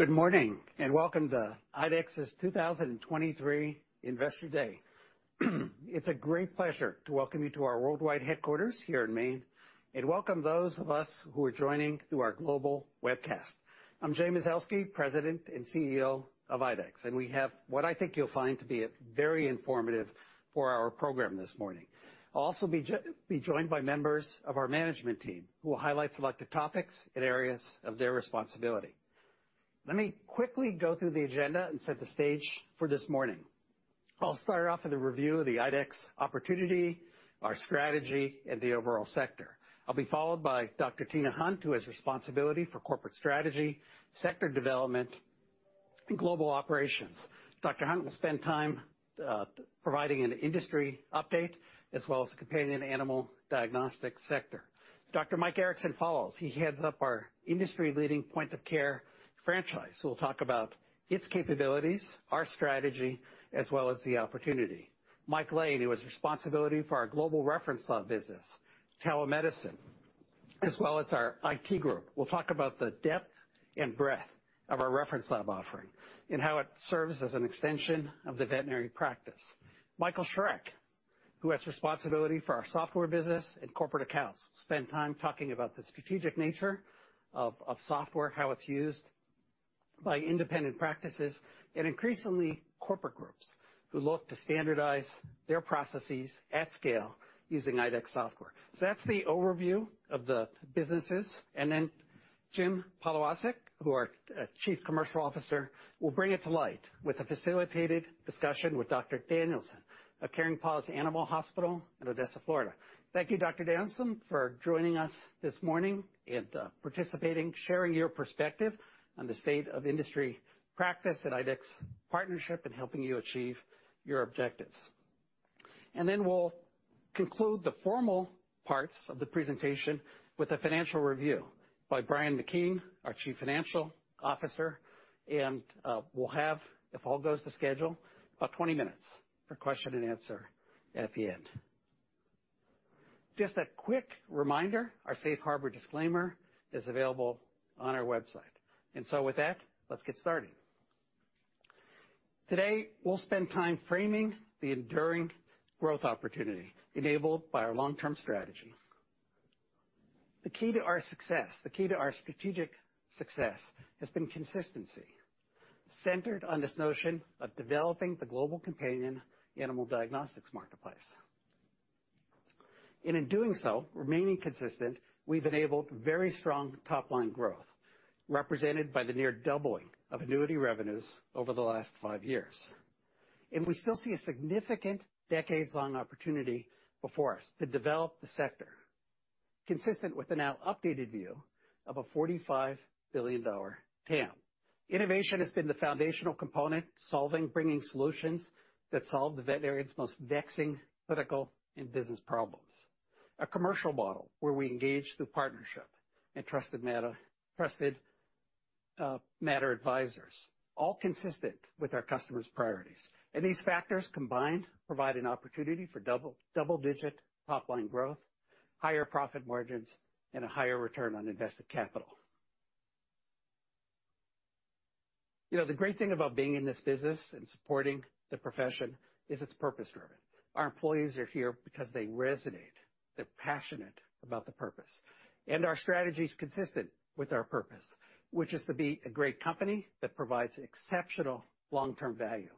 Good morning, and welcome to IDEXX's 2023 Investor Day. It's a great pleasure to welcome you to our worldwide headquarters here in Maine, and welcome those of us who are joining through our global webcast. I'm Jay Mazelsky, President and CEO of IDEXX, and we have what I think you'll find to be a very informative for our program this morning. I'll also be joined by members of our management team, who will highlight selected topics in areas of their responsibility. Let me quickly go through the agenda and set the stage for this morning. I'll start off with a review of the IDEXX opportunity, our strategy, and the overall sector. I'll be followed by Tina Hunt, who has responsibility for Strategy, Sector Development and Global Operations. Hunt will spend time providing an industry update, as well as the companion animal diagnostic sector. Dr. Mike Erickson follows. He heads up our industry-leading point of care franchise. We'll talk about its capabilities, our strategy, as well as the opportunity. Mike Lane, who has responsibility for our global reference lab business, telemedicine, as well as our IT group. We'll talk about the depth and breadth of our reference lab offering and how it serves as an extension of the veterinary practice. Michael Schreck, who has responsibility for our software business and corporate accounts, will spend time talking about the strategic nature of software, how it's used by independent practices and increasingly, corporate groups who look to standardize their processes at scale using IDEXX software. That's the overview of the businesses. Then Jim Polewaczyk, who our Chief Commercial Officer, will bring it to light with a facilitated discussion with Dr. Danielson of Caring Paws Animal Hospital in Odessa, Florida. Thank you, Dr. Danielson, for joining us this morning and participating, sharing your perspective on the state of industry practice at IDEXX partnership and helping you achieve your objectives. Then we'll conclude the formal parts of the presentation with a financial review by Brian McKeon, our Chief Financial Officer, and we'll have, if all goes to schedule, about 20 minutes for question and answer at the end. Just a quick reminder, our safe harbor disclaimer is available on our website. With that, let's get started. Today, we'll spend time framing the enduring growth opportunity enabled by our long-term strategy. The key to our success, the key to our strategic success, has been consistency, centered on this notion of developing the global companion animal diagnostics marketplace. In doing so, remaining consistent, we've enabled very strong top-line growth, represented by the near doubling of annuity revenues over the last five years. We still see a significant decades-long opportunity before us to develop the sector, consistent with the now updated view of a $45 billion TAM. Innovation has been the foundational component, solving, bringing solutions that solve the veterinarian's most vexing, critical, and business problems. A commercial model where we engage through partnership and trusted matter, trusted, matter advisors, all consistent with our customers' priorities. These factors, combined, provide an opportunity for double, double-digit top-line growth, higher profit margins, and a higher return on invested capital. You know, the great thing about being in this business and supporting the profession is it's purpose driven. Our employees are here because they resonate, they're passionate about the purpose. Our strategy is consistent with our purpose, which is to be a great company that provides exceptional long-term value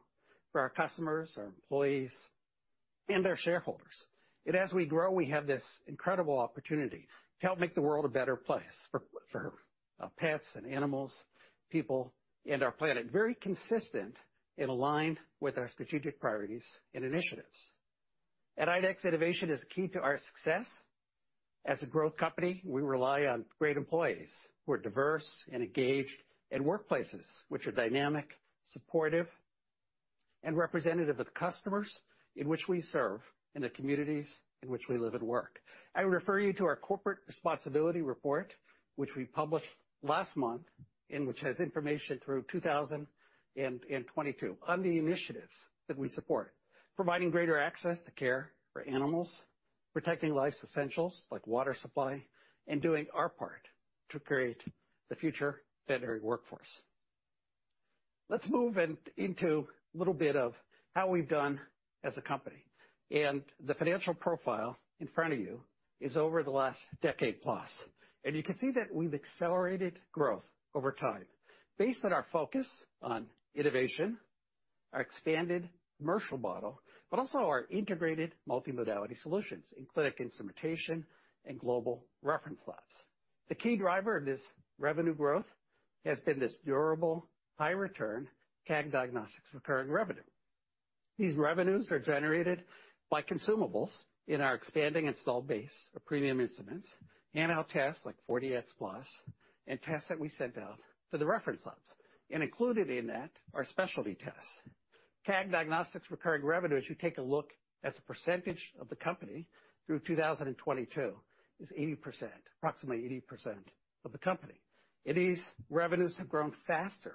for our customers, our employees, and our shareholders. As we grow, we have this incredible opportunity to help make the world a better place for, for pets and animals, people, and our planet. Very consistent and aligned with our strategic priorities and initiatives. At IDEXX, innovation is key to our success. As a growth company, we rely on great employees who are diverse and engaged in workplaces which are dynamic, supportive, and representative of the customers in which we serve in the communities in which we live and work. I refer you to our corporate responsibility report, which we published last month, which has information through 2022 on the initiatives that we support, providing greater access to care for animals, protecting life's essentials like water supply, doing our part to create the future veterinary workforce. Let's move into a little bit of how we've done as a company. The financial profile in front of you is over the last decade plus. You can see that we've accelerated growth over time based on our focus on innovation, our expanded commercial model, but also our integrated multimodality solutions in clinic instrumentation and global reference labs. The key driver of this revenue growth has been this durable, high return, CAG Diagnostics recurring revenue. These revenues are generated by consumables in our expanding installed base of premium instruments, panel tests like 4Dx Plus, and tests that we send out to the reference labs. Included in that, are specialty tests. CAG Diagnostics recurring revenue, as you take a look as a percentage of the company through 2022, is 80%, approximately 80% of the company. These revenues have grown faster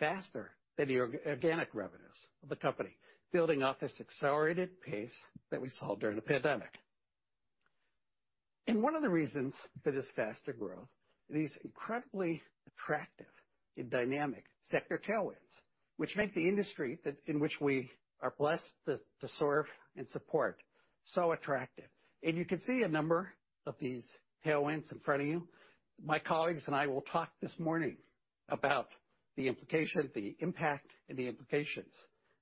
than the organic revenues of the company, building off this accelerated pace that we saw during the pandemic. One of the reasons for this faster growth, these incredibly attractive and dynamic sector tailwinds, which make the industry that, in which we are blessed to, to serve and support, so attractive. You can see a number of these tailwinds in front of you. My colleagues and I will talk this morning about the implication, the impact and the implications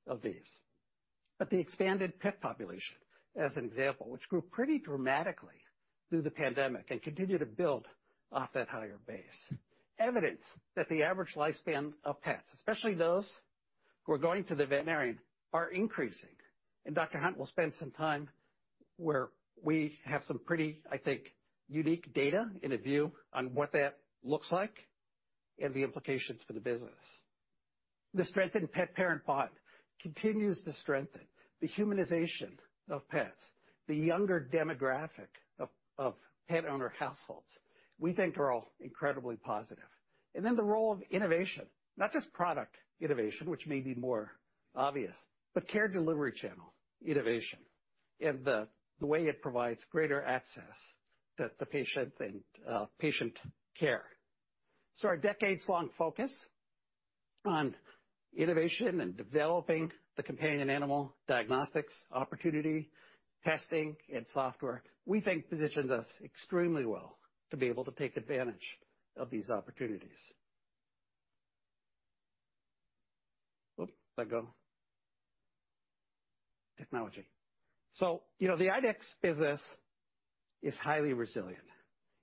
of these. The expanded pet population, as an example, which grew pretty dramatically through the pandemic and continued to build off that higher base. Evidence that the average lifespan of pets, especially those who are going to the veterinarian, are increasing, and Dr. Hunt will spend some time where we have some pretty, I think, unique data and a view on what that looks like and the implications for the business. The strengthened pet-parent bond continues to strengthen. The humanization of pets, the younger demographic of pet owner households, we think, are all incredibly positive. Then the role of innovation, not just product innovation, which may be more obvious, but care delivery channel innovation and the, the way it provides greater access to the patient and, patient care. Our decades-long focus on innovation and developing the companion animal diagnostics, opportunity, testing and software, we think, positions us extremely well to be able to take advantage of these opportunities. I go? Technology. You know, the IDEXX business is highly resilient,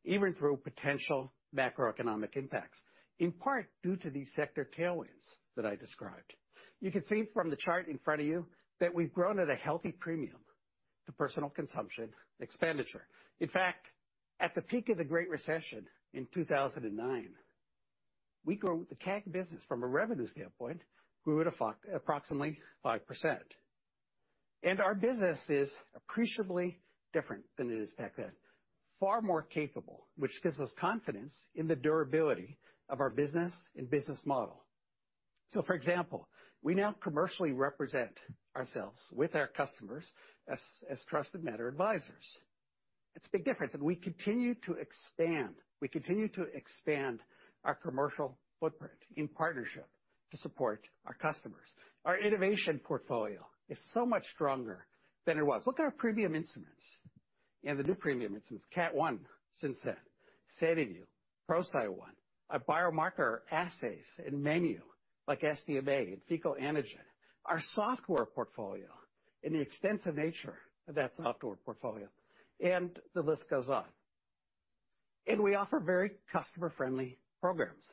even through potential macroeconomic impacts, in part due to these sector tailwinds that I described. You can see from the chart in front of you that we've grown at a healthy premium to personal consumption expenditure. In fact, at the peak of the Great Recession in 2009, we grew the CAG business from a revenue standpoint, grew at approximately 5%. Our business is appreciably different than it is back then, far more capable, which gives us confidence in the durability of our business and business model. For example, we now commercially represent ourselves with our customers as, as trusted matter advisors. It's a big difference, and we continue to expand. We continue to expand our commercial footprint in partnership to support our customers. Our innovation portfolio is so much stronger than it was. Look at our premium instruments and the new premium instruments, Cat One since then, SediVue, ProCyte One, our biomarker assays and menu, like SDMA and Fecal Antigen, our software portfolio and the extensive nature of that software portfolio, and the list goes on. We offer very customer-friendly programs,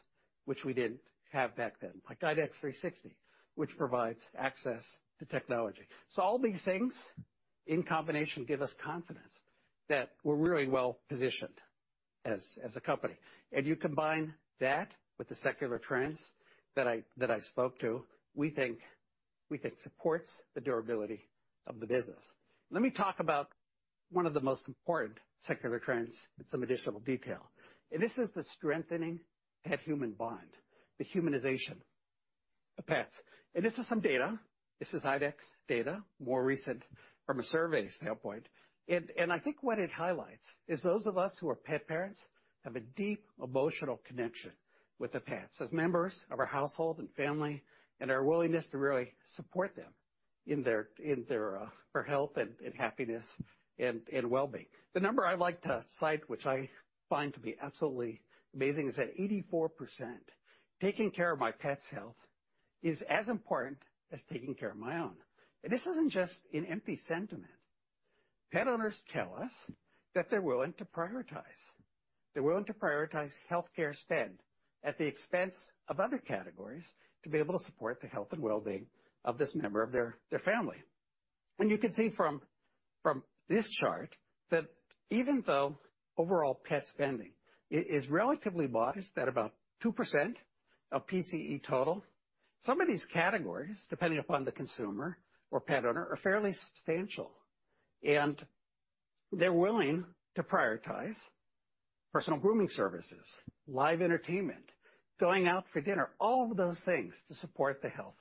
which we didn't have back then, like IDEXX 360, which provides access to technology. All these things in combination, give us confidence that we're really well-positioned as, as a company, and you combine that with the secular trends that I, that I spoke to, we think, we think supports the durability of the business. Let me talk about one of the most important secular trends in some additional detail, and this is the strengthening pet-human bond, the humanization of pets. This is some data. This is IDEXX data, more recent from a survey standpoint. And I think what it highlights is those of us who are pet parents have a deep emotional connection with the pets as members of our household and family, and our willingness to really support them in their, in their, for health and, and happiness and, and well-being. The number I like to cite, which I find to be absolutely amazing, is that 84%, "Taking care of my pet's health is as important as taking care of my own." This isn't just an empty sentiment. Pet owners tell us that they're willing to prioritize. They're willing to prioritize healthcare spend at the expense of other categories, to be able to support the health and well-being of this member of their, their family. You can see from, from this chart that even though overall pet spending is, is relatively modest at about 2% of PCE total, some of these categories, depending upon the consumer or pet owner, are fairly substantial. They're willing to prioritize personal grooming services, live entertainment, going out for dinner, all of those things, to support the health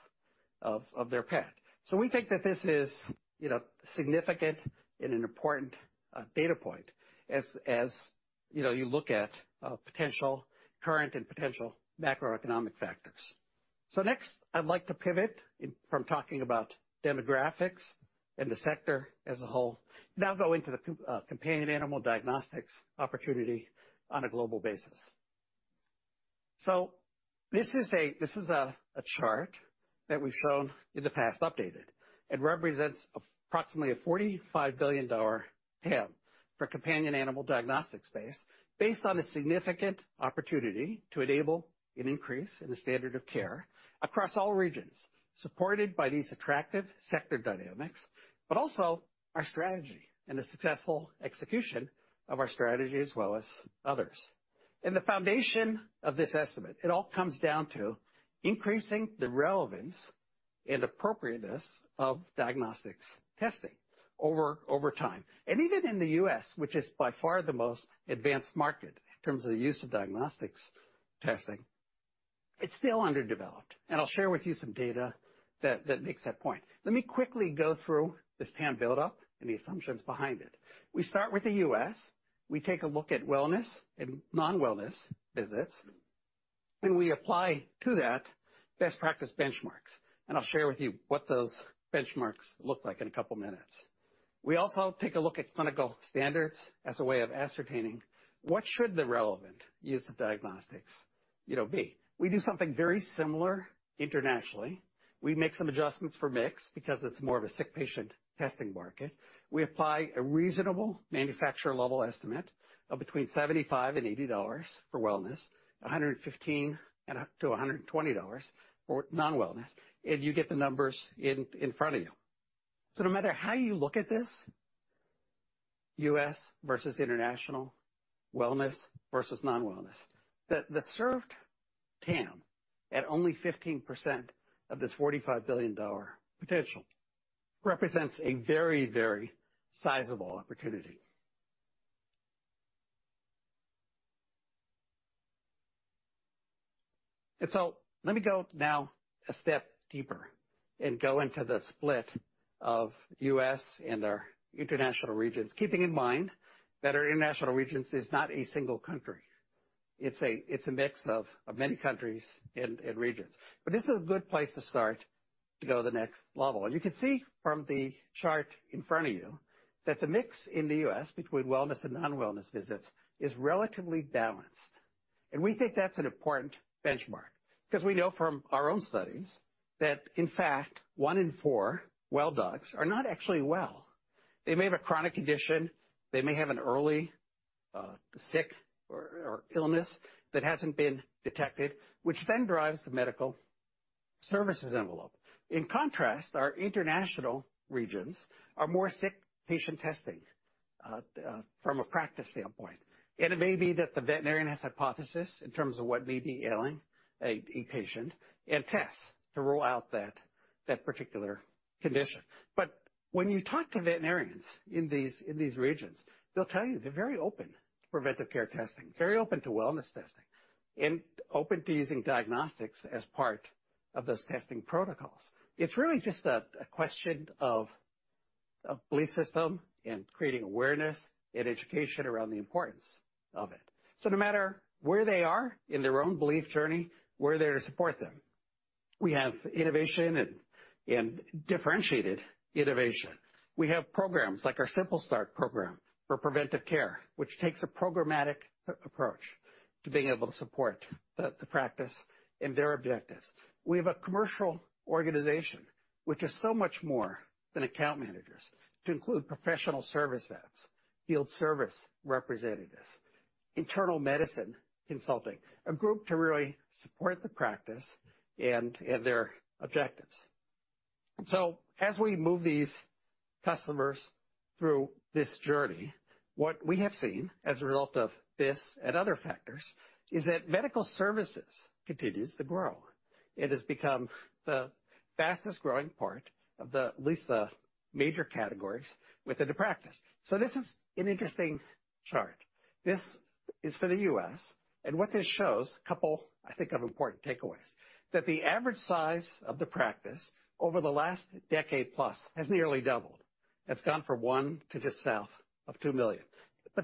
of, of their pet. We think that this is, you know, significant and an important data point, as you know, you look at current and potential macroeconomic factors. Next, I'd like to pivot from talking about demographics and the sector as a whole, now go into the companion animal diagnostics opportunity on a global basis. This is a chart that we've shown in the past, updated. It represents approximately a $45 billion TAM for companion animal diagnostic space based on a significant opportunity to enable an increase in the standard of care across all regions, supported by these attractive sector dynamics, but also our strategy and the successful execution of our strategy, as well as others. The foundation of this estimate, it all comes down to increasing the relevance and appropriateness of diagnostics testing over time. Even in the U.S., which is by far the most advanced market in terms of the use of diagnostics testing, it's still underdeveloped, and I'll share with you some data that, that makes that point. Let me quickly go through this TAM buildup and the assumptions behind it. We start with the U.S. We take a look at wellness and non-wellness visits, and we apply to that best practice benchmarks, and I'll share with you what those benchmarks look like in a couple of minutes. We also take a look at clinical standards as a way of ascertaining what should the relevant use of diagnostics, you know, be? We do something very similar internationally. We make some adjustments for mix because it's more of a sick patient testing market. We apply a reasonable manufacturer level estimate of between $75 and $80 for wellness, $115 and up to $120 for non-wellness, and you get the numbers in front of you. No matter how you look at this, U.S. versus international, wellness versus non-wellness, the served TAM at only 15% of this $45 billion potential represents a very, very sizable opportunity. Let me go now a step deeper and go into the split of U.S. and our international regions, keeping in mind that our international regions is not a single country. It's a mix of many countries and regions. This is a good place to start to go to the next level. You can see from the chart in front of you that the mix in the U.S. between wellness and non-wellness visits is relatively balanced. We think that's an important benchmark because we know from our own studies that, in fact, one in four well dogs are not actually well. They may have a chronic condition, they may have an early sick or illness that hasn't been detected, which then drives the medical services envelope. In contrast, our international regions are more sick patient testing from a practice standpoint. It may be that the veterinarian has hypothesis in terms of what may be ailing a patient and tests to rule out that particular condition. When you talk to veterinarians in these, in these regions, they'll tell you they're very open to preventive care testing, very open to wellness testing, and open to using diagnostics as part of those testing protocols. It's really just a question of a belief system and creating awareness and education around the importance of it. No matter where they are in their own belief journey, we're there to support them. We have innovation and differentiated innovation. We have programs like our Simple Start program for Preventive Care, which takes a programmatic approach to being able to support the practice and their objectives. We have a commercial organization, which is so much more than account managers to include professional service vets, field service representatives, internal medicine consulting, a group to really support the practice and their objectives. As we move these customers through this journey, what we have seen as a result of this and other factors, is that medical services continues to grow. It has become the fastest-growing part of the, at least the major categories within the practice. This is an interesting chart. This is for the U.S., and what this shows, a couple, I think, of important takeaways, that the average size of the practice over the last decade plus has nearly doubled. It's gone from $1 million to just south of $2 million.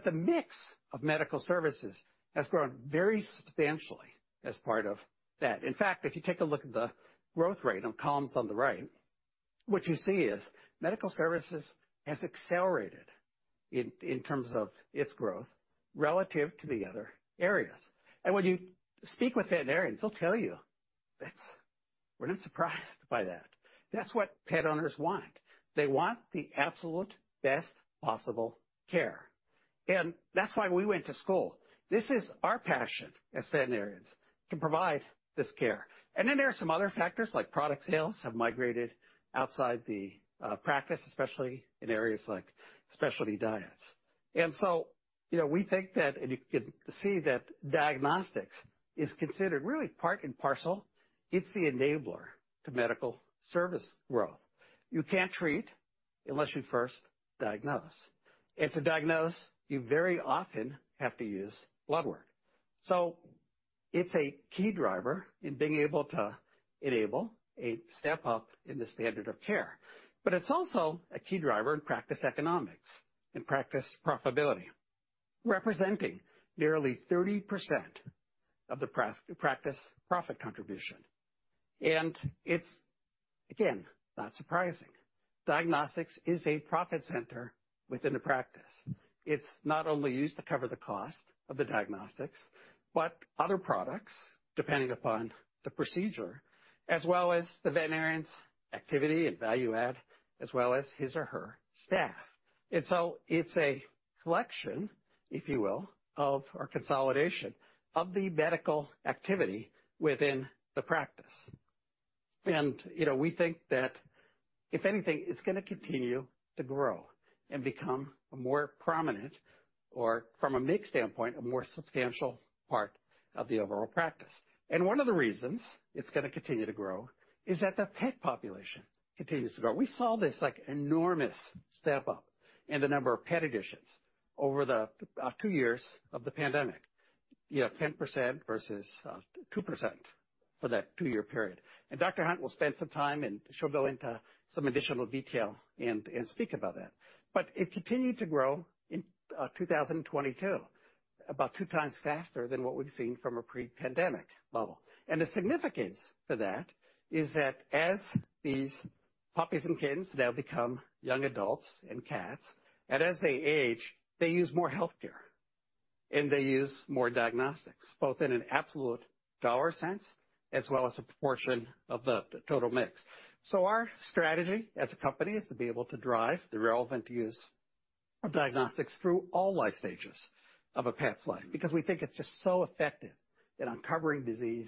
The mix of medical services has grown very substantially as part of that. In fact, if you take a look at the growth rate on columns on the right, what you see is medical services has accelerated in, in terms of its growth relative to the other areas. When you speak with veterinarians, they'll tell you, "That's, we're not surprised by that". That's what pet owners want. They want the absolute best possible care, and that's why we went to school. This is our passion as veterinarians, to provide this care. Then there are some other factors, like product sales, have migrated outside the practice, especially in areas like specialty diets. So, you know, we think that, and you can see that diagnostics is considered really part and parcel. It's the enabler to medical service growth. You can't treat unless you first diagnose. To diagnose, you very often have to use blood work. So it's a key driver in being able to enable a step up in the standard of care. It's also a key driver in practice economics and practice profitability, representing nearly 30% of the practice, profit contribution. It's, again, not surprising. Diagnostics is a profit center within the practice. It's not only used to cover the cost of the diagnostics, but other products, depending upon the procedure, as well as the veterinarian's activity and value add, as well as his or her staff. So it's a collection, if you will, of our consolidation of the medical activity within the practice. You know, we think if anything, it's going to continue to grow and become more prominent, or from a mix standpoint, a more substantial part of the overall practice. One of the reasons it's going to continue to grow is that the pet population continues to grow. We saw this, like, enormous step up in the number of pet additions over the two years of the pandemic. You have 10% versus 2% for that two-year period. Dr. Hunt will spend some time. She'll go into some additional detail and speak about that. It continued to grow in 2022, about 2x faster than what we've seen from a pre-pandemic level. The significance to that is that as these puppies and kittens, they'll become young adults and cats, and as they age, they use more healthcare and they use more diagnostics, both in an absolute dollar sense as well as a portion of the total mix. Our strategy as a company is to be able to drive the relevant use of diagnostics through all life stages of a pet's life, because we think it's just so effective in uncovering disease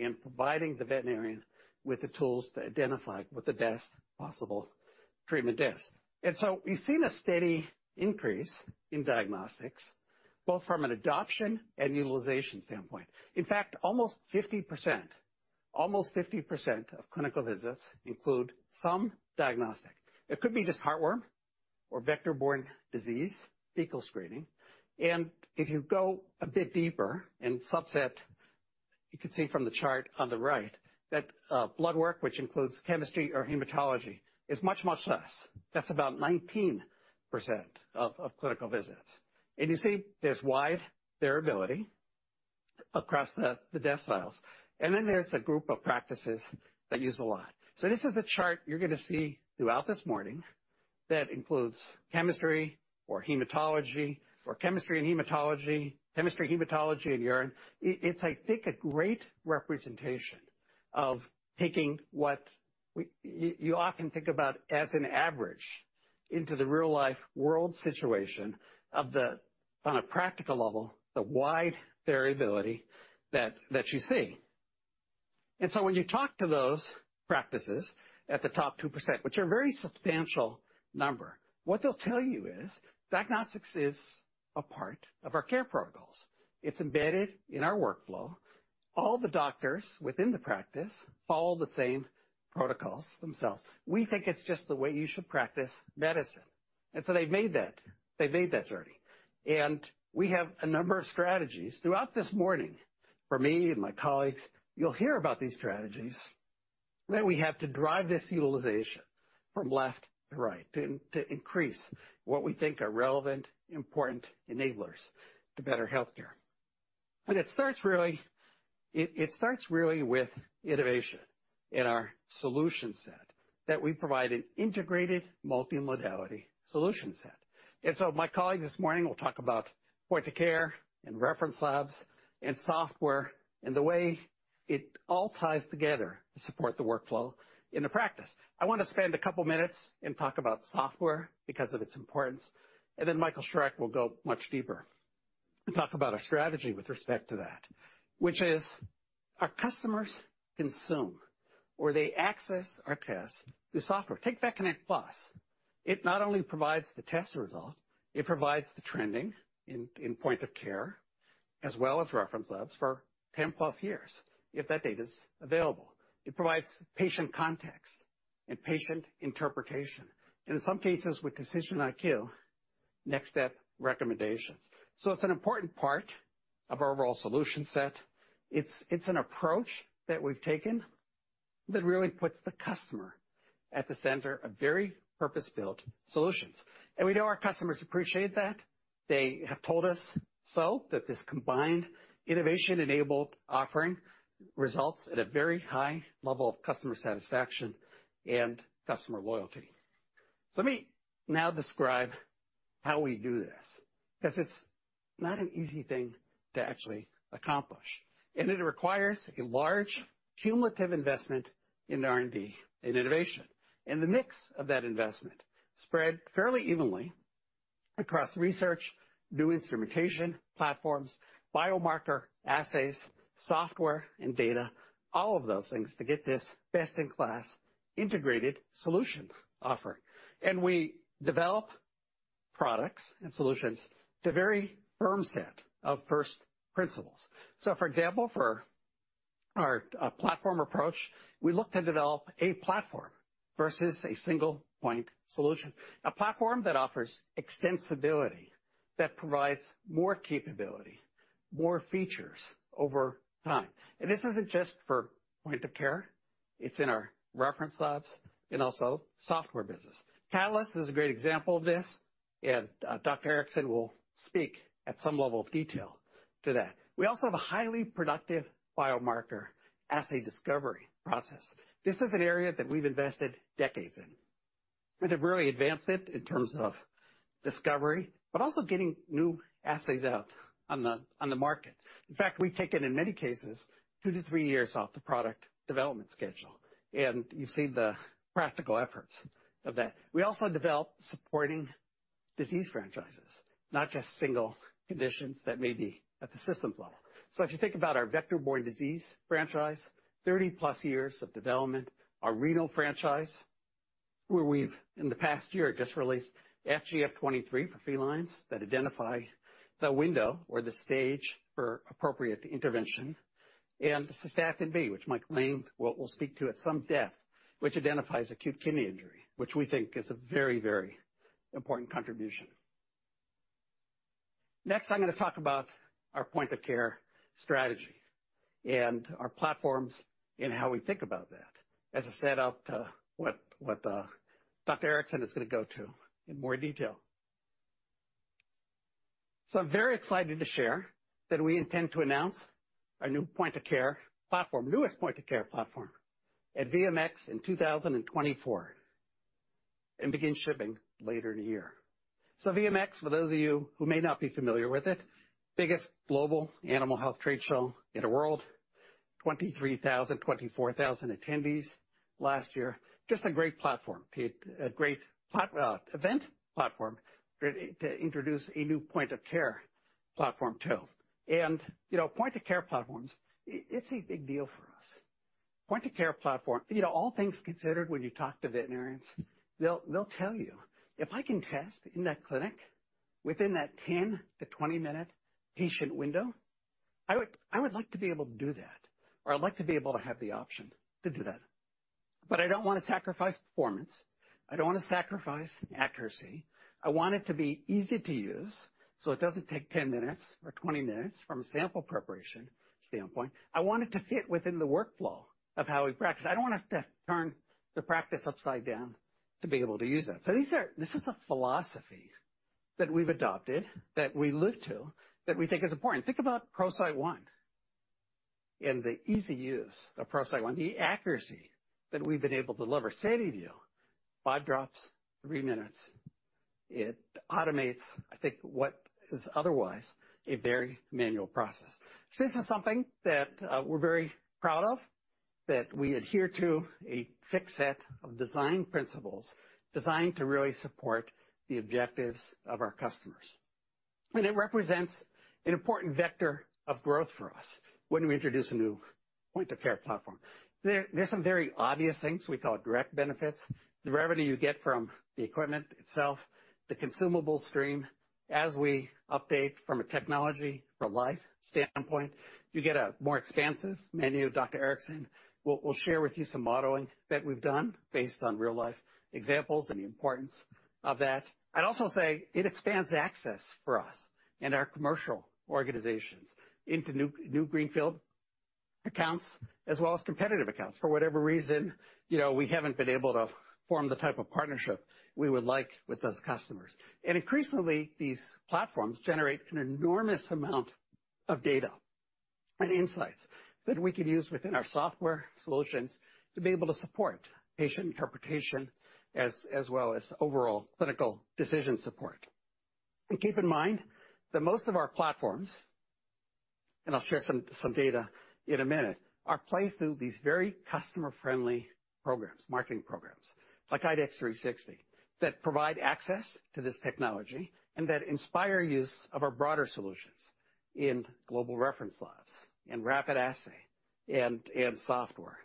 and providing the veterinarian with the tools to identify what the best possible treatment is. We've seen a steady increase in diagnostics, both from an adoption and utilization standpoint. In fact, almost 50%, almost 50% of clinical visits include some diagnostic. It could be just heartworm or vector-borne disease, fecal screening. If you go a bit deeper in subset, you can see from the chart on the right that blood work, which includes chemistry or hematology, is much, much less. That's about 19% of clinical visits. You see there's wide variability across the deciles, and then there's a group of practices that use a lot. This is a chart you're going to see throughout this morning that includes chemistry or hematology, or chemistry and hematology, chemistry, hematology, and urine. It, it's, I think, a great representation of taking what you, you often think about as an average into the real-life world situation of the, on a practical level, the wide variability that, that you see. So when you talk to those practices at the top 2%, which are a very substantial number, what they'll tell you is diagnostics is a part of our care protocols. It's embedded in our workflow. All the doctors within the practice follow the same protocols themselves. We think it's just the way you should practice medicine. So they've made that, they've made that journey, and we have a number of strategies throughout this morning for me and my colleagues. You'll hear about these strategies, that we have to drive this utilization from left to right, to, to increase what we think are relevant, important enablers to better healthcare. It starts really with innovation in our solution set, that we provide an integrated multimodality solution set. My colleague this morning will talk about point of care and reference labs and software, and the way it all ties together to support the workflow in a practice. I want to spend a couple of minutes and talk about software because of its importance, and then Michael Schreck will go much deeper and talk about our strategy with respect to that, which is our customers consume or they access our tests through software. Take VetConnect PLUS. It not only provides the test result, it provides the trending in point of care, as well as reference labs for 10+ years, if that data is available. It provides patient context and patient interpretation, and in some cases, with IDEXX DecisionIQ, next step recommendations. It's an important part of our overall solution set. It's an approach that we've taken that really puts the customer at the center of very purpose-built solutions. We know our customers appreciate that. They have told us so, that this combined innovation-enabled offering results at a very high level of customer satisfaction and customer loyalty. Let me now describe how we do this, because it's not an easy thing to actually accomplish, and it requires a large cumulative investment in R&D and innovation. The mix of that investment spread fairly evenly across research, new instrumentation, platforms, biomarker, assays, software and data, all of those things to get this best-in-class integrated solution offering. We develop products and solutions to a very firm set of first principles. For example, for our, platform approach, we look to develop a platform versus a single-point solution. A platform that offers extensibility, that provides more capability, more features over time. This isn't just for point of care, it's in our reference labs and also software business. Catalyst is a great example of this, and Dr. Erickson will speak at some level of detail to that. We also have a highly productive biomarker assay discovery process. This is an area that we've invested decades in, and have really advanced it in terms of discovery, but also getting new assays out on the, on the market. In fact, we've taken, in many cases, two to three years off the product development schedule, and you've seen the practical efforts of that. We also developed supporting disease franchises, not just single conditions that may be at the system level. If you think about our vector-borne disease franchise, 30+ years of development, our renal franchise, where we've, in the past year, just released FGF-23 for felines that identify the window or the stage for appropriate intervention, and Cystatin B, which Mike Lane will, will speak to at some depth, which identifies acute kidney injury, which we think is a very, very important contribution. Next, I'm going to talk about our point of care strategy and our platforms and how we think about that as a set up to what, what Dr. Erickson is going to go to in more detail. I'm very excited to share that we intend to announce our new point of care platform, newest point of care platform, at VMX in 2024 and begin shipping later in the year. VMX, for those of you who may not be familiar with it, biggest global animal health trade show in the world. 23,000-24,000 attendees last year. Just a great platform, a great event platform to introduce a new point of care platform, too. You know, point of care platforms, it's a big deal for us. Point of care platform, you know, all things considered, when you talk to veterinarians, they'll, they'll tell you, "If I can test in that clinic within that 10-20-minute patient window, I would, I would like to be able to do that, or I'd like to be able to have the option to do that. I don't want to sacrifice performance. I don't want to sacrifice accuracy. I want it to be easy to use, so it doesn't take 10 minutes or 20 minutes from a sample preparation standpoint. I want it to fit within the workflow of how we practice. I don't want to have to turn the practice upside down to be able to use that. This is a philosophy that we've adopted, that we live to, that we think is important. Think about ProCyte One and the easy use of ProCyte One, the accuracy that we've been able to deliver. SediVue, five drops, three minutes. It automates, I think, what is otherwise a very manual process. This is something that we're very proud of, that we adhere to a fixed set of design principles designed to really support the objectives of our customers. It represents an important vector of growth for us when we introduce a new point-of-care platform. There are some very obvious things we call direct benefits. The revenue you get from the equipment itself, the consumable stream. As we update from a Technology for Life standpoint, you get a more expansive menu. Dr. Erickson will share with you some modeling that we've done based on real-life examples and the importance of that. I'd also say it expands access for us and our commercial organizations into new greenfield accounts, as well as competitive accounts. For whatever reason, you know, we haven't been able to form the type of partnership we would like with those customers. Increasingly, these platforms generate an enormous amount of data and insights that we can use within our software solutions to be able to support patient interpretation as well as overall clinical decision support. Keep in mind that most of our platforms, and I'll share some data in a minute, are placed through these very customer-friendly programs, marketing programs, like IDEXX 360, that provide access to this technology and that inspire use of our broader solutions in global reference laboratories, in rapid assay and software.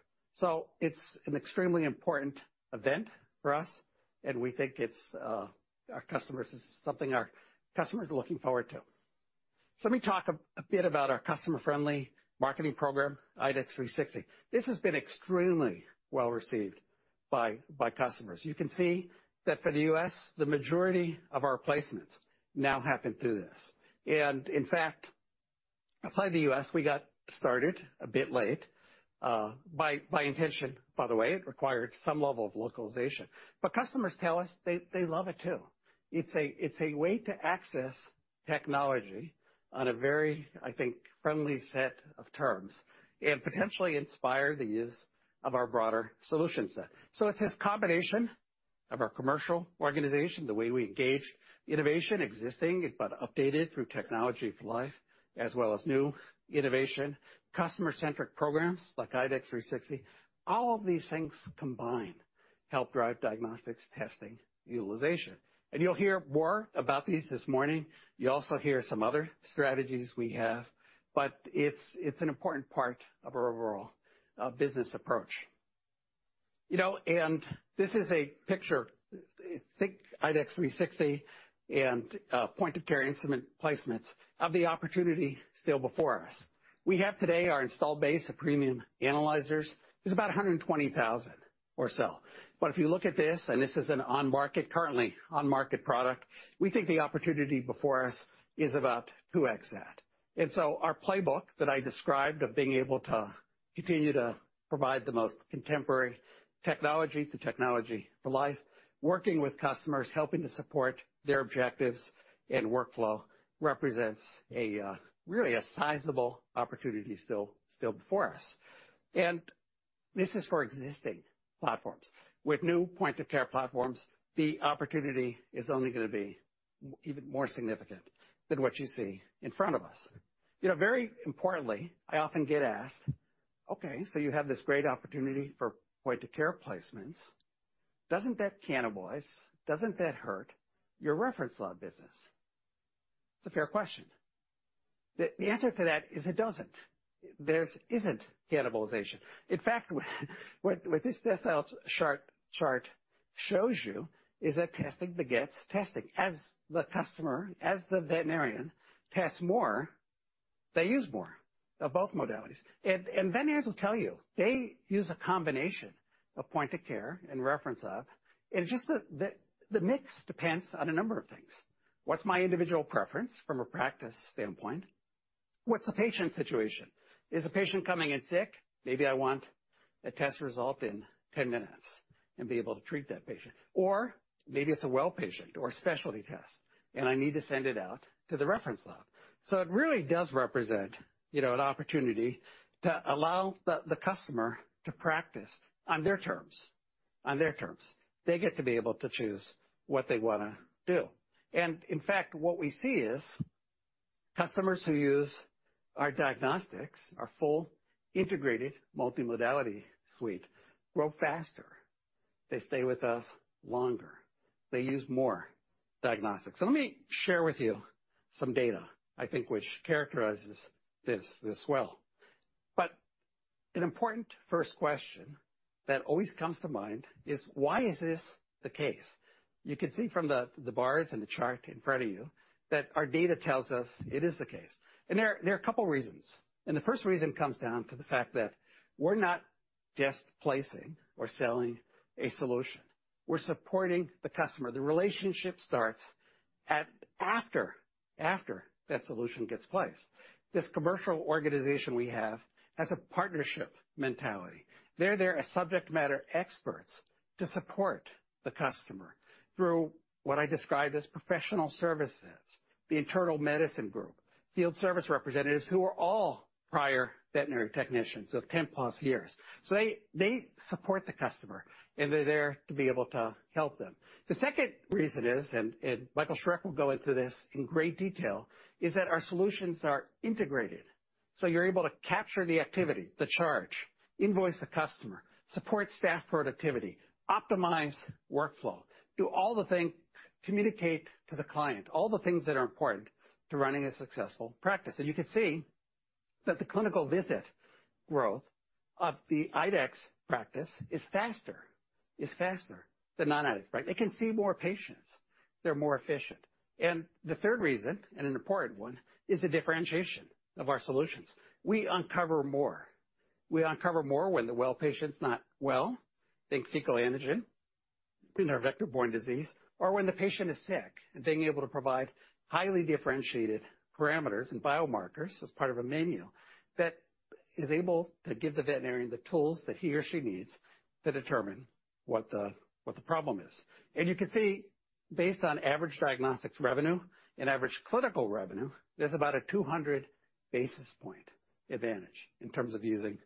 It's an extremely important event for us, and we think it's our customers. It's something our customers are looking forward to. Let me talk a bit about our customer-friendly marketing program, IDEXX 360. This has been extremely well received by customers. You can see that for the U.S., the majority of our placements now happen through this. In fact, outside the U.S., we got started a bit late, by, by intention, by the way, it required some level of localization. Customers tell us they, they love it, too. It's a, it's a way to access technology on a very, I think, friendly set of terms and potentially inspire the use of our broader solution set. It's this combination of our commercial organization, the way we engage innovation, existing, but updated through Technology for Life, as well as new innovation, customer-centric programs like IDEXX 360. All of these things combined help drive diagnostics, testing, utilization. You'll hear more about these this morning. You'll also hear some other strategies we have, but it's, it's an important part of our overall, business approach. You know, this is a picture, think IDEXX 360 and point of care instrument placements of the opportunity still before us. We have today our installed base of premium analyzers. It's about 120,000 or so. If you look at this, and this is an on-market, currently on-market product, we think the opportunity before us is about 2x that. Our playbook that I described of being able to continue to provide the most contemporary technology to Technology for Life, working with customers, helping to support their objectives and workflow, represents a really a sizable opportunity still, still before us. This is for existing platforms. With new point of care platforms, the opportunity is only going to be even more significant than what you see in front of us. You know, very importantly, I often get asked. Okay, you have this great opportunity for point-of-care placements. Doesn't that cannibalize, doesn't that hurt your reference lab business? It's a fair question. The answer to that is, it doesn't. There's isn't cannibalization. In fact, this last chart shows you is that testing begets testing. As the customer, as the veterinarian tests more, they use more of both modalities. Veterinarians will tell you, they use a combination of point of care and reference lab. Just the mix depends on a number of things. What's my individual preference from a practice standpoint? What's the patient's situation? Is the patient coming in sick? Maybe I want a test result in 10 minutes and be able to treat that patient. Maybe it's a well patient or a specialty test, and I need to send it out to the reference lab. It really does represent, you know, an opportunity to allow the, the customer to practice on their terms, on their terms. They get to be able to choose what they wanna do. In fact, what we see is, customers who use our diagnostics, our full integrated multimodality suite, grow faster, they stay with us longer, they use more diagnostics. Let me share with you some data, I think, which characterizes this, this well. An important first question that always comes to mind is, why is this the case? You can see from the, the bars and the chart in front of you, that our data tells us it is the case. There are, there are a couple reasons, and the first reason comes down to the fact that we're not just placing or selling a solution, we're supporting the customer. The relationship starts at after, after that solution gets placed. This commercial organization we have has a partnership mentality. They're there as subject matter experts to support the customer through what I describe as professional services, the internal medicine group, field service representatives, who are all prior veterinary technicians of 10+ years. They, they support the customer, and they're there to be able to help them. The second reason is, and Michael Schreck will go into this in great detail, is that our solutions are integrated, so you're able to capture the activity, the charge, invoice the customer, support staff productivity, optimize workflow, do all the things, communicate to the client, all the things that are important to running a successful practice. You can see that the clinical visit growth of the IDEXX practice is faster, is faster than non-IDEXX, right? They can see more patients. They're more efficient. The third reason, and an important one, is the differentiation of our solutions. We uncover more. We uncover more when the well patient's not well, think fecal antigen in our vector-borne disease, or when the patient is sick, and being able to provide highly differentiated parameters and biomarkers as part of a menu that is able to give the veterinarian the tools that he or she needs to determine what the problem is. You can see, based on average diagnostics revenue and average clinical revenue, there's about a 200-basis point advantage in terms of using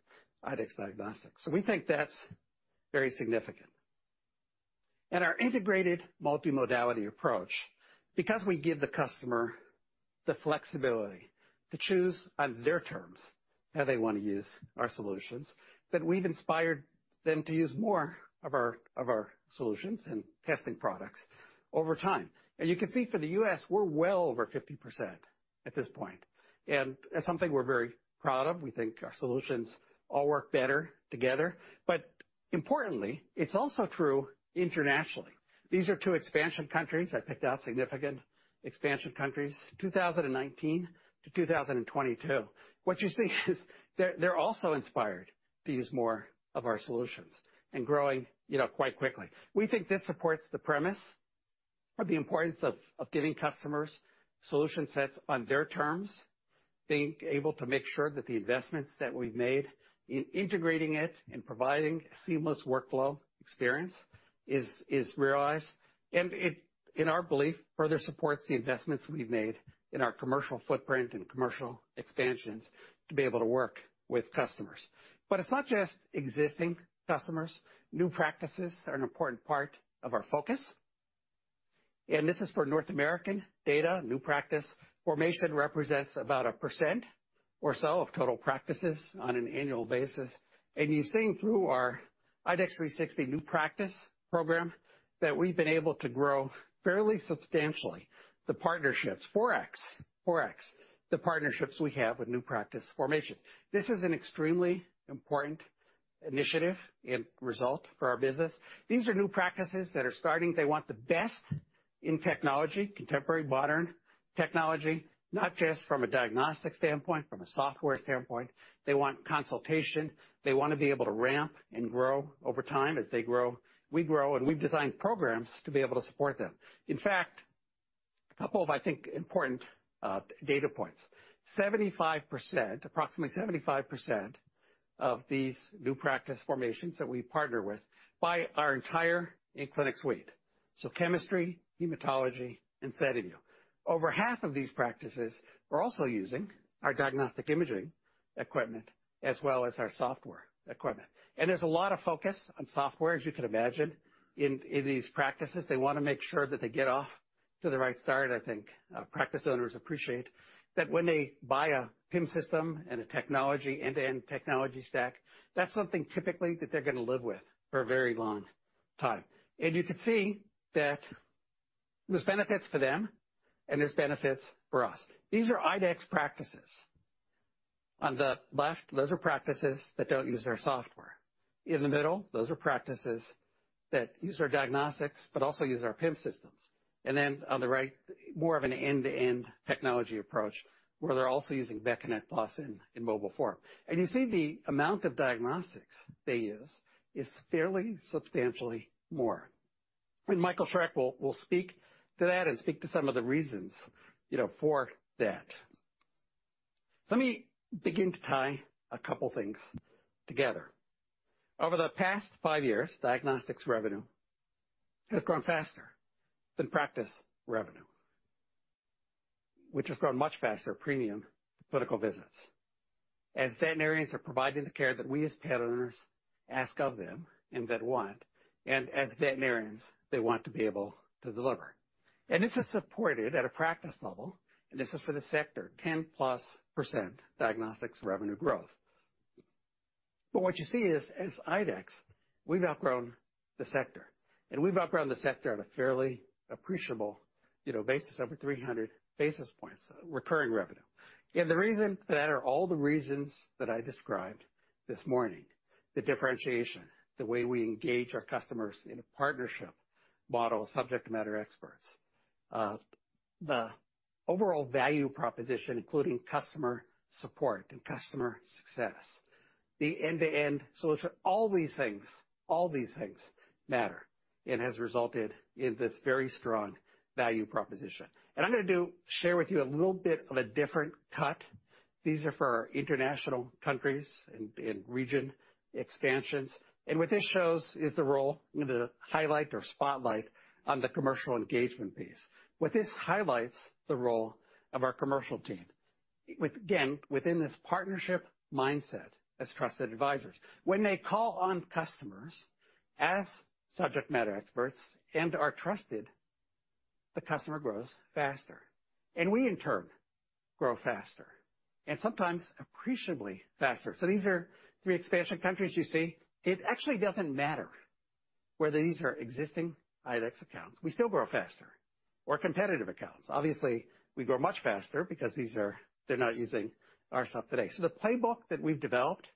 IDEXX Diagnostics. We think that's very significant. Our integrated multimodality approach, because we give the customer the flexibility to choose on their terms how they want to use our solutions, that we've inspired them to use more of our, of our solutions and testing products over time. You can see for the U.S., we're well over 50% at this point, and that's something we're very proud of. We think our solutions all work better together. Importantly, it's also true internationally. These are two expansion countries. I picked out significant expansion countries, 2019 to 2022. What you see is they're, they're also inspired to use more of our solutions and growing, you know, quite quickly. We think this supports the premise of the importance of giving customers solution sets on their terms, being able to make sure that the investments that we've made in integrating it and providing seamless workflow experience is realized. In our belief, further supports the investments we've made in our commercial footprint and commercial expansions to be able to work with customers. It's not just existing customers. New practices are an important part of our focus. This is for North American data. New practice formation represents about 1% or so of total practices on an annual basis. You're seeing through our IDEXX 360 new practice program, that we've been able to grow fairly substantially. The partnerships, 4x, 4x, the partnerships we have with new practice formations. This is an extremely important initiative and result for our business. These are new practices that are starting. They want the best in technology, contemporary, modern technology, not just from a diagnostic standpoint, from a software standpoint. They want consultation. They want to be able to ramp and grow over time. As they grow, we grow, and we've designed programs to be able to support them. In fact, a couple of, I think, important data points. 75%, approximately 75% of these new practice formations that we partner with, buy our entire in-clinic suite, so chemistry, hematology, and SediVue. Over half of these practices are also using our diagnostic imaging equipment as well as our software equipment. There's a lot of focus on software, as you can imagine, in these practices. They want to make sure that they get off to the right start. I think practice owners appreciate that when they buy a PIM system and a technology, end-to-end technology stack, that's something typically that they're going to live with for a very long time. You can see that there's benefits to them and there's benefits for us. These are IDEXX practices. On the left, those are practices that don't use our software. In the middle, those are practices that use our diagnostics, but also use our PIM systems. Then on the right, more of an end-to-end technology approach, where they're also using VetConnect PLUS in, in mobile form. You see the amount of diagnostics they use is fairly substantially more. Michael Schreck will, will speak to that and speak to some of the reasons, you know, for that. Let me begin to tie a couple things together. Over the past five years, diagnostics revenue has grown faster than practice revenue, which has grown much faster, premium to clinical visits. As veterinarians are providing the care that we, as pet owners, ask of them and that want, and as veterinarians, they want to be able to deliver. This is supported at a practice level, and this is for the sector, 10+% diagnostics revenue growth. What you see is, as IDEXX, we've outgrown the sector, and we've outgrown the sector at a fairly appreciable, you know, basis, over 300 basis points, recurring revenue. The reason for that are all the reasons that I described this morning, the differentiation, the way we engage our customers in a partnership model, subject matter experts, the overall value proposition, including customer support and customer success, the end-to-end solution. All these things, all these things matter and has resulted in this very strong value proposition. I'm going to share with you a little bit of a different cut. These are for our international countries and, and region expansions. What this shows is the role, I'm going to highlight or spotlight on the commercial engagement piece. What this highlights, the role of our commercial team, with, again, within this partnership mindset as trusted advisors. When they call on customers as subject matter experts and are trusted, the customer grows faster, and we, in turn, grow faster, and sometimes appreciably faster. These are three expansion countries you see. It actually doesn't matter whether these are existing IDEXX accounts. We still grow faster. Or competitive accounts. Obviously, we grow much faster because these are, they're not using our stuff today. The playbook that we've developed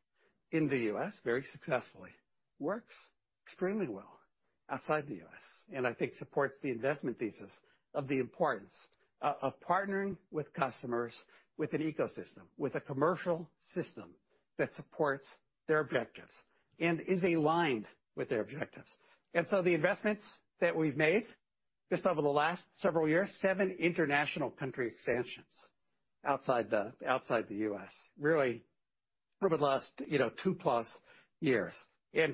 in the U.S. very successfully works extremely well outside the U.S., and I think supports the investment thesis of the importance of partnering with customers, with an ecosystem, with a commercial system that supports their objectives and is aligned with their objectives. The investments that we've made, just over the last several years, seven international country expansions outside the, outside the U.S., really over the last, you know, two-plus years.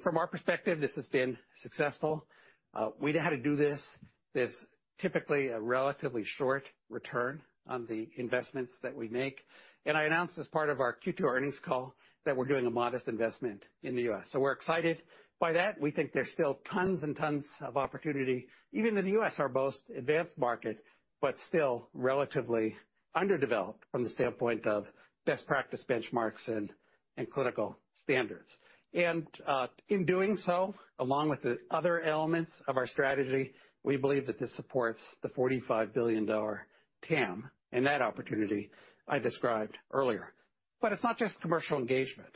From our perspective, this has been successful. We know how to do this. There's typically a relatively short return on the investments that we make. I announced as part of our Q2 earnings call that we're doing a modest investment in the U.S. We're excited by that. We think there's still tons and tons of opportunity, even in the U.S., our most advanced market, but still relatively underdeveloped from the standpoint of best practice benchmarks and, and clinical standards. In doing so, along with the other elements of our strategy, we believe that this supports the $45 billion TAM and that opportunity I described earlier. It's not just commercial engagement.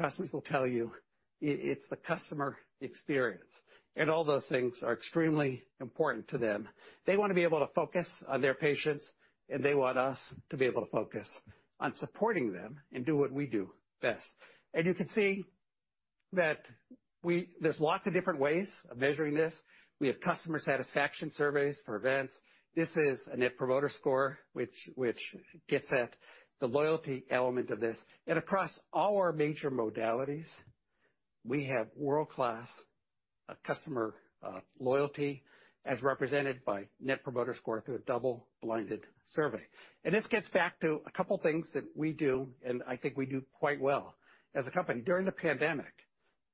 Customers will tell you it, it's the customer experience, and all those things are extremely important to them. They want to be able to focus on their patients, and they want us to be able to focus on supporting them and do what we do best. You can see that we - there's lots of different ways of measuring this. We have customer satisfaction surveys for events. This is a Net Promoter Score, which, which gets at the loyalty element of this. Across all our major modalities, we have world-class customer loyalty, as represented by Net Promoter Score through a double-blinded survey. This gets back to a couple of things that we do, and I think we do quite well. As a company, during the pandemic,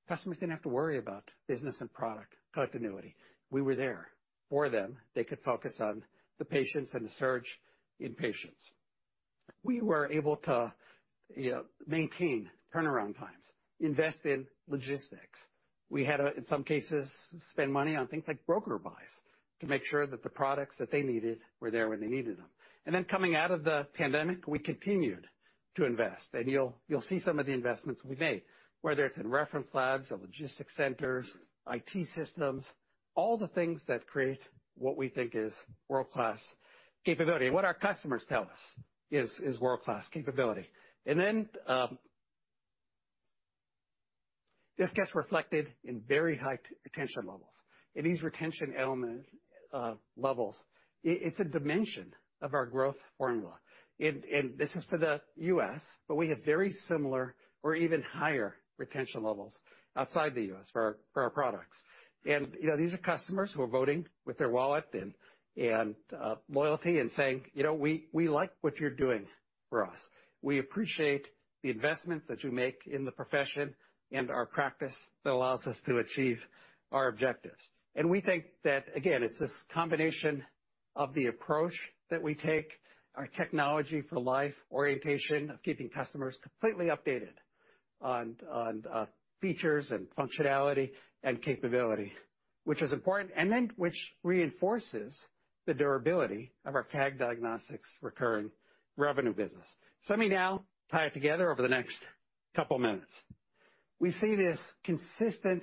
customers didn't have to worry about business and product continuity. We were there for them. They could focus on the patients and the surge in patients. We were able to, you know, maintain turnaround times, invest in logistics. We had in some cases, spend money on things like broker buys to make sure that the products that they needed were there when they needed them. Coming out of the pandemic, we continued to invest, and you'll see some of the investments we made, whether it's in reference labs or logistics centers, IT systems, all the things that create what we think is world-class capability, and what our customers tell us is world-class capability. This gets reflected in very high retention levels. These retention levels, it's a dimension of our growth formula. This is for the U.S., but we have very similar or even higher retention levels outside the U.S. for our products. You know, these are customers who are voting with their wallet and loyalty and saying, "You know, we like what you're doing for us. We appreciate the investments that you make in the profession and our practice that allows us to achieve our objectives. We think that, again, it's this combination of the approach that we take, our Technology for Life, orientation of keeping customers completely updated on, on features and functionality and capability, which is important, and then which reinforces the durability of our CAG Diagnostics recurring revenue business. Let me now tie it together over the next couple minutes. We see this consistent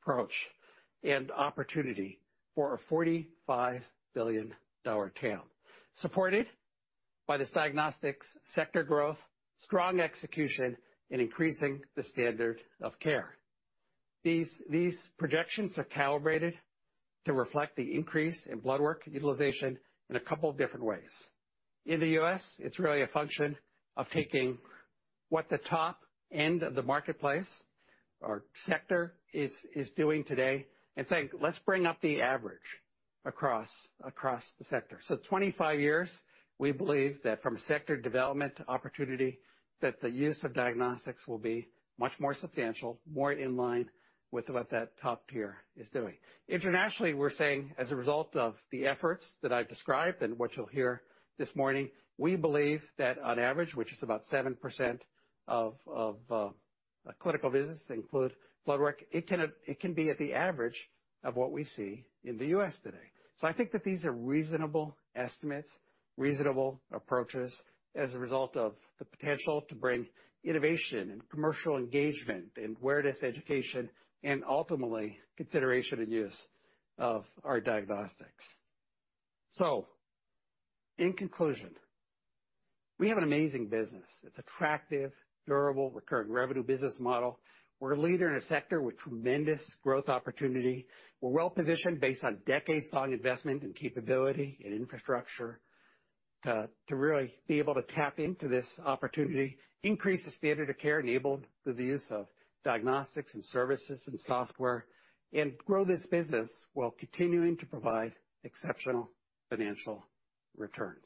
approach and opportunity for a $45 billion TAM, supported by this diagnostics sector growth, strong execution, and increasing the standard of care. These, these projections are calibrated to reflect the increase in blood work utilization in a couple of different ways. In the U.S., it's really a function of taking what the top end of the marketplace or sector is doing today and saying, "Let's bring up the average across the sector." 25 years, we believe that from a sector development opportunity, that the use of diagnostics will be much more substantial, more in line with what that top tier is doing. Internationally, we're saying, as a result of the efforts that I've described and what you'll hear this morning, we believe that on average, which is about 7% of clinical business include blood work, it can be at the average of what we see in the U.S. today. I think that these are reasonable estimates, reasonable approaches as a result of the potential to bring innovation and commercial engagement and awareness, education, and ultimately, consideration and use of our diagnostics. In conclusion, we have an amazing business. It's attractive, durable, recurring revenue business model. We're a leader in a sector with tremendous growth opportunity. We're well-positioned, based on decades-long investment and capability and infrastructure, to really be able to tap into this opportunity, increase the standard of care enabled through the use of diagnostics and services and software, and grow this business while continuing to provide exceptional financial returns.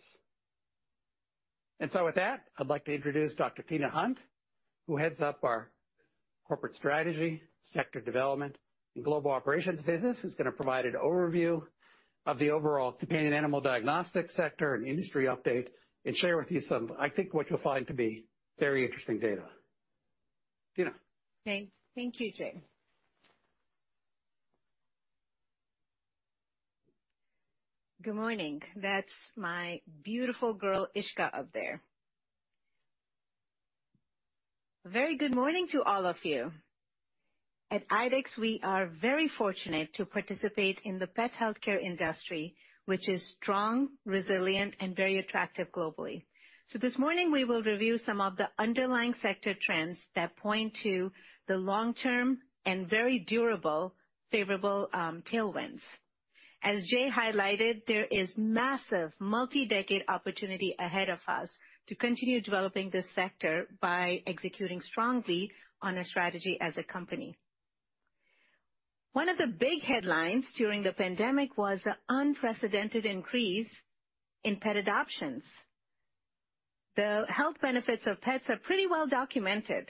With that, I'd like to introduce Dr. Tina Hunt, who heads up our corporate strategy, sector development, and global operations business, who's gonna provide an overview of the overall companion animal diagnostics sector and industry update, and share with you some, I think, what you'll find to be very interesting data. Tina? Thanks. Thank you, Jay. Good morning. That's my beautiful girl, Ishka, up there. Very good morning to all of you. At IDEXX, we are very fortunate to participate in the pet healthcare industry, which is strong, resilient, and very attractive globally. This morning, we will review some of the underlying sector trends that point to the long-term and very durable, favorable tailwinds. As Jay highlighted, there is massive multi-decade opportunity ahead of us to continue developing this sector by executing strongly on our strategy as a company. One of the big headlines during the pandemic was the unprecedented increase in pet adoptions. The health benefits of pets are pretty well documented,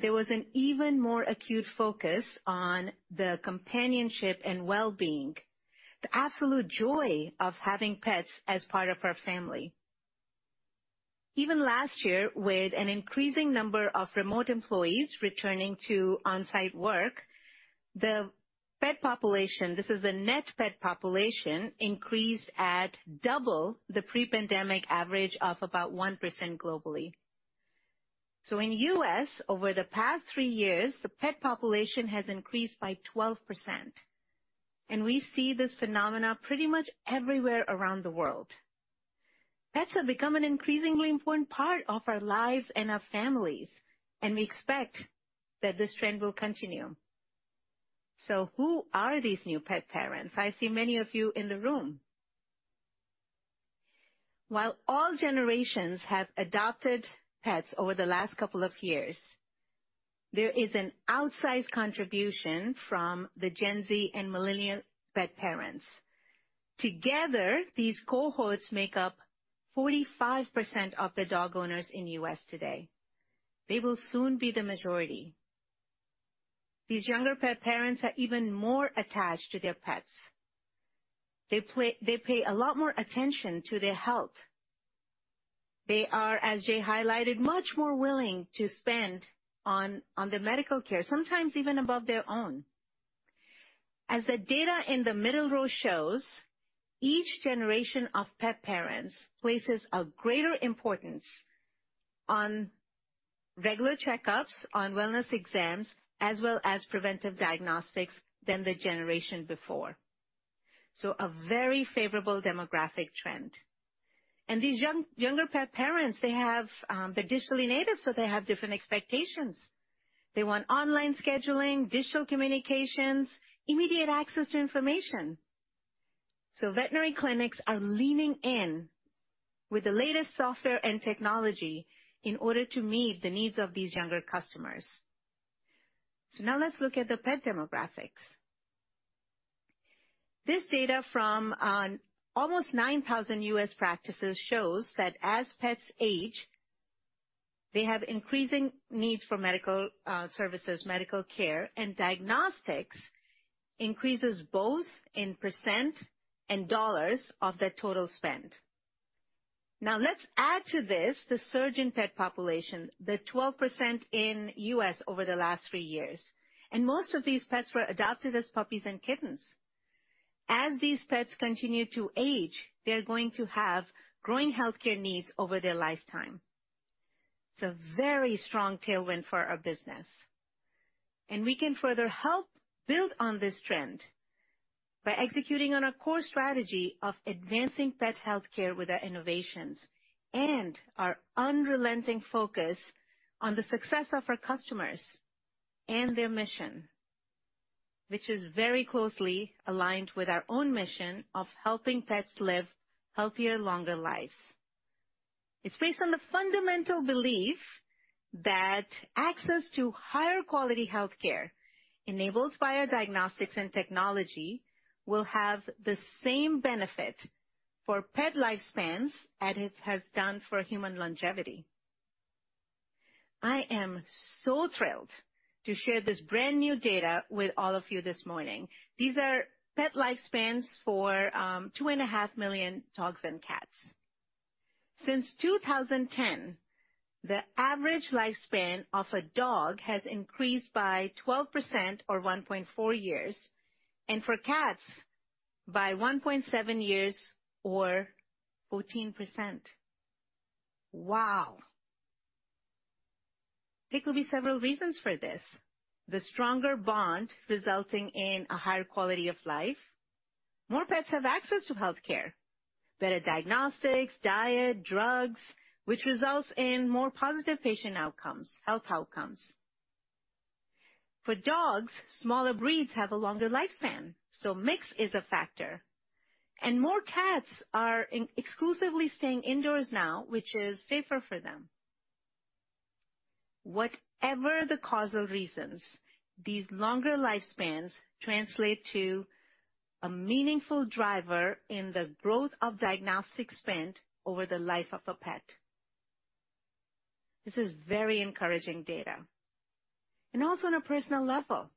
there was an even more acute focus on the companionship and well-being, the absolute joy of having pets as part of our family. Even last year, with an increasing number of remote employees returning to on-site work, the pet population, this is the net pet population, increased at double the pre-pandemic average of about 1% globally. In U.S., over the past three years, the pet population has increased by 12%, and we see this phenomena pretty much everywhere around the world. Pets have become an increasingly important part of our lives and our families, and we expect that this trend will continue. Who are these new pet parents? I see many of you in the room. While all generations have adopted pets over the last couple of years, there is an outsized contribution from the Gen Z and millennial pet parents. Together, these cohorts make up 45% of the dog owners in U.S. today. They will soon be the majority. These younger pet parents are even more attached to their pets. They pay a lot more attention to their health. They are, as Jay highlighted, much more willing to spend on, on their medical care, sometimes even above their own. As the data in the middle row shows, each generation of pet parents places a greater importance on regular checkups, on wellness exams, as well as preventive diagnostics than the generation before. A very favorable demographic trend. These younger pet parents, they have, they're digitally native, so they have different expectations. They want online scheduling, digital communications, immediate access to information. Veterinary clinics are leaning in with the latest software and technology in order to meet the needs of these younger customers. Now let's look at the pet demographics. This data from almost 9,000 U.S. practices shows that as pets age, they have increasing needs for medical services, medical care, and diagnostics increases both in percent and dollars of their total spend. Now, let's add to this the surge in pet population, the 12% in U.S. over the last three years, and most of these pets were adopted as puppies and kittens. As these pets continue to age, they're going to have growing healthcare needs over their lifetime. It's a very strong tailwind for our business, and we can further help build on this trend by executing on our core strategy of advancing pet healthcare with our innovations and our unrelenting focus on the success of our customers and their mission, which is very closely aligned with our own mission of helping pets live healthier, longer lives. It's based on the fundamental belief that access to higher quality healthcare, enabled by our diagnostics and technology, will have the same benefit for pet lifespans as it has done for human longevity. I am so thrilled to share this brand-new data with all of you this morning. These are pet lifespans for 2.5 million dogs and cats. Since 2010, the average lifespan of a dog has increased by 12% or 1.4 years, and for cats, by 1.7 years or 14%. Wow! There could be several reasons for this. The stronger bond resulting in a higher quality of life. More pets have access to healthcare, better diagnostics, diet, drugs, which results in more positive patient outcomes, health outcomes. For dogs, smaller breeds have a longer lifespan, mix is a factor. More cats are exclusively staying indoors now, which is safer for them. Whatever the causal reasons, these longer lifespans translate to a meaningful driver in the growth of diagnostic spend over the life of a pet. This is very encouraging data and also on a personal level.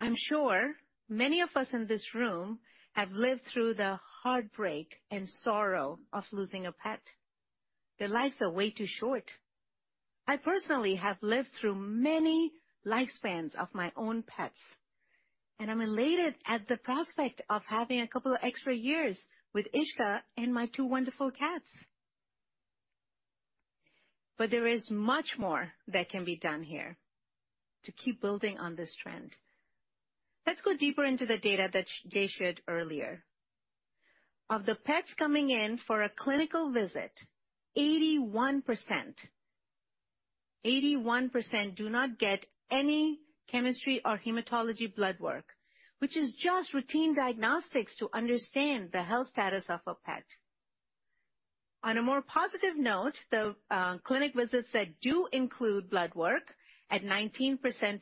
I'm sure many of us in this room have lived through the heartbreak and sorrow of losing a pet. Their lives are way too short. I personally have lived through many lifespans of my own pets, and I'm elated at the prospect of having a couple of extra years with Ishka and my 2 wonderful cats. There is much more that can be done here to keep building on this trend. Let's go deeper into the data that Jay shared earlier. Of the pets coming in for a clinical visit, 81%, 81% do not get any chemistry or hematology blood work, which is just routine diagnostics to understand the health status of a pet. On a more positive note, the clinic visits that do include blood work, at 19%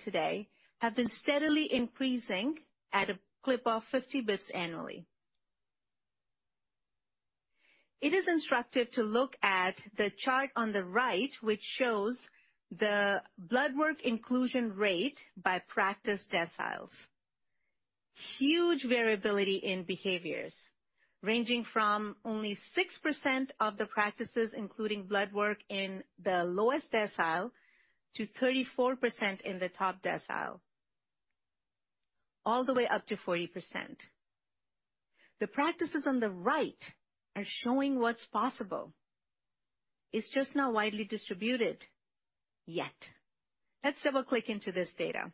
today, have been steadily increasing at a clip of 50 basis points annually. It is instructive to look at the chart on the right, which shows the blood work inclusion rate by practice deciles. Huge variability in behaviors, ranging from only 6% of the practices, including blood work in the lowest decile, to 34% in the top decile, all the way up to 40%. The practices on the right are showing what's possible. It's just not widely distributed yet. Let's double-click into this data.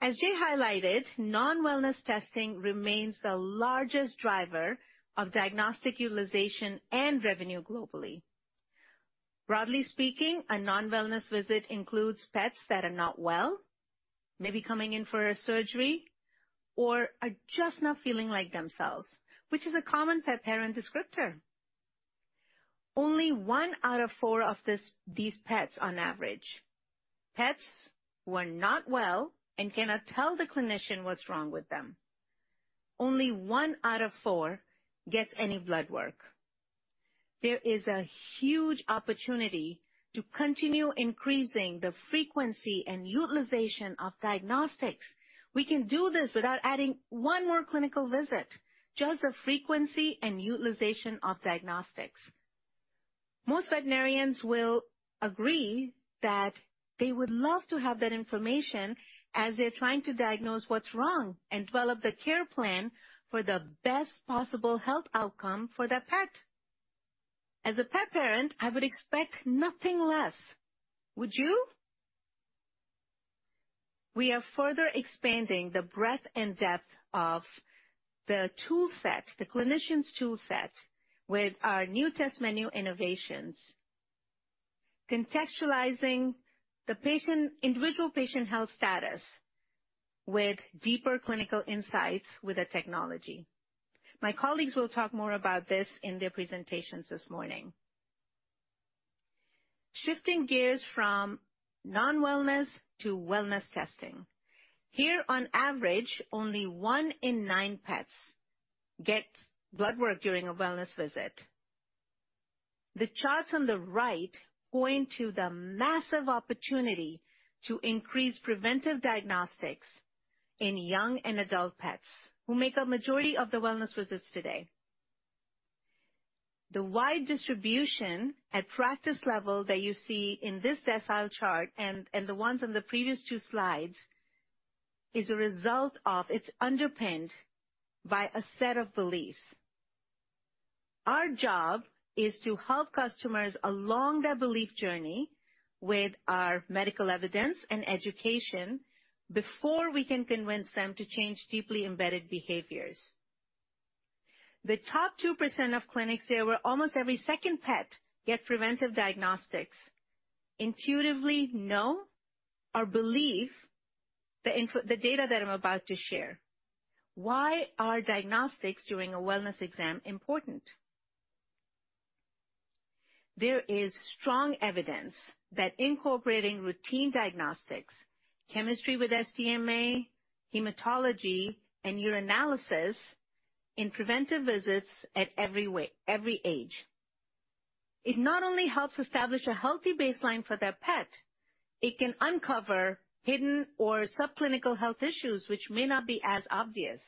As Jay highlighted, non-wellness testing remains the largest driver of diagnostic utilization and revenue globally. Broadly speaking, a non-wellness visit includes pets that are not well, maybe coming in for a surgery or are just not feeling like themselves, which is a common pet parent descriptor. Only one out of four of these pets on average, pets who are not well and cannot tell the clinician what's wrong with them, only one out of four gets any blood work. There is a huge opportunity to continue increasing the frequency and utilization of diagnostics. We can do this without adding one more clinical visit, just the frequency and utilization of diagnostics. Most veterinarians will agree that they would love to have that information as they're trying to diagnose what's wrong and develop the care plan for the best possible health outcome for their pet. As a pet parent, I would expect nothing less. Would you? We are further expanding the breadth and depth of the tool set, the clinician's tool set, with our new test menu innovations, contextualizing the patient... individual patient health status with deeper clinical insights with the technology. My colleagues will talk more about this in their presentations this morning.... Shifting gears from non-wellness to wellness testing. Here, on average, only one in nine pets gets blood work during a wellness visit. The charts on the right point to the massive opportunity to increase preventive diagnostics in young and adult pets, who make up majority of the wellness visits today. The wide distribution at practice level that you see in this decile chart and the ones on the previous two slides, is a result of, it's underpinned by a set of beliefs. Our job is to help customers along their belief journey with our medical evidence and education before we can convince them to change deeply embedded behaviors. The top 2% of clinics, where almost every second pet get preventive diagnostics, intuitively know or believe the data that I'm about to share. Why are diagnostics during a wellness exam important? There is strong evidence that incorporating routine diagnostics, chemistry with SDMA, hematology, and urinalysis in preventive visits at every way, every age, it not only helps establish a healthy baseline for their pet, it can uncover hidden or subclinical health issues which may not be as obvious.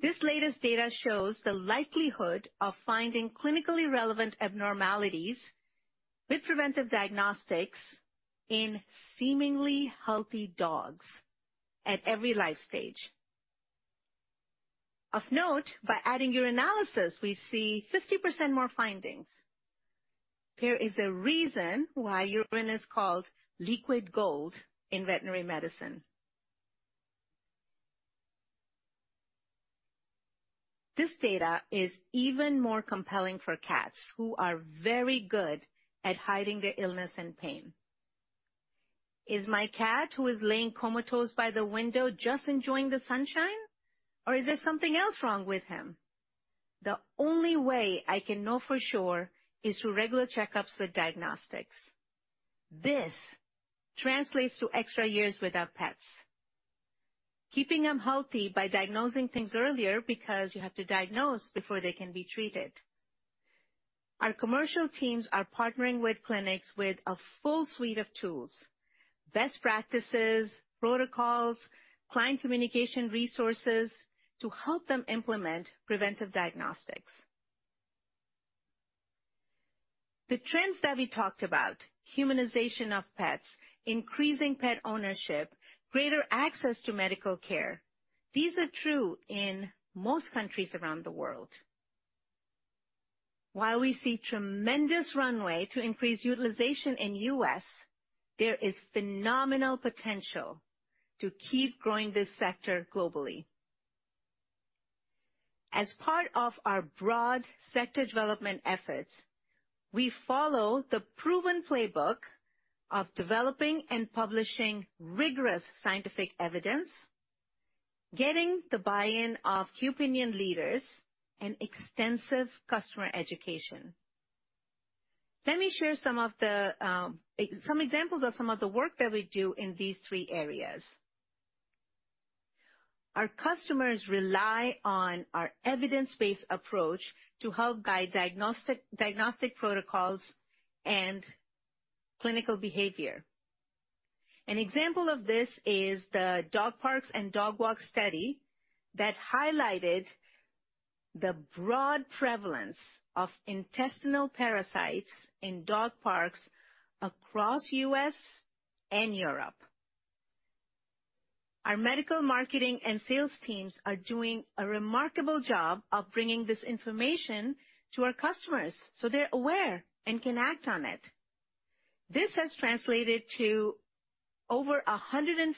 This latest data shows the likelihood of finding clinically relevant abnormalities with preventive diagnostics in seemingly healthy dogs at every life stage. Of note, by adding urinalysis, we see 50% more findings. There is a reason why urine is called liquid gold in veterinary medicine. This data is even more compelling for cats, who are very good at hiding their illness and pain. Is my cat, who is laying comatose by the window, just enjoying the sunshine, or is there something else wrong with him? The only way I can know for sure is through regular checkups with diagnostics. This translates to extra years with our pets, keeping them healthy by diagnosing things earlier, because you have to diagnose before they can be treated. Our commercial teams are partnering with clinics with a full suite of tools, best practices, protocols, client communication resources, to help them implement preventive diagnostics. The trends that we talked about, humanization of pets, increasing pet ownership, greater access to medical care, these are true in most countries around the world. While we see tremendous runway to increase utilization in U.S., there is phenomenal potential to keep growing this sector globally. As part of our broad sector development efforts, we follow the proven playbook of developing and publishing rigorous scientific evidence, getting the buy-in of key opinion leaders and extensive customer education. Let me share some of the, some examples of some of the work that we do in these three areas. Our customers rely on our evidence-based approach to help guide diagnostic protocols and clinical behavior. An example of this is the dog parks and dog walk study that highlighted the broad prevalence of intestinal parasites in dog parks across U.S. and Europe. Our medical marketing and sales teams are doing a remarkable job of bringing this information to our customers, so they're aware and can act on it. This has translated to over 150%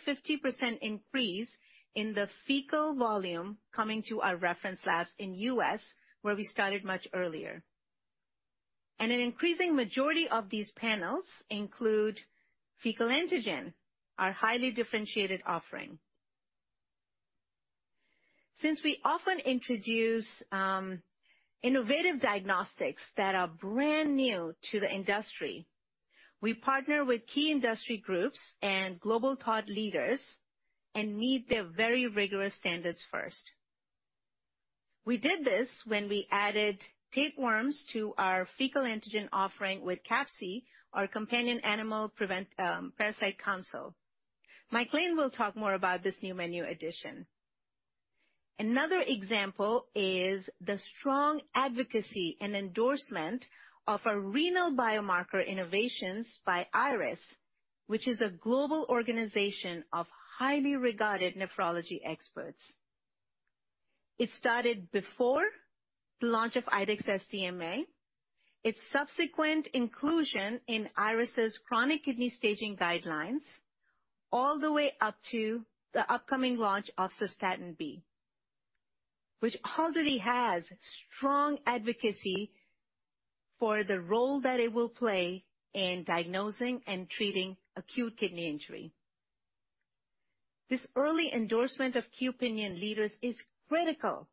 increase in the fecal volume coming to our reference labs in U.S., where we started much earlier. An increasing majority of these panels include Fecal Antigen, our highly differentiated offering. Since we often introduce innovative diagnostics that are brand new to the industry, we partner with key industry groups and global thought leaders and meet their very rigorous standards first. We did this when we added tapeworms to our Fecal Antigen offering with CAPC, our Companion Animal Parasite Council. Mike Lane will talk more about this new menu addition. Another example is the strong advocacy and endorsement of our renal biomarker innovations by IRIS, which is a global organization of highly regarded nephrology experts. It started before the launch of IDEXX SDMA, its subsequent inclusion in IRIS's chronic kidney staging guidelines, all the way up to the upcoming launch of Cystatin B, which already has strong advocacy for the role that it will play in diagnosing and treating acute kidney injury. This early endorsement of Key Opinion Leaders is critical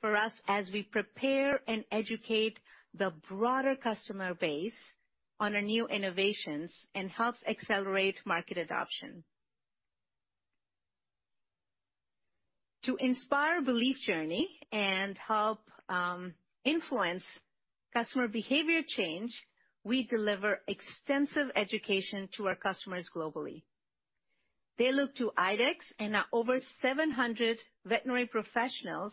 for us as we prepare and educate the broader customer base on our new innovations and helps accelerate market adoption. To inspire belief journey and help influence customer behavior change, we deliver extensive education to our customers globally. They look to IDEXX and our over 700 veterinary professionals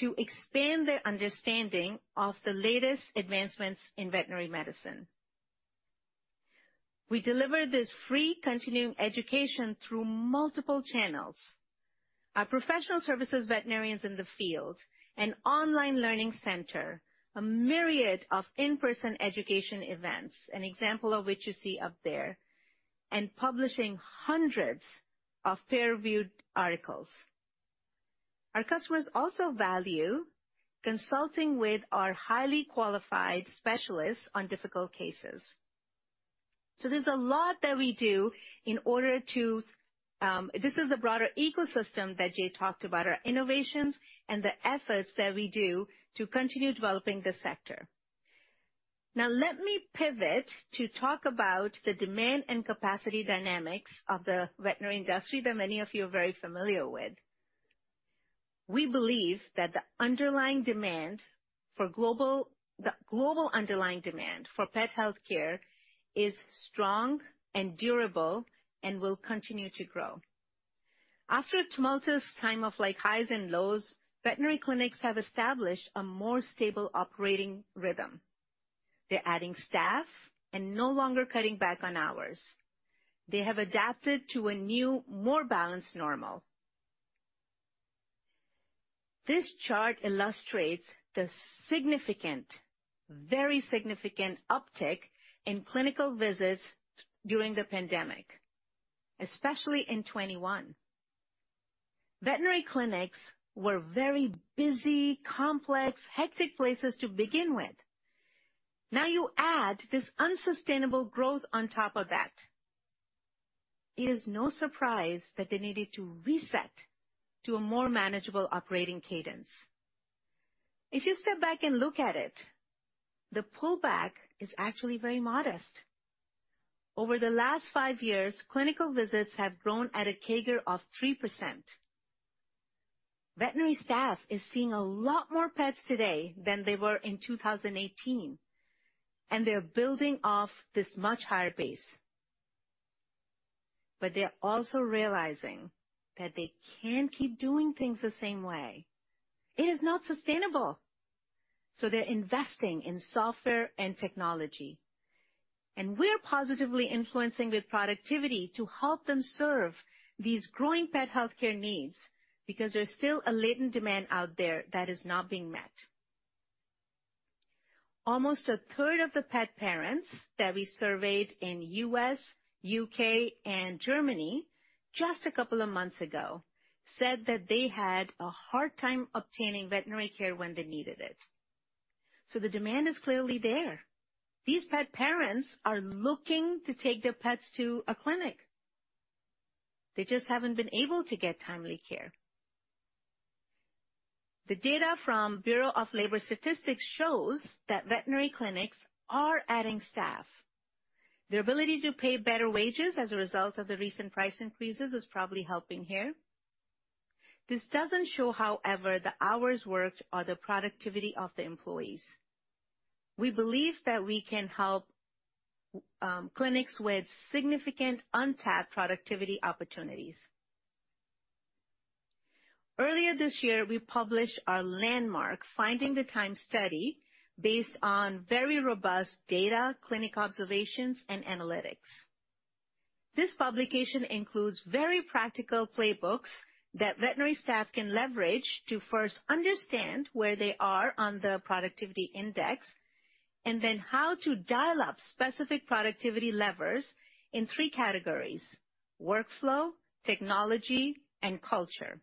to expand their understanding of the latest advancements in veterinary medicine. We deliver this free continuing education through multiple channels. Our professional services, veterinarians in the field, an online learning center, a myriad of in-person education events, an example of which you see up there, and publishing hundreds of peer-reviewed articles. Our customers also value consulting with our highly qualified specialists on difficult cases. There's a lot that we do in order to. This is the broader ecosystem that Jay talked about, our innovations and the efforts that we do to continue developing this sector. Let me pivot to talk about the demand and capacity dynamics of the veterinary industry that many of you are very familiar with. We believe that the underlying demand for the global underlying demand for pet health care is strong and durable and will continue to grow. After a tumultuous time of, like, highs and lows, veterinary clinics have established a more stable operating rhythm. They're adding staff and no longer cutting back on hours. They have adapted to a new, more balanced normal. This chart illustrates the significant, very significant uptick in clinical visits during the pandemic, especially in 2021. Veterinary clinics were very busy, complex, hectic places to begin with. Now, you add this unsustainable growth on top of that. It is no surprise that they needed to reset to a more manageable operating cadence. If you step back and look at it, the pullback is actually very modest. Over the last five years, clinical visits have grown at a CAGR of 3%. Veterinary staff is seeing a lot more pets today than they were in 2018, and they're building off this much higher base. They're also realizing that they can't keep doing things the same way. It is not sustainable. They're investing in software and technology, and we're positively influencing with productivity to help them serve these growing pet healthcare needs, because there's still a latent demand out there that is not being met. Almost 1/3 of the pet parents that we surveyed in U.S., U.K., and Germany, just a couple of months ago, said that they had a hard time obtaining veterinary care when they needed it. The demand is clearly there. These pet parents are looking to take their pets to a clinic. They just haven't been able to get timely care. The data from Bureau of Labor Statistics shows that veterinary clinics are adding staff. Their ability to pay better wages as a result of the recent price increases is probably helping here. This doesn't show, however, the hours worked or the productivity of the employees. We believe that we can help clinics with significant untapped productivity opportunities. Earlier this year, we published our landmark, Finding the Time study, based on very robust data, clinic observations, and analytics. This publication includes very practical playbooks that veterinary staff can leverage to first understand where they are on the productivity index, and then how to dial up specific productivity levers in three categories: workflow, technology, and culture.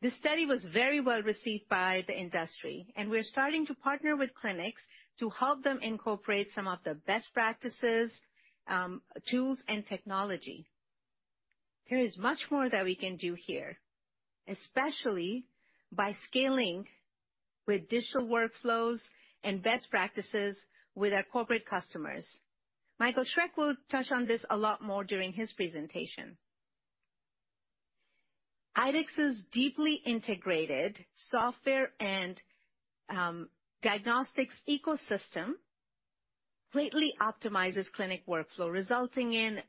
This study was very well-received by the industry. We're starting to partner with clinics to help them incorporate some of the best practices, tools, and technology. There is much more that we can do here, especially by scaling with digital workflows and best practices with our corporate customers. Michael Schreck will touch on this a lot more during his presentation. IDEXX's deeply integrated software and diagnostics ecosystem greatly optimizes clinic workflow, resulting in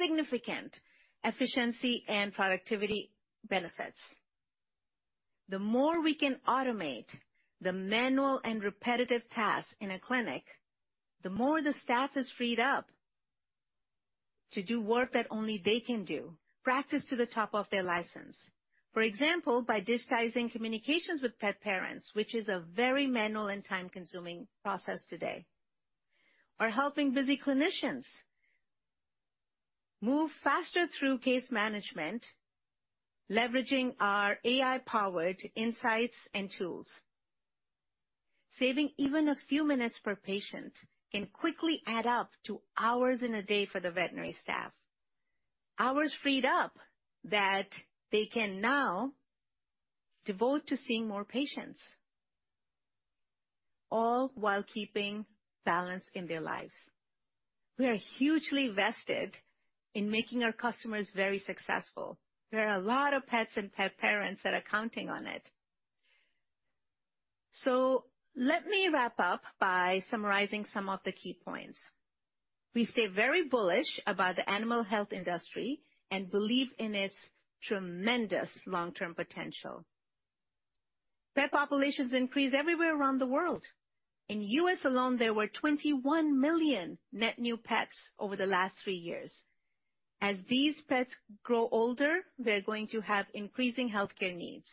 significant efficiency and productivity benefits. The more we can automate the manual and repetitive tasks in a clinic, the more the staff is freed up to do work that only they can do, practice to the top of their license. For example, by digitizing communications with pet parents, which is a very manual and time-consuming process today. Or helping busy clinicians move faster through case management, leveraging our AI-powered insights and tools, saving even a few minutes per patient can quickly add up to hours in a day for the veterinary staff. Hours freed up that they can now devote to seeing more patients, all while keeping balance in their lives. We are hugely vested in making our customers very successful. There are a lot of pets and pet parents that are counting on it. Let me wrap up by summarizing some of the key points. We stay very bullish about the animal health industry and believe in its tremendous long-term potential. Pet populations increase everywhere around the world. In US alone, there were 21 million net new pets over the last three years. As these pets grow older, they're going to have increasing healthcare needs,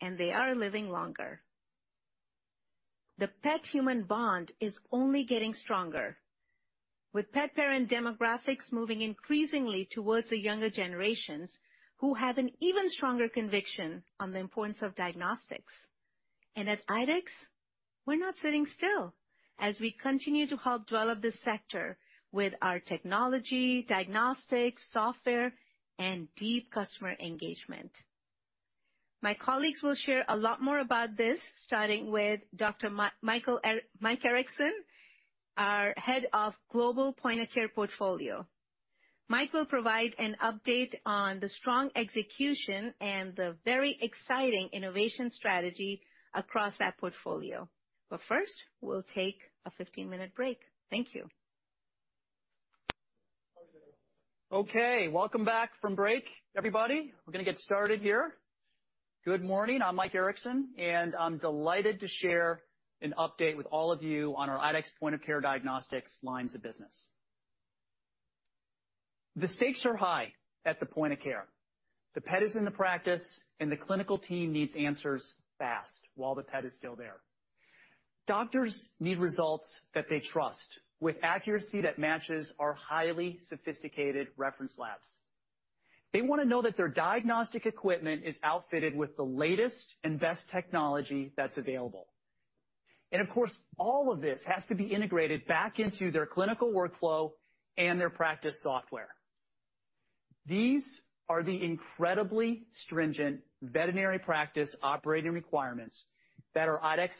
and they are living longer. The pet-human bond is only getting stronger, with pet parent demographics moving increasingly towards the younger generations, who have an even stronger conviction on the importance of diagnostics. At IDEXX, we're not sitting still, as we continue to help develop this sector with our technology, diagnostics, software, and deep customer engagement. My colleagues will share a lot more about this, starting with Dr. Mike Erickson, our Head of Global Point of Care Portfolio. Mike will provide an update on the strong execution and the very exciting innovation strategy across that portfolio. First, we'll take a 15-minute break. Thank you. Okay, welcome back from break, everybody. We're gonna get started here. Good morning. I'm Mike Erickson, and I'm delighted to share an update with all of you on our IDEXX Point of Care Diagnostics lines of business. The stakes are high at the point of care. The pet is in the practice, and the clinical team needs answers fast, while the pet is still there. Doctors need results that they trust, with accuracy that matches our highly sophisticated reference labs. They wanna know that their diagnostic equipment is outfitted with the latest and best technology that's available. Of course, all of this has to be integrated back into their clinical workflow and their practice software. These are the incredibly stringent veterinary practice operating requirements that our IDEXX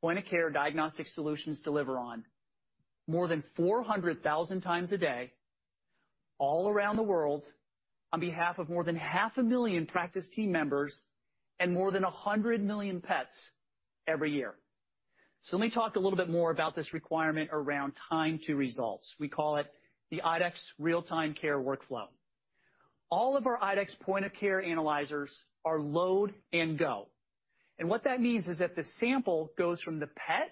Point of Care Diagnostic solutions deliver on more than 400,000 times a day, all around the world, on behalf of more than 500,000 practice team members and more than 100 million pets every year. Let me talk a little bit more about this requirement around time to results. We call it the IDEXX real-time care workflow. All of our IDEXX Point of Care analyzers are load and go, what that means is that the sample goes from the pet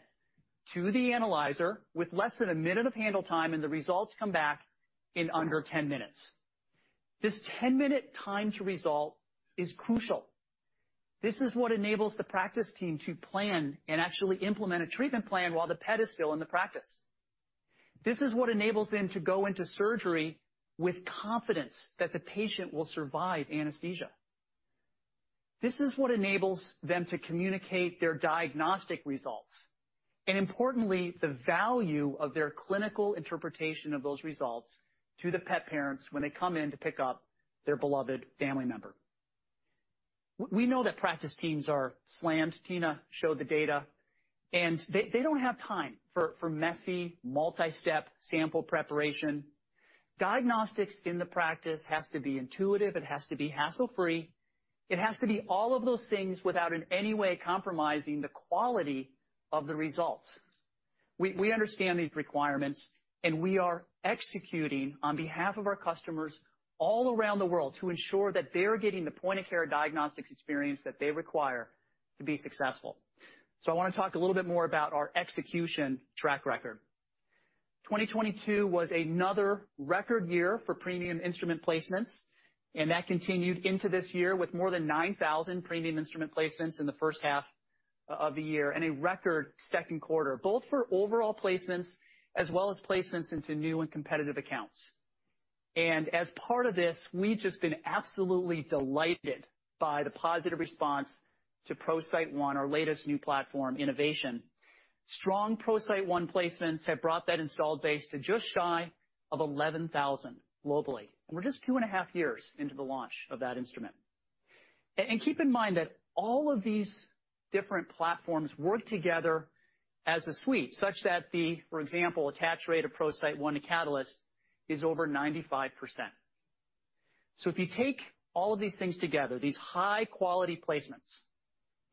to the analyzer with less than a minute of handle time, and the results come back in under 10 minutes. This 10-minute time to result is crucial. This is what enables the practice team to plan and actually implement a treatment plan while the pet is still in the practice. This is what enables them to go into surgery with confidence that the patient will survive anesthesia. This is what enables them to communicate their diagnostic results, and importantly, the value of their clinical interpretation of those results to the pet parents when they come in to pick up their beloved family member. We know that practice teams are slammed, Tina showed the data, and they don't have time for messy, multi-step sample preparation. Diagnostics in the practice has to be intuitive, it has to be hassle-free. It has to be all of those things without in any way compromising the quality of the results. We understand these requirements, and we are executing on behalf of our customers all around the world to ensure that they're getting the Point of Care Diagnostics experience that they require to be successful. I want to talk a little bit more about our execution track record. 2022 was another record year for premium instrument placements, and that continued into this year with more than 9,000 premium instrument placements in the first half of the year, and a record second quarter, both for overall placements as well as placements into new and competitive accounts. As part of this, we've just been absolutely delighted by the positive response to ProCyte One, our latest new platform innovation. Strong ProCyte One placements have brought that installed base to just shy of 11,000 globally, and we're just two and a half years into the launch of that instrument. Keep in mind that all of these different platforms work together as a suite, such that the, for example, attach rate of ProCyte One to Catalyst is over 95%. If you take all of these things together, these high-quality placements,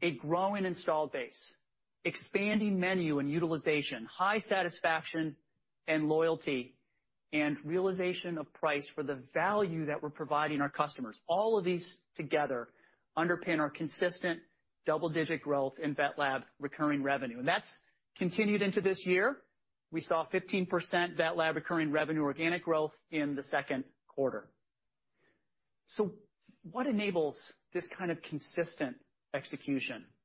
a growing installed base, expanding menu and utilization, high satisfaction and loyalty, and realization of price for the value that we're providing our customers, all of these together underpin our consistent double-digit growth in vet lab recurring revenue. That's continued into this year. We saw 15% vet lab recurring revenue organic growth in the second quarter. What enables this kind of consistent execution? It's,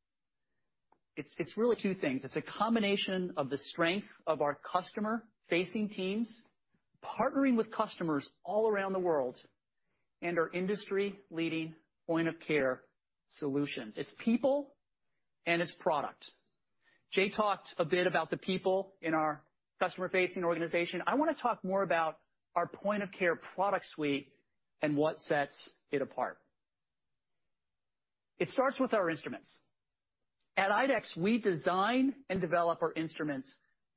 it's really two things. It's a combination of the strength of our customer-facing teams, partnering with customers all around the world-... and our industry-leading point-of-care solutions. It's people and it's product. Jay talked a bit about the people in our customer-facing organization. I want to talk more about our point-of-care product suite and what sets it apart. It starts with our instruments. At IDEXX, we design and develop our instruments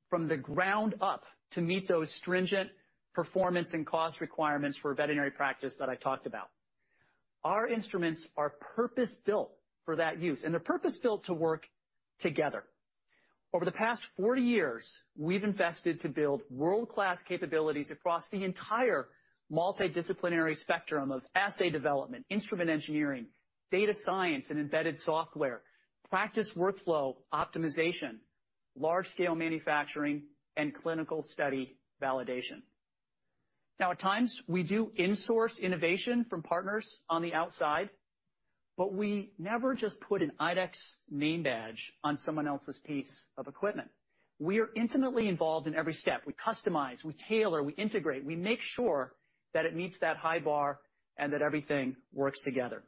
from the ground up to meet those stringent performance and cost requirements for veterinary practice that I talked about. Our instruments are purpose-built for that use, they're purpose-built to work together. Over the past 40 years, we've invested to build world-class capabilities across the entire multidisciplinary spectrum of assay development, instrument engineering, data science and embedded software, practice workflow optimization, large-scale manufacturing, and clinical study validation. At times, we do in-source innovation from partners on the outside, but we never just put an IDEXX name badge on someone else's piece of equipment. We are intimately involved in every step. We customize, we tailor, we integrate, we make sure that it meets that high bar and that everything works together.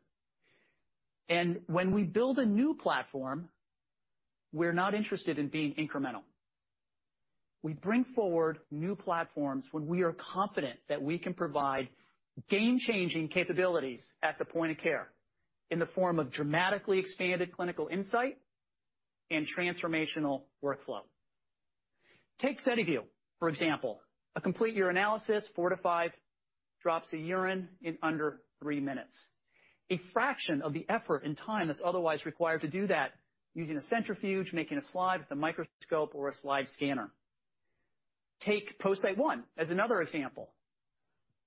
When we build a new platform, we're not interested in being incremental. We bring forward new platforms when we are confident that we can provide game-changing capabilities at the point of care, in the form of dramatically expanded clinical insight and transformational workflow. Take SediVue, for example, a complete urinalysis, four to five drops of urine in under three minutes, a fraction of the effort and time that's otherwise required to do that using a centrifuge, making a slide with a microscope or a slide scanner. Take ProCyte One as another example.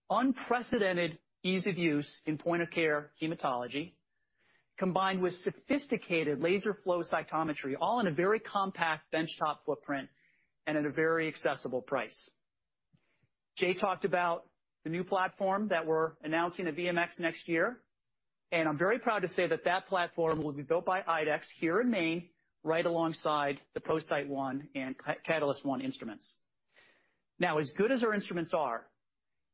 Unprecedented ease of use in point-of-care hematology, combined with sophisticated laser flow cytometry, all in a very compact benchtop footprint and at a very accessible price. Jay talked about the new platform that we're announcing at VMX next year, and I'm very proud to say that that platform will be built by IDEXX here in Maine, right alongside the ProCyte One and Catalyst One instruments. As good as our instruments are,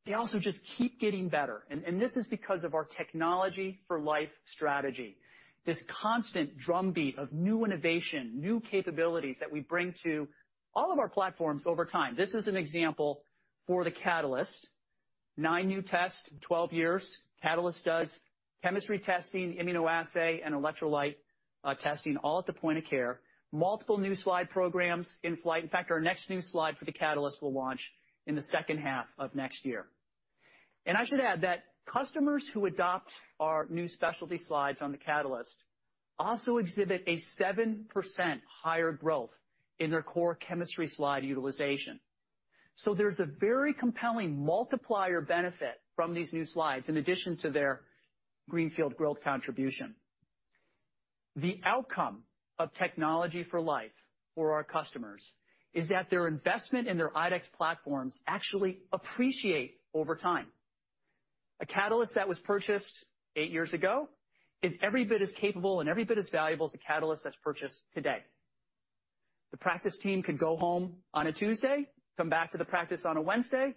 they also just keep getting better, and this is because of our Technology for Life strategy. This constant drumbeat of new innovation, new capabilities that we bring to all of our platforms over time. This is an example for the Catalyst. Nine new tests, 12 years. Catalyst does chemistry testing, immunoassay, and electrolyte testing, all at the point of care. Multiple new slide programs in flight. In fact, our next new slide for the Catalyst will launch in the second half of next year. I should add that customers who adopt our new specialty slides on the Catalyst also exhibit a 7% higher growth in their core chemistry slide utilization. There's a very compelling multiplier benefit from these new slides, in addition to their greenfield growth contribution. The outcome of Technology for Life for our customers is that their investment in their IDEXX platforms actually appreciate over time. A Catalyst that was purchased 8 years ago is every bit as capable and every bit as valuable as a Catalyst that's purchased today. The practice team could go home on a Tuesday, come back to the practice on a Wednesday,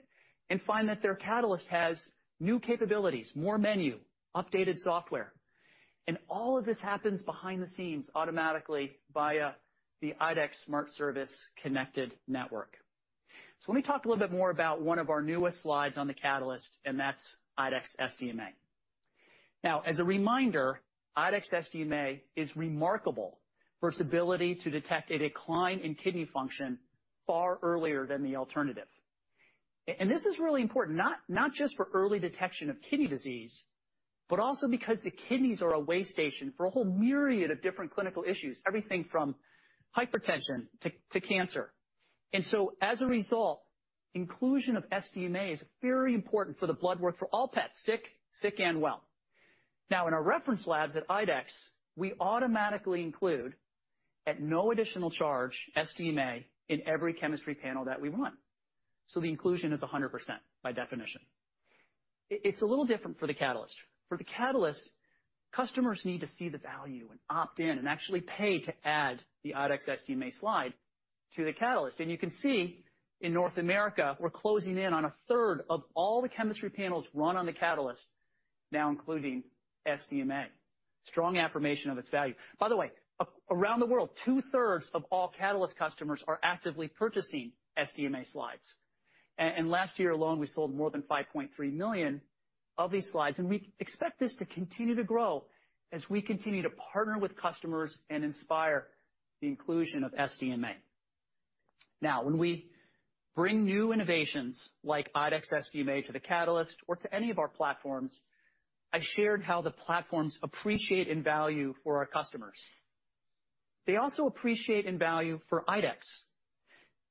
and find that their Catalyst has new capabilities, more menu, updated software. All of this happens behind the scenes automatically via the IDEXX SmartService connected network. Let me talk a little bit more about one of our newest slides on the Catalyst, and that's IDEXX SDMA. Now, as a reminder, IDEXX SDMA is remarkable for its ability to detect a decline in kidney function far earlier than the alternative. This is really important, not, not just for early detection of kidney disease, but also because the kidneys are a way station for a whole myriad of different clinical issues, everything from hypertension to, to cancer. So, as a result, inclusion of SDMA is very important for the blood work for all pets, sick, sick and well. Now, in our reference labs at IDEXX, we automatically include, at no additional charge, SDMA in every chemistry panel that we run, so the inclusion is 100% by definition. It, it's a little different for the Catalyst. For the Catalyst, customers need to see the value and opt in and actually pay to add the IDEXX SDMA slide to the Catalyst. You can see in North America, we're closing in on a third of all the chemistry panels run on the Catalyst, now including SDMA. Strong affirmation of its value. By the way, around the world, 2/3 of all Catalyst customers are actively purchasing SDMA slides. Last year alone, we sold more than 5.3 million of these slides, and we expect this to continue to grow as we continue to partner with customers and inspire the inclusion of SDMA. Now, when we bring new innovations like IDEXX SDMA to the Catalyst or to any of our platforms, I shared how the platforms appreciate in value for our customers. They also appreciate in value for IDEXX.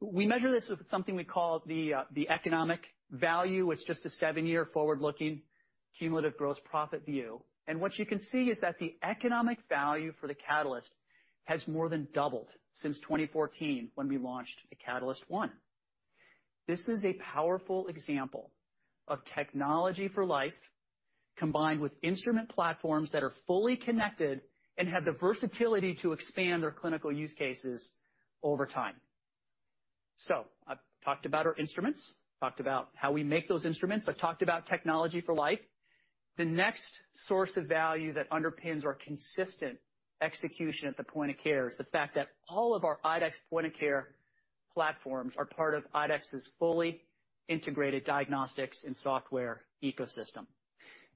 We measure this with something we call the economic value. It's just a seven-year, forward-looking, cumulative gross profit view. What you can see is that the economic value for the Catalyst has more than doubled since 2014, when we launched the Catalyst One. This is a powerful example of Technology for Life, combined with instrument platforms that are fully connected and have the versatility to expand their clinical use cases over time. I've talked about our instruments, talked about how we make those instruments. I've talked about Technology for Life. The next source of value that underpins our consistent execution at the point of care is the fact that all of our IDEXX point of care platforms are part of IDEXX's fully integrated diagnostics and software ecosystem.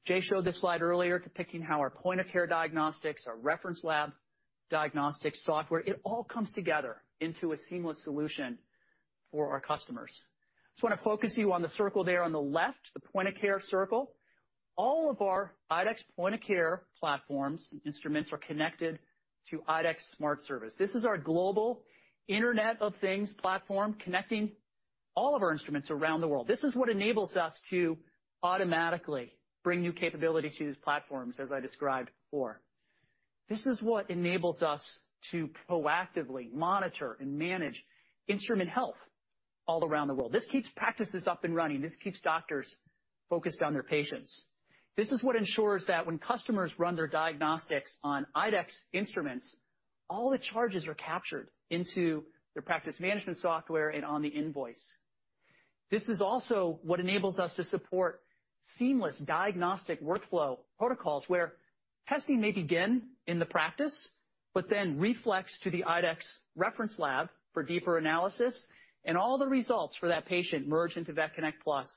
Jay showed this slide earlier, depicting how our Point of Care Diagnostics, our reference lab diagnostics software, it all comes together into a seamless solution for our customers. Just want to focus you on the circle there on the left, the point of care circle. All of our IDEXX point of care platforms and instruments are connected to IDEXX SmartService. This is our global Internet of Things platform, connecting all of our instruments around the world. This is what enables us to automatically bring new capabilities to these platforms, as I described before. This is what enables us to proactively monitor and manage instrument health all around the world. This keeps practices up and running. This keeps doctors focused on their patients. This is what ensures that when customers run their diagnostics on IDEXX instruments, all the charges are captured into their practice management software and on the invoice. This is also what enables us to support seamless diagnostic workflow protocols, where testing may begin in the practice, but then reflex to the IDEXX reference lab for deeper analysis, and all the results for that patient merge into VetConnect PLUS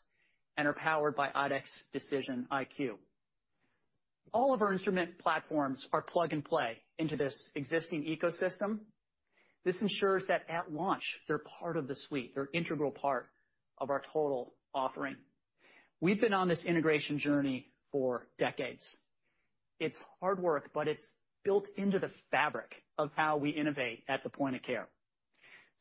and are powered by IDEXX DecisionIQ. All of our instrument platforms are plug and play into this existing ecosystem. This ensures that at launch, they're part of the suite. They're an integral part of our total offering. We've been on this integration journey for decades. It's hard work, but it's built into the fabric of how we innovate at the point of care.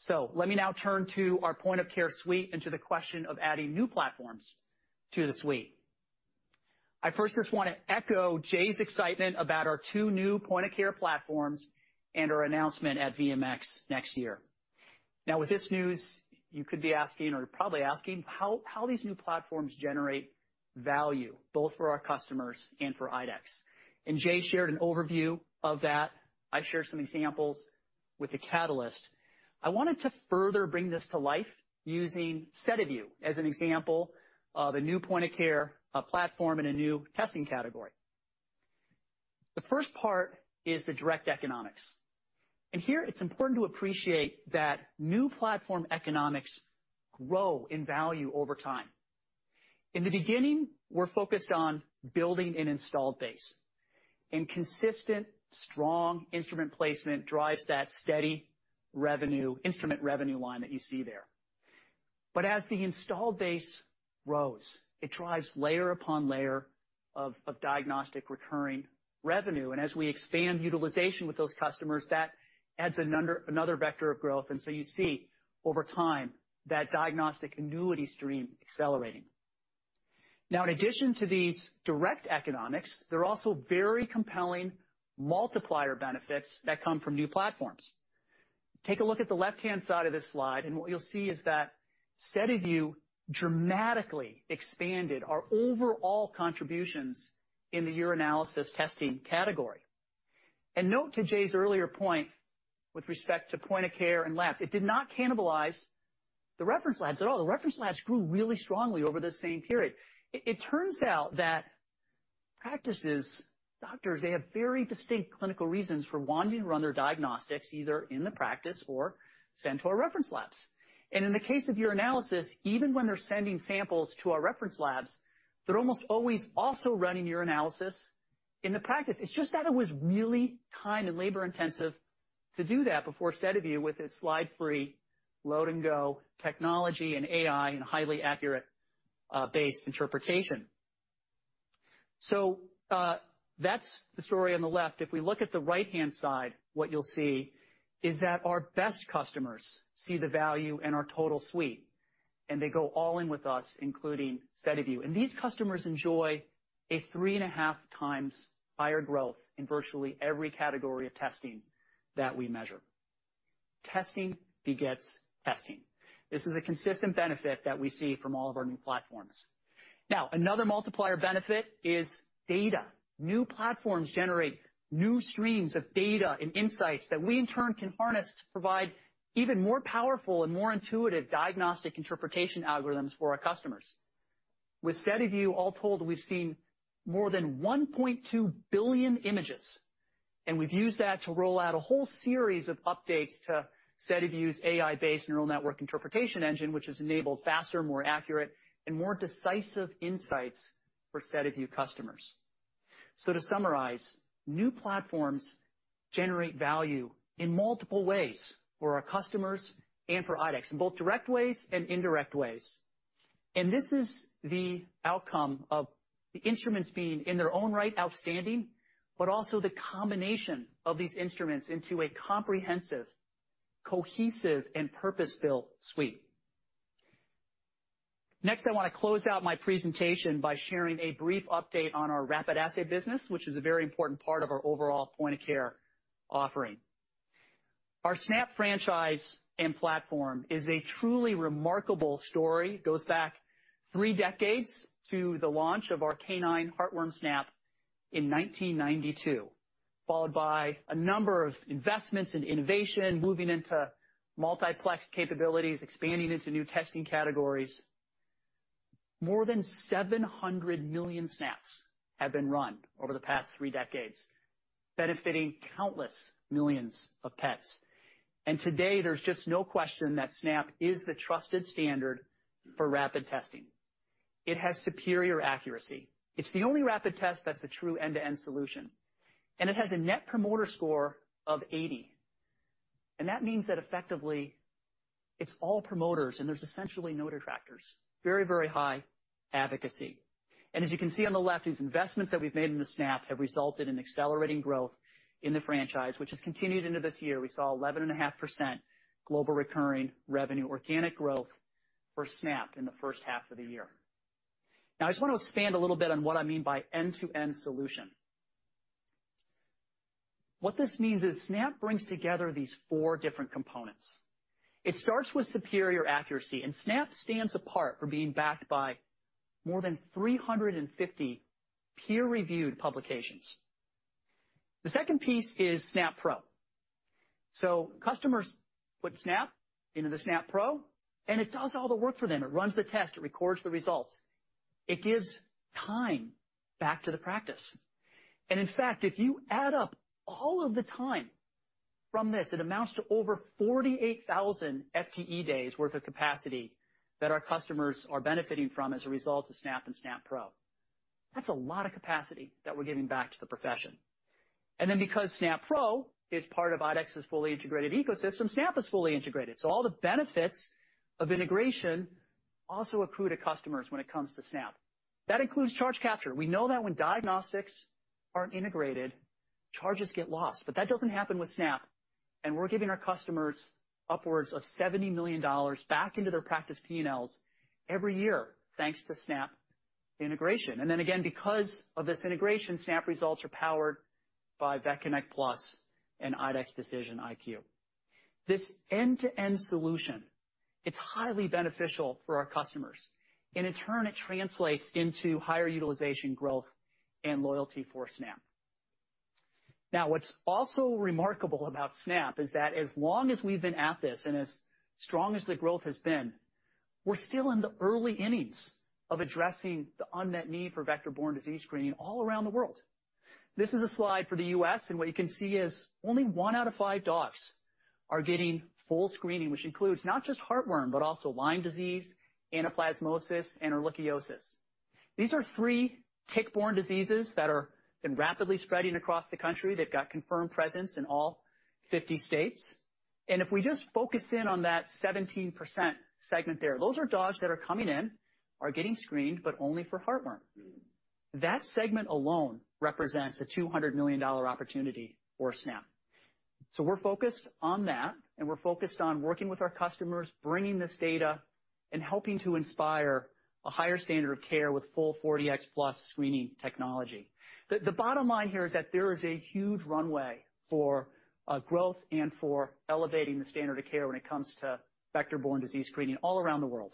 Let me now turn to our point of care suite and to the question of adding new platforms to the suite. I first just want to echo Jay's excitement about our two new point of care platforms and our announcement at VMX next year. With this news, you could be asking, or you're probably asking, how, how these new platforms generate value, both for our customers and for IDEXX. Jay shared an overview of that. I shared some examples with the Catalyst. I wanted to further bring this to life using SediVue as an example of a new point of care platform in a new testing category. The first part is the direct economics. Here it's important to appreciate that new platform economics grow in value over time. In the beginning, we're focused on building an installed base. Consistent, strong instrument placement drives that steady revenue, instrument revenue line that you see there. As the installed base grows, it drives layer upon layer of diagnostic recurring revenue. As we expand utilization with those customers, that adds another vector of growth. So you see over time, that diagnostic annuity stream accelerating. Now, in addition to these direct economics, there are also very compelling multiplier benefits that come from new platforms. Take a look at the left-hand side of this slide, and what you'll see is that SediVue dramatically expanded our overall contributions in the urinalysis testing category. Note to Jay's earlier point with respect to point of care and labs, it did not cannibalize the reference labs at all. The reference labs grew really strongly over the same period. It turns out that practices, doctors, they have very distinct clinical reasons for wanting to run their diagnostics, either in the practice or sent to our reference labs. In the case of urinalysis, even when they're sending samples to our reference labs, they're almost always also running urinalysis in the practice. It's just that it was really time and labor intensive to do that before SediVue, with its slide-free, load-and-go technology and AI and highly accurate, base interpretation. That's the story on the left. If we look at the right-hand side, what you'll see is that our best customers see the value in our total suite, and they go all in with us, including SediVue. These customers enjoy a 3.5x higher growth in virtually every category of testing that we measure. Testing begets testing. This is a consistent benefit that we see from all of our new platforms. Another multiplier benefit is data. New platforms generate new streams of data and insights that we, in turn, can harness to provide even more powerful and more intuitive diagnostic interpretation algorithms for our customers. With SediVue, all told, we've seen more than 1.2 billion images, and we've used that to roll out a whole series of updates to SediVue's AI-based neural network interpretation engine, which has enabled faster, more accurate, and more decisive insights for SediVue customers. To summarize, new platforms generate value in multiple ways for our customers and for IDEXX, in both direct ways and indirect ways. This is the outcome of the instruments being, in their own right, outstanding, but also the combination of these instruments into a comprehensive, cohesive, and purpose-built suite. I want to close out my presentation by sharing a brief update on our rapid assay business, which is a very important part of our overall point of care offering. Our SNAP franchise and platform is a truly remarkable story. It goes back three decades to the launch of our canine heartworm SNAP in 1992, followed by a number of investments in innovation, moving into multiplex capabilities, expanding into new testing categories. More than 700 million SNAPs have been run over the past three decades, benefiting countless millions of pets. Today, there's just no question that SNAP is the trusted standard for rapid testing. It has superior accuracy. It's the only rapid test that's a true end-to-end solution, and it has a Net Promoter Score of 80. That means that effectively, it's all promoters, and there's essentially no detractors. Very, very high advocacy. As you can see on the left, these investments that we've made in the SNAP have resulted in accelerating growth in the franchise, which has continued into this year. We saw 11.5% global recurring revenue, organic growth for SNAP in the first half of the year. I just want to expand a little bit on what I mean by end-to-end solution. What this means is SNAP brings together these four different components. It starts with superior accuracy. SNAP stands apart for being backed by more than 350 peer-reviewed publications. The second piece is SNAP Pro. Customers put SNAP into the SNAP Pro, and it does all the work for them. It runs the test, it records the results, it gives time back to the practice. In fact, if you add up all of the time from this, it amounts to over 48,000 FTE days worth of capacity that our customers are benefiting from as a result of SNAP and SNAP Pro. That's a lot of capacity that we're giving back to the profession. Then, because SNAP Pro is part of IDEXX's fully integrated ecosystem, SNAP is fully integrated. All the benefits of integration also accrue to customers when it comes to SNAP. That includes charge capture. We know that when diagnostics aren't integrated, charges get lost, but that doesn't happen with SNAP, and we're giving our customers upwards of $70 million back into their practice PNLs every year, thanks to SNAP integration. Then again, because of this integration, SNAP results are powered by VetConnect PLUS and IDEXX DecisionIQ. This end-to-end solution, it's highly beneficial for our customers, and in turn, it translates into higher utilization, growth, and loyalty for SNAP. What's also remarkable about SNAP is that as long as we've been at this, and as strong as the growth has been, we're still in the early innings of addressing the unmet need for vector-borne disease screening all around the world. This is a slide for the U.S., what you can see is only one out of five dogs are getting full screening, which includes not just heartworm, but also Lyme disease, anaplasmosis, and ehrlichiosis. These are three tick-borne diseases that are been rapidly spreading across the country. They've got confirmed presence in all 50 states. If we just focus in on that 17% segment there, those are dogs that are coming in, are getting screened, but only for heartworm. That segment alone represents a $200 million opportunity for SNAP. We're focused on that, and we're focused on working with our customers, bringing this data, and helping to inspire a higher standard of care with full 4Dx Plus screening technology. The bottom line here is that there is a huge runway for growth and for elevating the standard of care when it comes to vector-borne disease screening all around the world.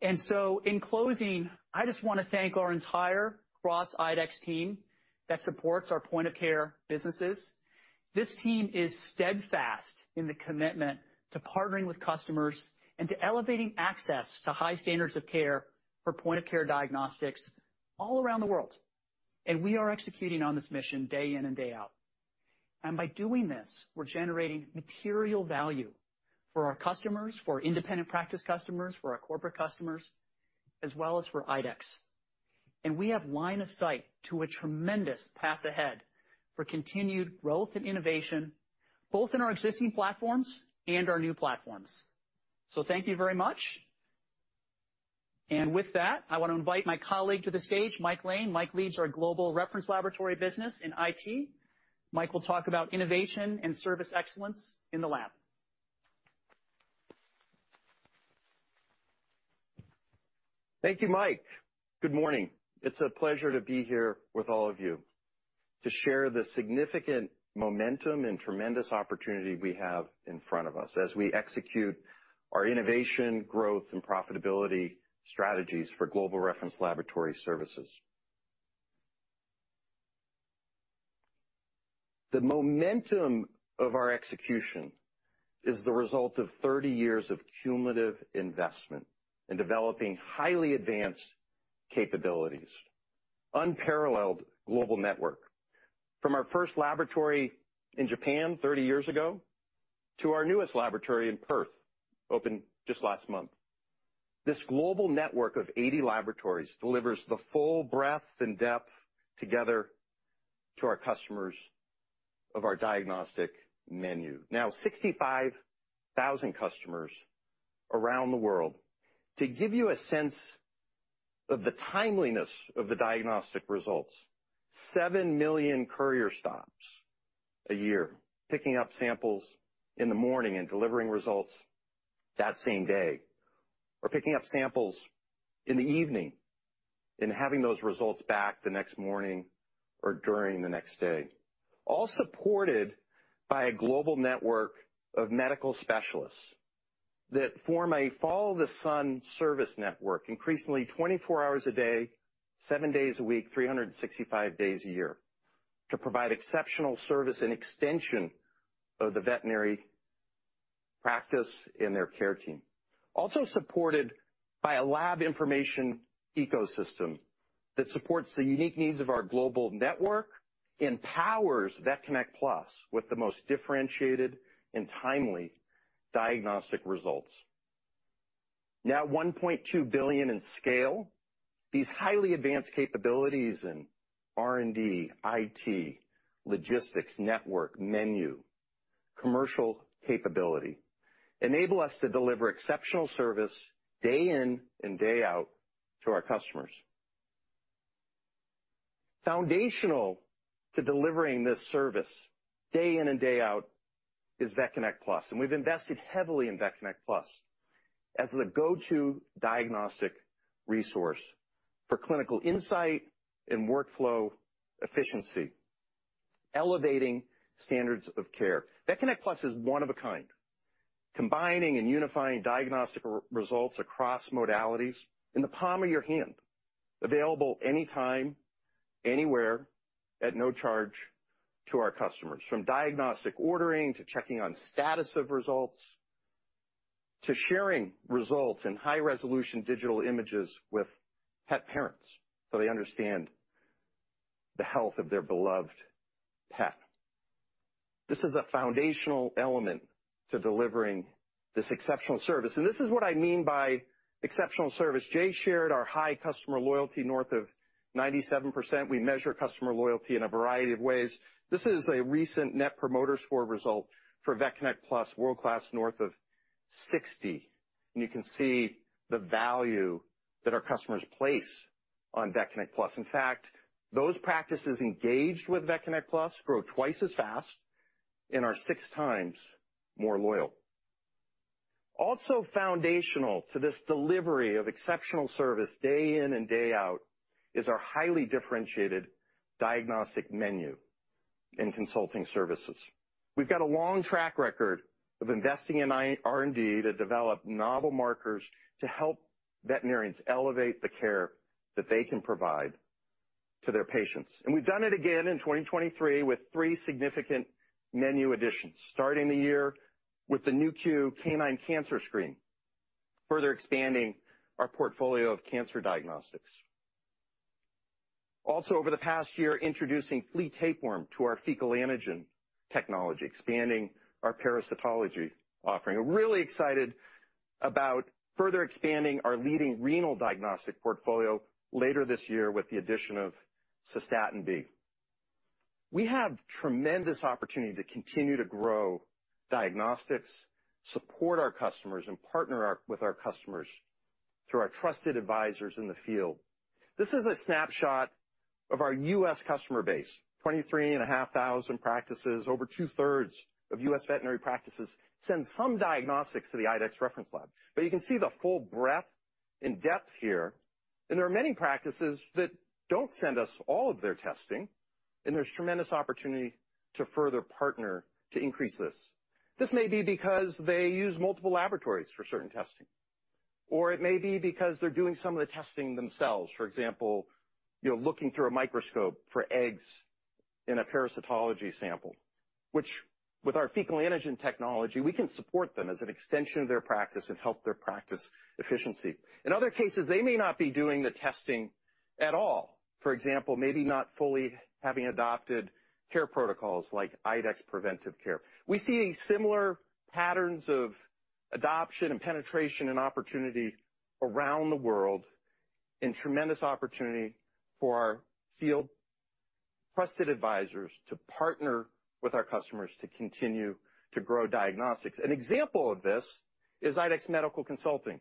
In closing, I just want to thank our entire cross IDEXX team that supports our point-of-care businesses. This team is steadfast in the commitment to partnering with customers and to elevating access to high standards of care for point-of-care diagnostics all around the world, and we are executing on this mission day in and day out. By doing this, we're generating material value for our customers, for independent practice customers, for our corporate customers, as well as for IDEXX. We have line of sight to a tremendous path ahead for continued growth and innovation, both in our existing platforms and our new platforms. Thank you very much. With that, I want to invite my colleague to the stage, Mike Lane. Mike leads our Global Reference Laboratories business and IT. Mike will talk about innovation and service excellence in the lab. Thank you, Mike. Good morning. It's a pleasure to be here with all of you to share the significant momentum and tremendous opportunity we have in front of us as we execute our innovation, growth, and profitability strategies for global reference laboratory services. The momentum of our execution is the result of 30 years of cumulative investment in developing highly advanced capabilities, unparalleled global network. From our first laboratory in Japan 30 years ago, to our newest laboratory in Perth, opened just last month. This global network of 80 laboratories delivers the full breadth and depth together to our customers of our diagnostic menu. Now, 65,000 customers around the world. To give you a sense of the timeliness of the diagnostic results, 7 million courier stops a year, picking up samples in the morning and delivering results that same day, or picking up samples in the evening and having those results back the next morning or during the next day. All supported by a global network of medical specialists, that form a follow-the-sun service network, increasingly 24 hours a day, 7 days a week, 365 days a year, to provide exceptional service and extension of the veterinary practice and their care team. Also supported by a lab information ecosystem that supports the unique needs of our global network, empowers VetConnect PLUS with the most differentiated and timely diagnostic results. Now, $1.2 billion in scale, these highly advanced capabilities in R&D, IT, logistics, network, menu, commercial capability, enable us to deliver exceptional service day in and day out to our customers. Foundational to delivering this service day in and day out is VetConnect PLUS. We've invested heavily in VetConnect PLUS as the go-to diagnostic resource for clinical insight and workflow efficiency, elevating standards of care. VetConnect PLUS is one of a kind, combining and unifying diagnostic results across modalities in the palm of your hand, available anytime, anywhere, at no charge to our customers. From diagnostic ordering, to checking on status of results, to sharing results in high-resolution digital images with pet parents so they understand the health of their beloved pet. This is a foundational element to delivering this exceptional service. This is what I mean by exceptional service. Jay shared our high customer loyalty, north of 97%. We measure customer loyalty in a variety of ways. This is a recent Net Promoter Score result for VetConnect PLUS, world-class, north of 60, and you can see the value that our customers place on VetConnect PLUS. In fact, those practices engaged with VetConnect PLUS grow 2x as fast and are 6x more loyal. Also foundational to this delivery of exceptional service day in and day out is our highly differentiated diagnostic menu and consulting services. We've got a long track record of investing in R&D to develop novel markers to help veterinarians elevate the care that they can provide to their patients. We've done it again in 2023 with three significant menu additions, starting the year with the Nu.Q Canine Cancer Screen, further expanding our portfolio of cancer diagnostics. Over the past year, introducing flea tapeworm to our Fecal Antigen technology, expanding our parasitology offering. We're really excited about further expanding our leading renal diagnostic portfolio later this year with the addition of Cystatin B. We have tremendous opportunity to continue to grow diagnostics, support our customers, and partner with our customers through our trusted advisors in the field. This is a snapshot of our U.S. customer base, 23,500 practices. Over 2/3 of U.S. veterinary practices send some diagnostics to the IDEXX Reference Lab. You can see the full breadth and depth here, and there are many practices that don't send us all of their testing, and there's tremendous opportunity to further partner to increase this. This may be because they use multiple laboratories for certain testing, or it may be because they're doing some of the testing themselves. For example, you know, looking through a microscope for eggs in a parasitology sample, which with our Fecal Antigen technology, we can support them as an extension of their practice and help their practice efficiency. In other cases, they may not be doing the testing at all. For example, maybe not fully having adopted care protocols like IDEXX Preventive Care. We see similar patterns of adoption and penetration and opportunity around the world, and tremendous opportunity for our field trusted advisors to partner with our customers to continue to grow diagnostics. An example of this is IDEXX Medical Consulting.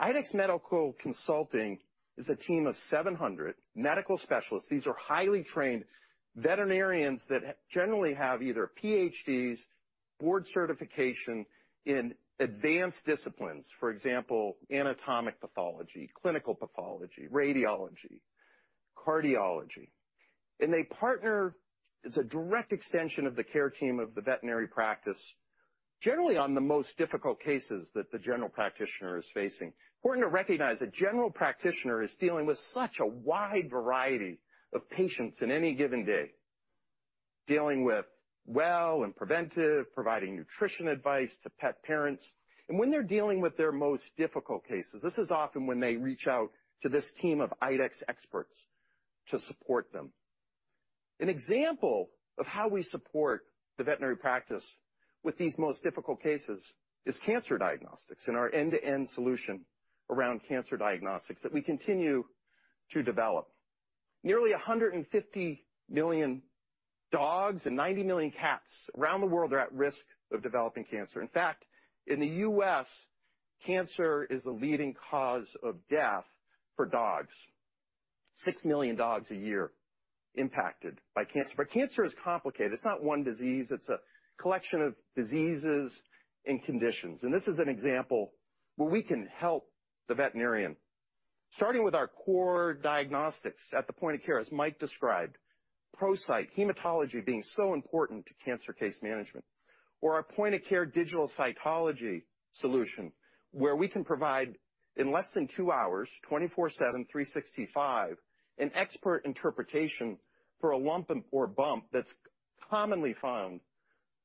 IDEXX Medical Consulting is a team of 700 medical specialists. These are highly trained veterinarians that, generally have either PhDs, board certification in advanced disciplines, for example, anatomic pathology, clinical pathology, radiology, cardiology. They partner as a direct extension of the care team of the veterinary practice, generally on the most difficult cases that the general practitioner is facing. Important to recognize, a general practitioner is dealing with such a wide variety of patients in any given day, dealing with well and preventive, providing nutrition advice to pet parents. When they're dealing with their most difficult cases, this is often when they reach out to this team of IDEXX experts to support them. An example of how we support the veterinary practice with these most difficult cases is cancer diagnostics and our end-to-end solution around cancer diagnostics that we continue to develop. Nearly 150 million dogs and 90 million cats around the world are at risk of developing cancer. In fact, in the U.S., cancer is the leading cause of death for dogs. 6 million dogs a year impacted by cancer. Cancer is complicated. It's not one disease, it's a collection of diseases and conditions, this is an example where we can help the veterinarian. Starting with our core diagnostics at the point of care, as Mike described, ProCyte, hematology being so important to cancer case management, or our point-of-care digital cytology solution, where we can provide, in less than two hours, 24/7, 365, an expert interpretation for a lump or bump that's commonly found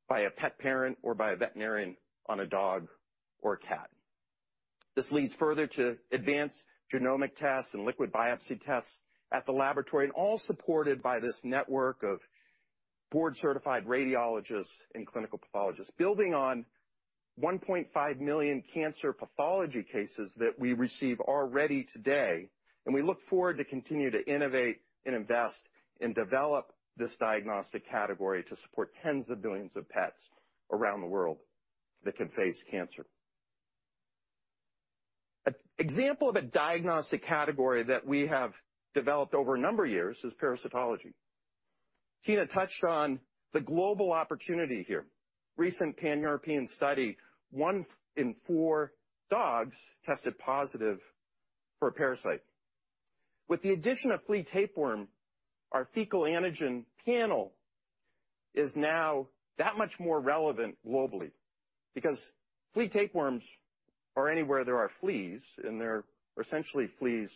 by a pet parent or by a veterinarian on a dog or a cat. This leads further to advanced genomic tests and liquid biopsy tests at the laboratory. All supported by this network of board-certified radiologists and clinical pathologists, building on 1.5 million cancer pathology cases that we receive already today. We look forward to continue to innovate and invest and develop this diagnostic category to support tens of billions of pets around the world that can face cancer. An example of a diagnostic category that we have developed over a number of years is parasitology. Tina touched on the global opportunity here. Recent Pan-European study, one in four dogs tested positive for a parasite. With the addition of flea tapeworm, our Fecal Antigen panel is now that much more relevant globally because flea tapeworms are anywhere there are fleas, and there are essentially fleas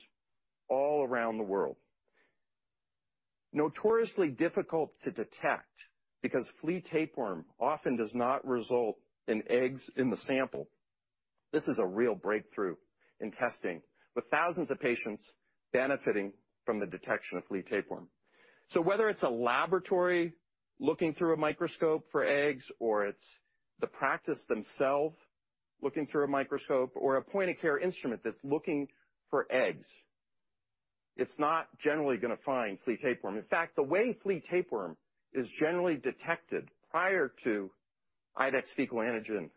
all around the world. Notoriously difficult to detect because flea tapeworm often does not result in eggs in the sample. This is a real breakthrough in testing, with thousands of patients benefiting from the detection of flea tapeworm. Whether it's a laboratory looking through a microscope for eggs, or it's the practice themselves looking through a microscope, or a point-of-care instrument that's looking for eggs, it's not generally going to find flea tapeworm. In fact, the way flea tapeworm is generally detected prior to IDEXX Fecal Antigen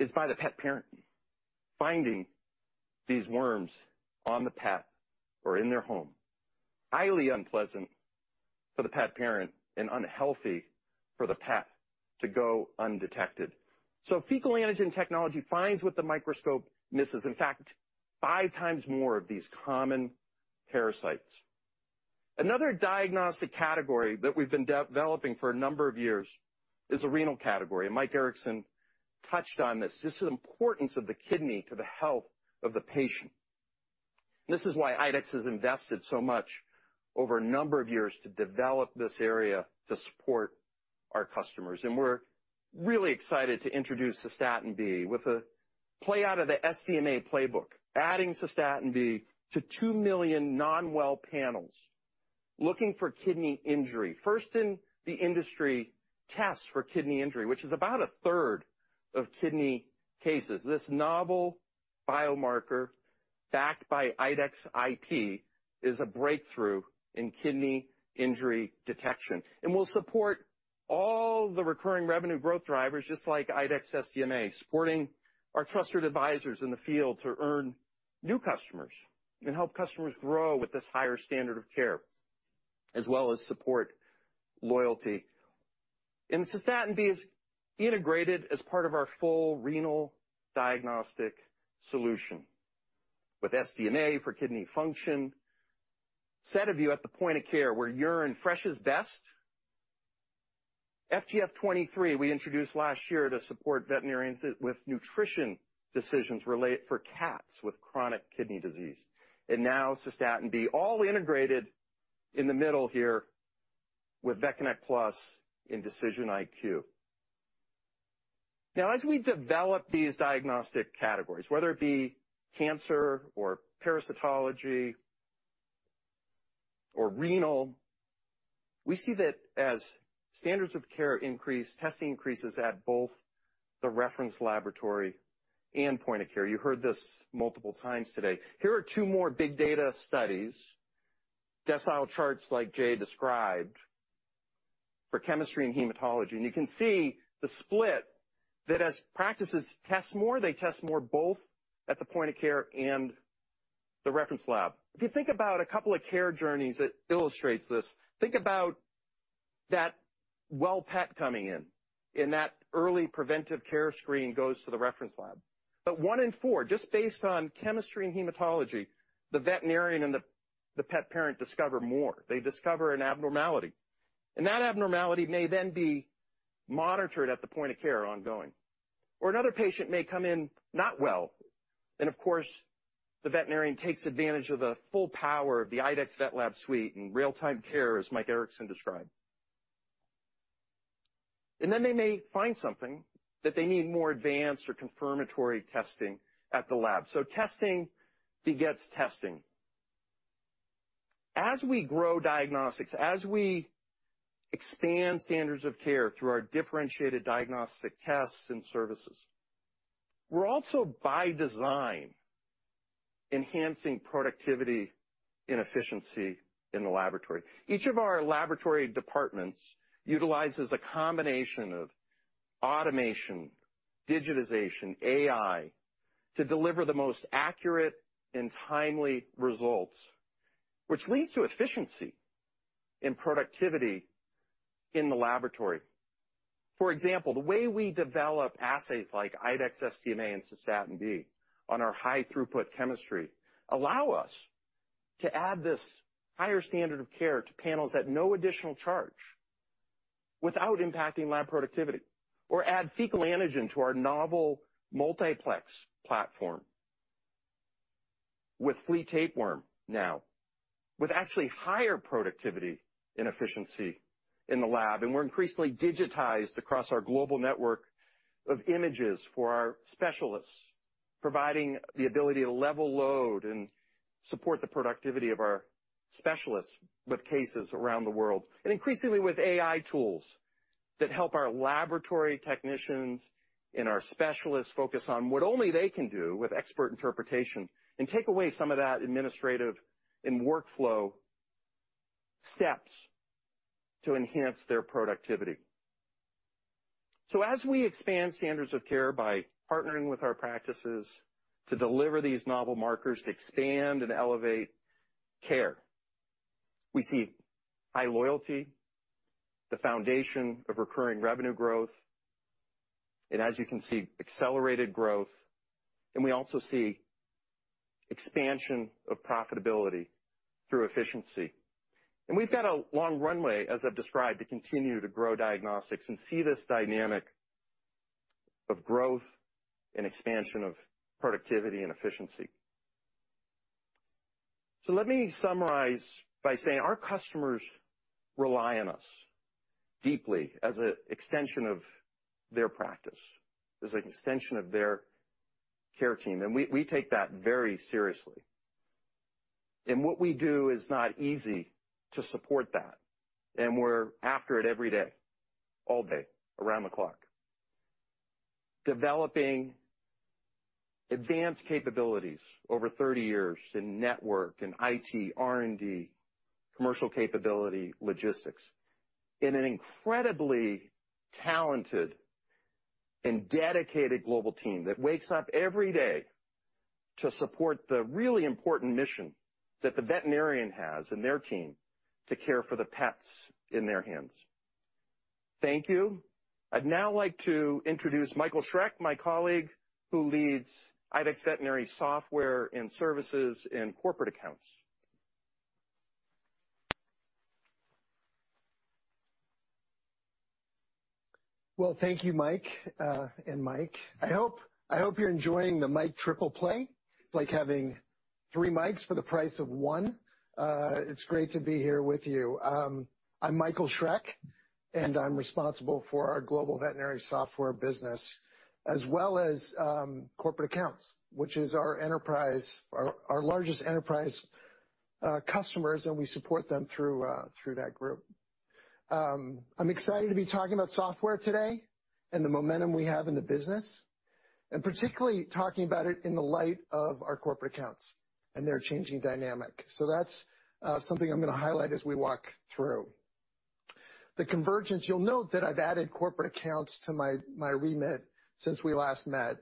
is by the pet parent finding these worms on the pet or in their home. Highly unpleasant for the pet parent and unhealthy for the pet to go undetected. Fecal Antigen technology finds what the microscope misses. In fact, 5x more of these common parasites. Another diagnostic category that we've been developing for a number of years is a renal category, and Mike Erickson touched on this. This is importance of the kidney to the health of the patient. This is why IDEXX has invested so much over a number of years to develop this area to support our customers, and we're really excited to introduce Cystatin B with a play out of the SDMA playbook, adding Cystatin B to 2 million non-well panels looking for kidney injury. First in the industry, tests for kidney injury, which is about a third of kidney cases. This novel biomarker, backed by IDEXX IP, is a breakthrough in kidney injury detection and will support all the recurring revenue growth drivers, just like IDEXX SDMA, supporting our trusted advisors in the field to earn new customers and help customers grow with this higher standard of care, as well as support loyalty. Cystatin B is integrated as part of our full renal diagnostic solution. With SDMA for kidney function, SediVue at the point of care, where urine fresh is best. FGF-23, we introduced last year to support veterinarians with nutrition decisions relate for cats with chronic kidney disease. Now, Cystatin B, all integrated in the middle here with VetConnect PLUS in DecisionIQ. Now, as we develop these diagnostic categories, whether it be cancer or parasitology or renal, we see that as standards of care increase, testing increases at both the reference laboratory and point of care. You heard this multiple times today. Here are two more big data studies, decile charts, like Jay described, for chemistry and hematology. You can see the split, that as practices test more, they test more both at the point of care and the reference lab. If you think about a couple of care journeys that illustrates this, think about that well pet coming in, and that early preventive care screen goes to the reference lab. One in four, just based on chemistry and hematology, the veterinarian and the pet parent discover more. They discover an abnormality, and that abnormality may then be monitored at the point of care ongoing. Another patient may come in not well, and of course, the veterinarian takes advantage of the full power of the IDEXX VetLab Suite and real-time care, as Mike Erickson described. Then they may find something that they need more advanced or confirmatory testing at the lab. Testing begets testing. As we grow diagnostics, as we expand standards of care through our differentiated diagnostic tests and services, we're also, by design, enhancing productivity and efficiency in the laboratory. Each of our laboratory departments utilizes a combination of automation, digitization, AI, to deliver the most accurate and timely results, which leads to efficiency and productivity in the laboratory. For example, the way we develop assays like IDEXX SDMA and Cystatin B on our high throughput chemistry, allow us to add this higher standard of care to panels at no additional charge without impacting lab productivity, or add Fecal Antigen to our novel multiplex platform with flea tapeworm now, with actually higher productivity and efficiency in the lab. We're increasingly digitized across our global network of images for our specialists, providing the ability to level load and support the productivity of our specialists with cases around the world, and increasingly with AI tools that help our laboratory technicians and our specialists focus on what only they can do with expert interpretation, and take away some of that administrative and workflow steps to enhance their productivity. As we expand standards of care by partnering with our practices to deliver these novel markers to expand and elevate care, we see high loyalty, the foundation of recurring revenue growth, and as you can see, accelerated growth, and we also see expansion of profitability through efficiency. We've got a long runway, as I've described, to continue to grow diagnostics and see this dynamic of growth and expansion of productivity and efficiency. Let me summarize by saying our customers rely on us deeply as an extension of their practice, as an extension of their care team, and we, we take that very seriously. What we do is not easy to support that, and we're after it every day, all day, around the clock. Developing advanced capabilities over 30 years in network, in IT, R&D, commercial capability, logistics, in an incredibly talented and dedicated global team that wakes up every day to support the really important mission that the veterinarian has and their team to care for the pets in their hands. Thank you. I'd now like to introduce Michael Schreck, my colleague, who leads IDEXX Veterinary Software and Services and Corporate Accounts. Well, thank you, Mike, and Mike. I hope, I hope you're enjoying the Mike triple play. It's like having three Mikes for the price of one. It's great to be here with you. I'm Michael Schreck, and I'm responsible for our global veterinary software business, as well as, corporate accounts, which is our enterprise, our, our largest enterprise, customers, and we support them through, through that group. I'm excited to be talking about software today and the momentum we have in the business, and particularly talking about it in the light of our corporate accounts and their changing dynamic. That's something I'm going to highlight as we walk through. The convergence, you'll note that I've added corporate accounts to my, my remit since we last met,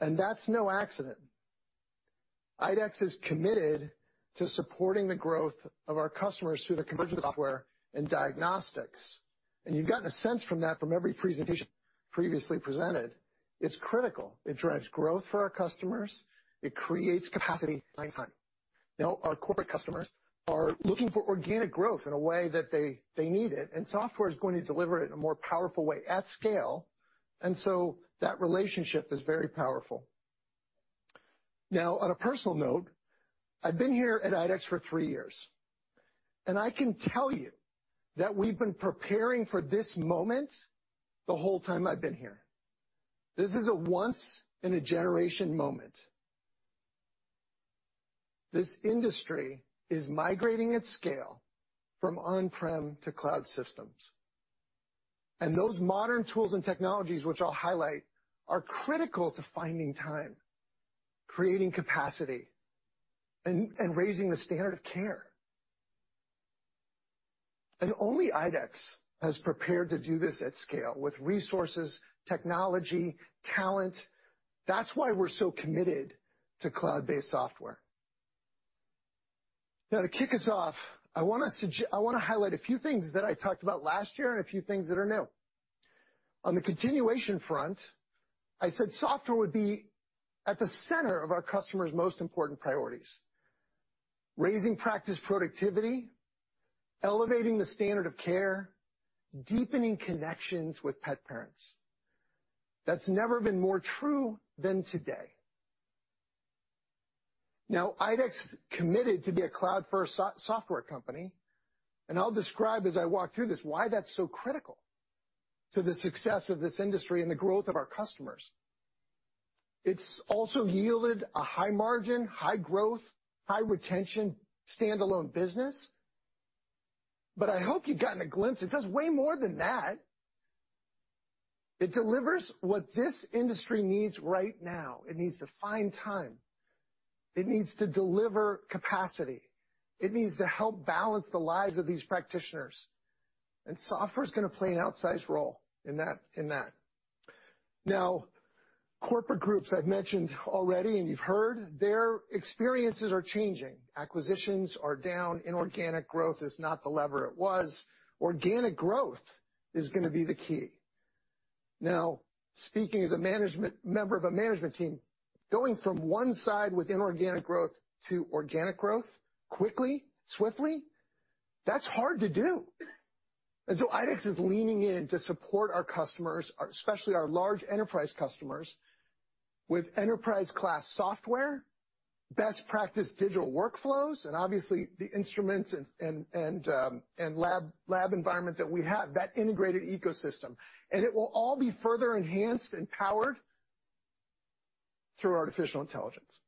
that's no accident. IDEXX is committed to supporting the growth of our customers through the convergence of software and diagnostics. You've gotten a sense from that from every presentation previously presented. It's critical. It drives growth for our customers. It creates capacity, time. Now, our corporate customers are looking for organic growth in a way that they, they need it, and software is going to deliver it in a more powerful way at scale, and so that relationship is very powerful. Now, on a personal note, I've been here at IDEXX for three years, and I can tell you that we've been preparing for this moment the whole time I've been here. This is a once-in-a-generation moment. This industry is migrating at scale from on-prem to cloud systems, and those modern tools and technologies, which I'll highlight, are critical to finding time, creating capacity, and raising the standard of care. Only IDEXX has prepared to do this at scale with resources, technology, talent. That's why we're so committed to cloud-based software. To kick us off, I want to highlight a few things that I talked about last year and a few things that are new. On the continuation front, I said software would be at the center of our customers' most important priorities: raising practice productivity, elevating the standard of care, deepening connections with pet parents. That's never been more true than today. IDEXX committed to be a cloud-first software company, I'll describe, as I walk through this, why that's so critical to the success of this industry and the growth of our customers. It's also yielded a high margin, high growth, high retention, standalone business. I hope you've gotten a glimpse. It does way more than that. It delivers what this industry needs right now. It needs to find time, it needs to deliver capacity, it needs to help balance the lives of these practitioners, and software is going to play an outsized role in that. Now, corporate groups I've mentioned already, and you've heard, their experiences are changing. Acquisitions are down. Inorganic growth is not the lever it was. Organic growth is going to be the key. Now, speaking as a management member of a management team, going from one side with inorganic growth to organic growth quickly, swiftly, that's hard to do. So IDEXX is leaning in to support our customers, especially our large enterprise customers, with enterprise-class software, best practice digital workflows, and obviously, the instruments and lab environment that we have, that integrated ecosystem. It will all be further enhanced and powered through artificial intelligence.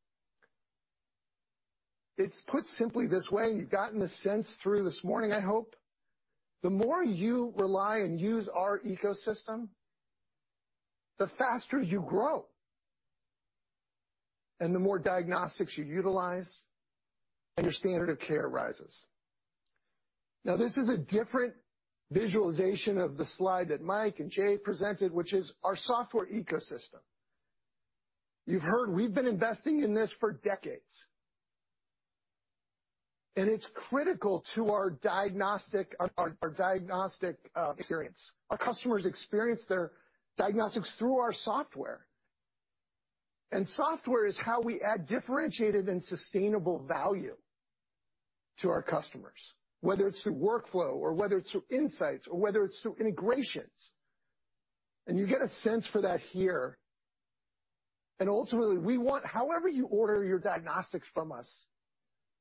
It's put simply this way. You've gotten a sense through this morning, I hope. The more you rely and use our ecosystem, the faster you grow, the more diagnostics you utilize, and your standard of care rises. Now, this is a different visualization of the slide that Mike and Jay presented, which is our software ecosystem. You've heard we've been investing in this for decades. It's critical to our diagnostic experience. Our customers experience their diagnostics through our software. Software is how we add differentiated and sustainable value to our customers, whether it's through workflow or whether it's through insights or whether it's through integrations. You get a sense for that here. Ultimately, however you order your diagnostics from us,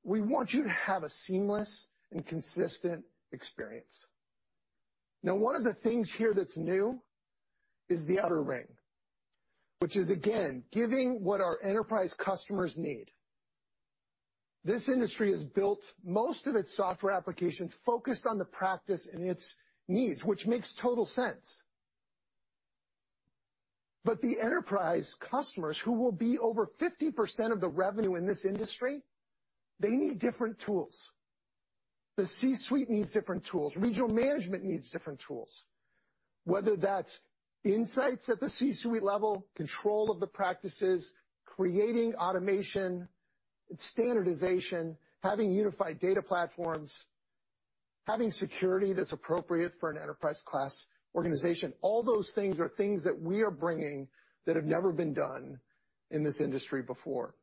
we want you to have a seamless and consistent experience. One of the things here that's new is the outer ring, which is, again, giving what our enterprise customers need. This industry has built most of its software applications focused on the practice and its needs, which makes total sense. The enterprise customers, who will be over 50% of the revenue in this industry, they need different tools. The C-suite needs different tools. Regional management needs different tools, whether that's insights at the C-suite level, control of the practices, creating automation, standardization, having unified data platforms, having security that's appropriate for an enterprise-class organization. All those things are things that we are bringing that have never been done in this industry before.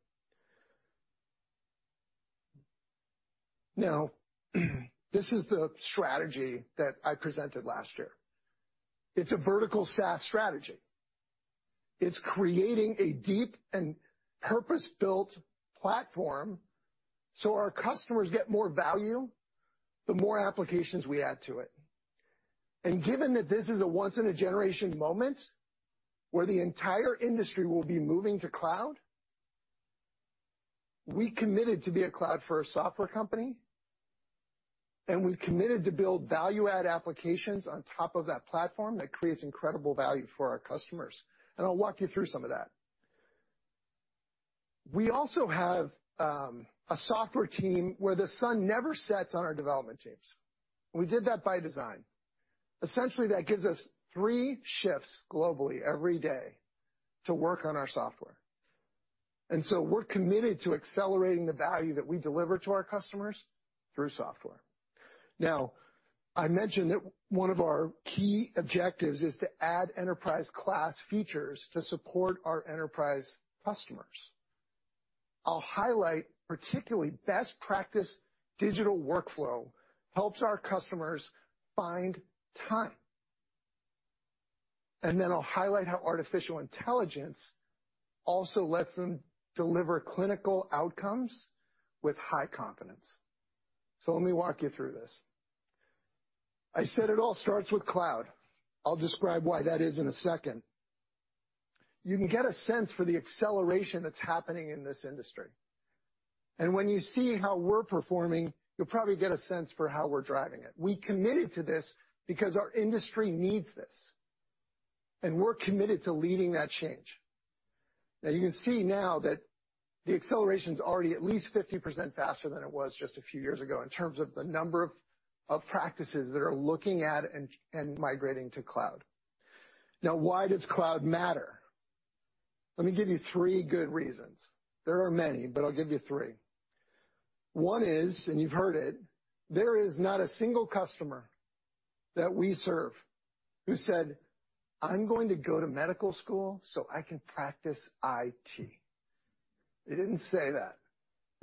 This is the strategy that I presented last year. It's a vertical SaaS strategy. It's creating a deep and purpose-built platform so our customers get more value, the more applications we add to it. Given that this is a once-in-a-generation moment where the entire industry will be moving to cloud, we committed to be a cloud-first software company, and we committed to build value-add applications on top of that platform that creates incredible value for our customers, and I'll walk you through some of that. We also have a software team where the sun never sets on our development teams. We did that by design. Essentially, that gives us three shifts globally every day to work on our software, and so we're committed to accelerating the value that we deliver to our customers through software. Now, I mentioned that one of our key objectives is to add enterprise-class features to support our enterprise customers. I'll highlight, particularly, best practice digital workflow helps our customers find time, and then I'll highlight how artificial intelligence also lets them deliver clinical outcomes with high confidence. Let me walk you through this. I said it all starts with cloud. I'll describe why that is in a second. You can get a sense for the acceleration that's happening in this industry, and when you see how we're performing, you'll probably get a sense for how we're driving it. We committed to this because our industry needs this, and we're committed to leading that change. You can see now that the acceleration is already at least 50% faster than it was just a few years ago in terms of the number of practices that are looking at and, and migrating to cloud. Why does cloud matter? Let me give you three good reasons. There are many, but I'll give you three. One is, you've heard it, there is not a single customer that we serve who said, "I'm going to go to medical school so I can practice IT." They didn't say that.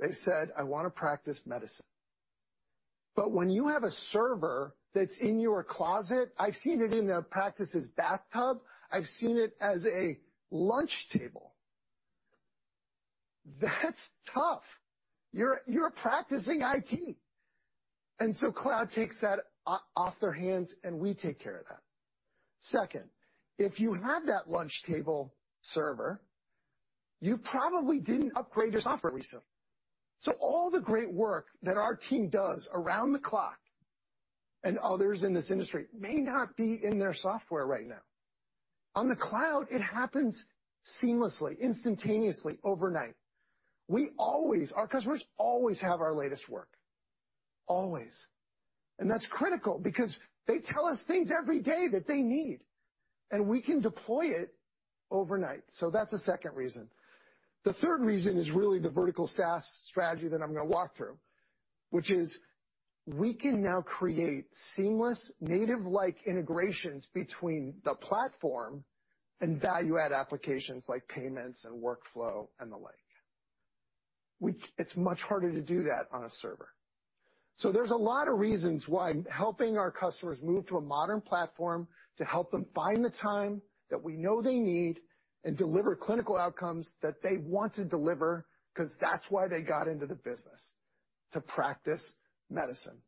They said, "I want to practice medicine." When you have a server that's in your closet, I've seen it in a practice's bathtub, I've seen it as a lunch table. That's tough. You're practicing IT, so cloud takes that off their hands, and we take care of that. Second, if you have that lunch table server, you probably didn't upgrade your software recently. All the great work that our team does around the clock and others in this industry may not be in their software right now. On the cloud, it happens seamlessly, instantaneously, overnight. We always... Our customers always have our latest work.... Always. That's critical because they tell us things every day that they need, and we can deploy it overnight. That's the second reason. The third reason is really the vertical SaaS strategy that I'm gonna walk through, which is we can now create seamless, native-like integrations between the platform and value-add applications like payments and workflow, and the like. It's much harder to do that on a server. There's a lot of reasons why helping our customers move to a modern platform to help them find the time that we know they need, and deliver clinical outcomes that they want to deliver, 'cause that's why they got into the business, to practice medicine.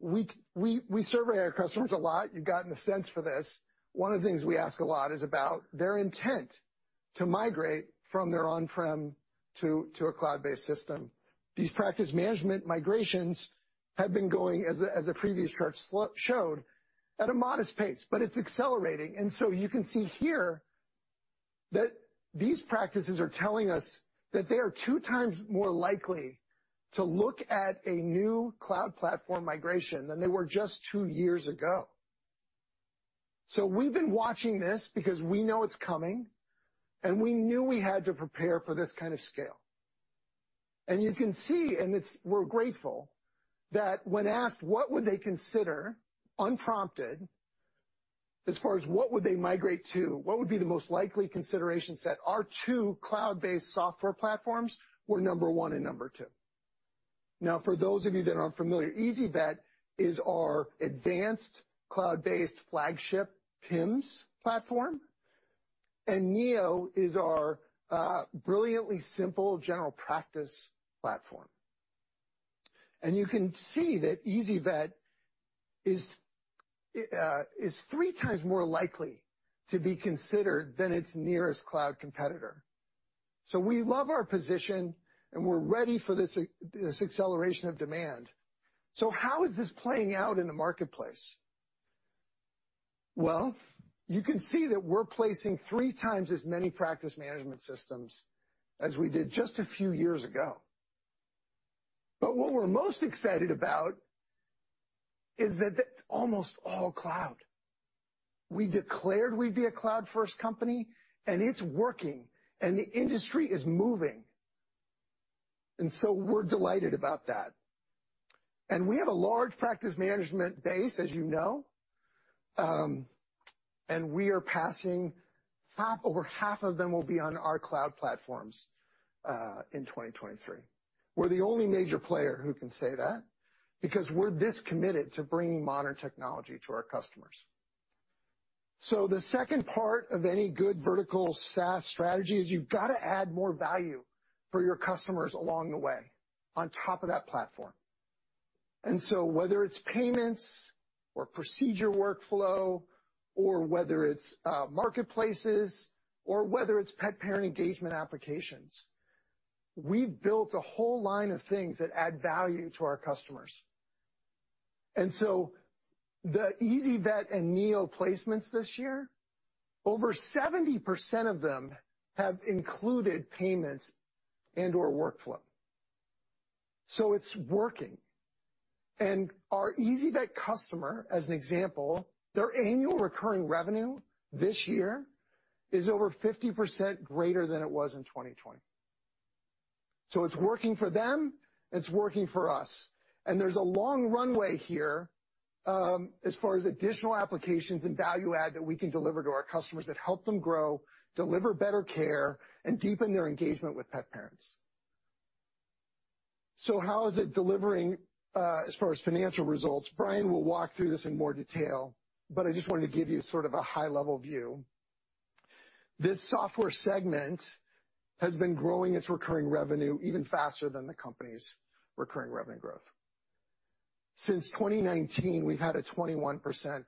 We, we, we survey our customers a lot. You've gotten a sense for this. One of the things we ask a lot is about their intent to migrate from their on-prem to, to a cloud-based system. These practice management migrations have been going, as the previous chart showed, at a modest pace. It's accelerating. You can see here that these practices are telling us that they are 2x more likely to look at a new cloud platform migration than they were just two years ago. We've been watching this because we know it's coming, and we knew we had to prepare for this kind of scale. You can see, and it's, we're grateful, that when asked, what would they consider, unprompted, as far as what would they migrate to, what would be the most likely consideration set? Our two cloud-based software platforms were number one and number two. For those of you that aren't familiar, ezyVet is our advanced, cloud-based, flagship PIMS platform, and Neo is our brilliantly simple general practice platform. You can see that ezyVet is 3x more likely to be considered than its nearest cloud competitor. We love our position, and we're ready for this acceleration of demand. How is this playing out in the marketplace? You can see that we're placing 3x as many practice management systems as we did just a few years ago. What we're most excited about is that it's almost all cloud. We declared we'd be a cloud-first company, and it's working, and the industry is moving. We're delighted about that. We have a large practice management base, as you know, and we are passing... Over half of them will be on our cloud platforms in 2023. We're the only major player who can say that, because we're this committed to bringing modern technology to our customers. The second part of any good vertical SaaS strategy is you've got to add more value for your customers along the way, on top of that platform. Whether it's payments or procedure workflow, or whether it's marketplaces, or whether it's pet-parent engagement applications, we've built a whole line of things that add value to our customers. The ezyVet and Neo placements this year, over 70% of them have included payments and/or workflow. It's working. Our ezyVet customer, as an example, their annual recurring revenue this year is over 50% greater than it was in 2020. It's working for them, and it's working for us. There's a long runway here, as far as additional applications and value add that we can deliver to our customers that help them grow, deliver better care, and deepen their engagement with pet parents. How is it delivering, as far as financial results? Brian will walk through this in more detail, but I just wanted to give you sort of a high-level view. This software segment has been growing its recurring revenue even faster than the company's recurring revenue growth. Since 2019, we've had a 21%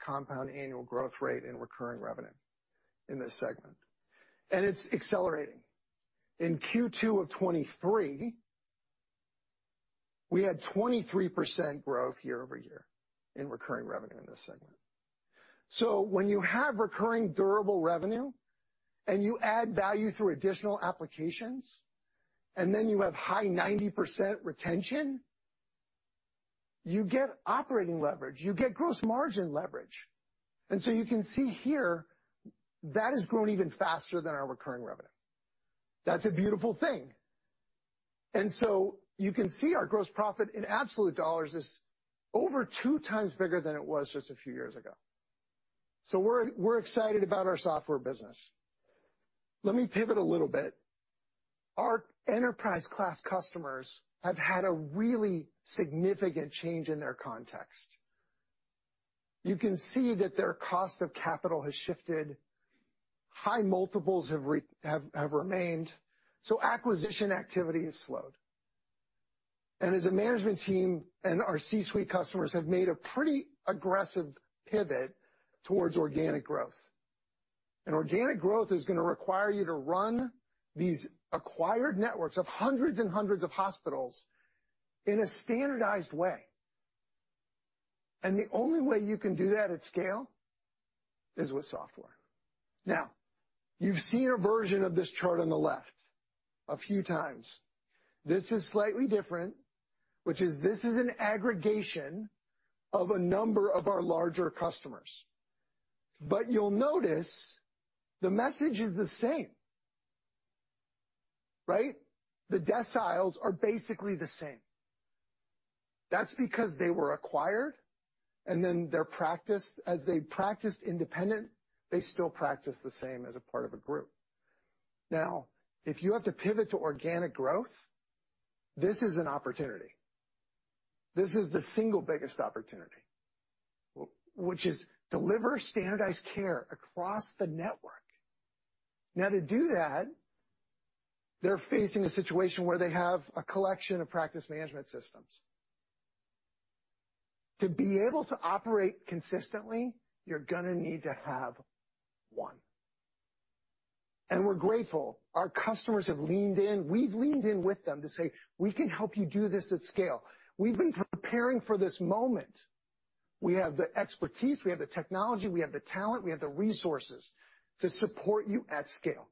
compound annual growth rate in recurring revenue in this segment, and it's accelerating. In Q2 of 2023, we had 23% growth year-over-year in recurring revenue in this segment. When you have recurring durable revenue and you add value through additional applications, then you have high 90% retention, you get operating leverage, you get gross margin leverage. You can see here, that has grown even faster than our recurring revenue. That's a beautiful thing. You can see our gross profit in absolute dollars is over 2x bigger than it was just a few years ago. We're excited about our software business. Let me pivot a little bit. Our enterprise-class customers have had a really significant change in their context. You can see that their cost of capital has shifted, high multiples have remained, so acquisition activity has slowed. As a management team and our C-suite customers have made a pretty aggressive pivot towards organic growth. Organic growth is gonna require you to run these acquired networks of hundreds and hundreds of hospitals in a standardized way. The only way you can do that at scale is with software. Now, you've seen a version of this chart on the left a few times. This is slightly different, which is, this is an aggregation of a number of our larger customers. You'll notice the message is the same, right? The deciles are basically the same. That's because they were acquired, and then their practice, as they practiced independent, they still practice the same as a part of a group. Now, if you have to pivot to organic growth, this is an opportunity. This is the single biggest opportunity, which is deliver standardized care across the network. Now, to do that, they're facing a situation where they have a collection of practice management systems. To be able to operate consistently, you're gonna need to have one, and we're grateful our customers have leaned in. We've leaned in with them to say, "We can help you do this at scale." We've been preparing for this moment. We have the expertise, we have the technology, we have the talent, we have the resources to support you at scale.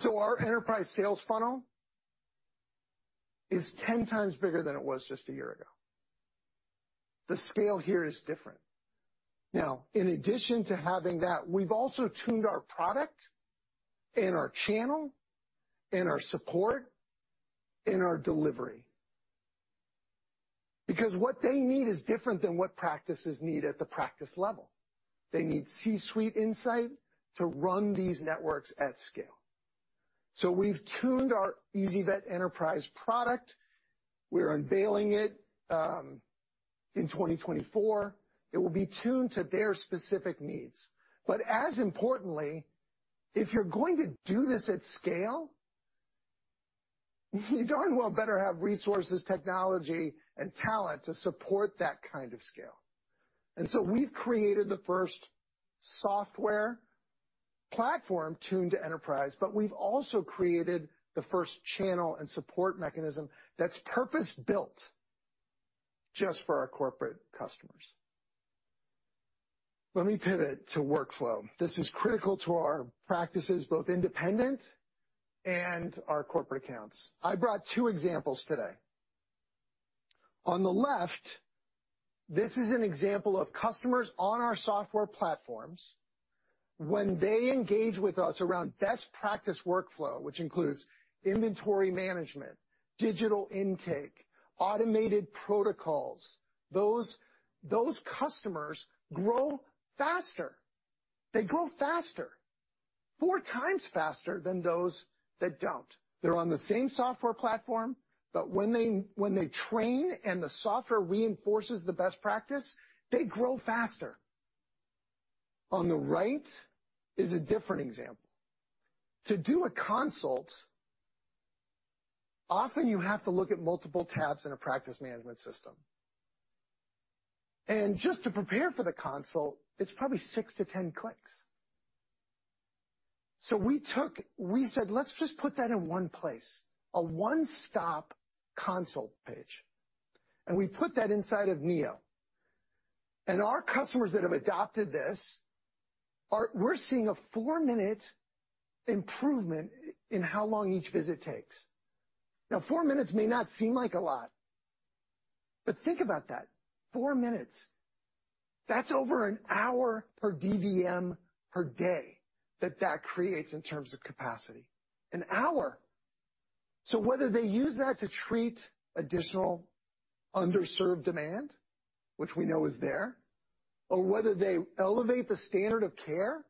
So our enterprise sales funnel is 10x bigger than it was just a year ago. The scale here is different. Now, in addition to having that, we've also tuned our product and our channel and our support and our delivery, because what they need is different than what practices need at the practice level. They need C-suite insight to run these networks at scale. We've tuned our ezyVet Enterprise product. We're unveiling it in 2024. It will be tuned to their specific needs. As importantly, if you're going to do this at scale, you darn well better have resources, technology, and talent to support that kind of scale. So we've created the first software platform tuned to enterprise, but we've also created the first channel and support mechanism that's purpose-built just for our corporate customers. Let me pivot to workflow. This is critical to our practices, both independent and our corporate accounts. I brought two examples today. On the left, this is an example of customers on our software platforms. When they engage with us around best practice workflow, which includes inventory management, digital intake, automated protocols, those, those customers grow faster. They grow faster, 4x faster than those that don't. They're on the same software platform, but when they, when they train and the software reinforces the best practice, they grow faster. On the right is a different example. To do a consult, often you have to look at multiple tabs in a practice management system. Just to prepare for the consult, it's probably six to 10 clicks. We said, "Let's just put that in one place, a one-stop consult page," and we put that inside of Neo. Our customers that have adopted this are. We're seeing a four-minute improvement in how long each visit takes. Now, four minutes may not seem like a lot, but think about that. Four minutes, that's over one hour per DVM per day that that creates in terms of capacity, an hour. Whether they use that to treat additional underserved demand, which we know is there, or whether they elevate the standard of care,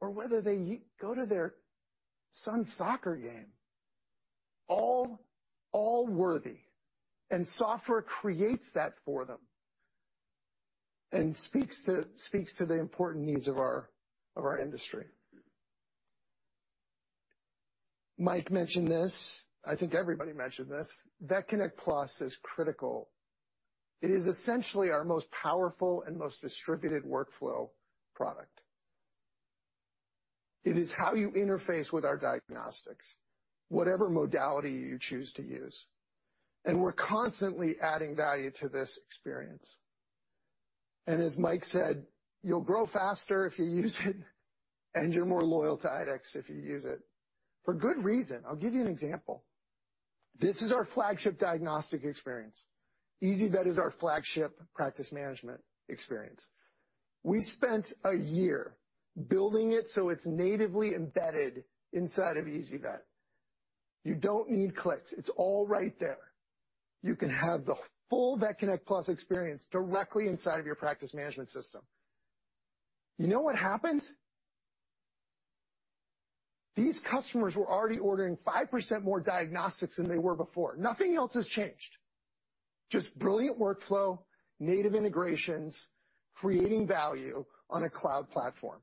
or whether they go to their son's soccer game, all, all worthy, and software creates that for them and speaks to, speaks to the important needs of our, of our industry. Mike mentioned this, I think everybody mentioned this. VetConnect PLUS is critical. It is essentially our most powerful and most distributed workflow product. It is how you interface with our diagnostics, whatever modality you choose to use, and we're constantly adding value to this experience. As Mike said, you'll grow faster if you use it, and you're more loyal to IDEXX if you use it, for good reason. I'll give you an example. This is our flagship diagnostic experience. ezyVet is our flagship practice management experience. We spent a year building it. It's natively embedded inside of ezyVet. You don't need clicks. It's all right there. You can have the full VetConnect PLUS experience directly inside of your practice management system. You know what happened? These customers were already ordering 5% more diagnostics than they were before. Nothing else has changed, just brilliant workflow, native integrations, creating value on a cloud platform.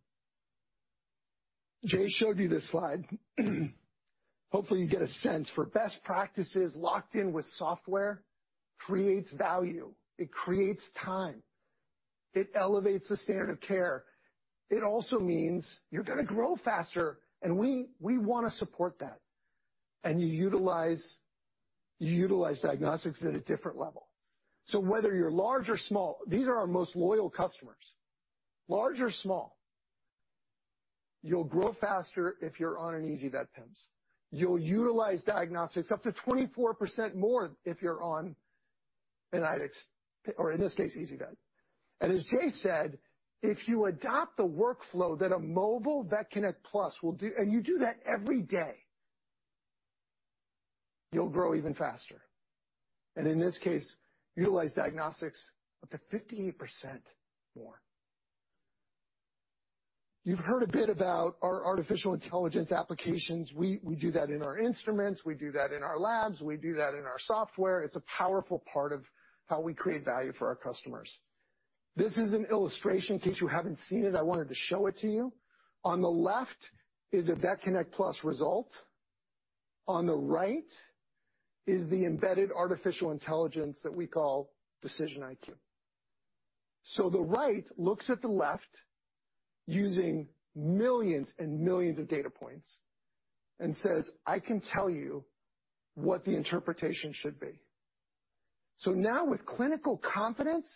Jay showed you this slide. Hopefully, you get a sense for best practices locked in with software creates value, it creates time. It elevates the standard of care. It also means you're going to grow faster, we, we want to support that. You utilize, you utilize diagnostics at a different level. Whether you're large or small, these are our most loyal customers. Large or small, you'll grow faster if you're on an ezyVet PIMS. You'll utilize diagnostics up to 24% more if you're on an IDEXX, or in this case, ezyVet. As Jay said, if you adopt the workflow that a mobile VetConnect PLUS will do, and you do that every day, you'll grow even faster, and in this case, utilize diagnostics up to 58% more. You've heard a bit about our artificial intelligence applications. We do that in our instruments, we do that in our labs, we do that in our software. It's a powerful part of how we create value for our customers. This is an illustration. In case you haven't seen it, I wanted to show it to you. On the left is a VetConnect PLUS result. On the right is the embedded artificial intelligence that we call DecisionIQ. The right looks at the left using millions and millions of data points and says, "I can tell you what the interpretation should be." Now, with clinical confidence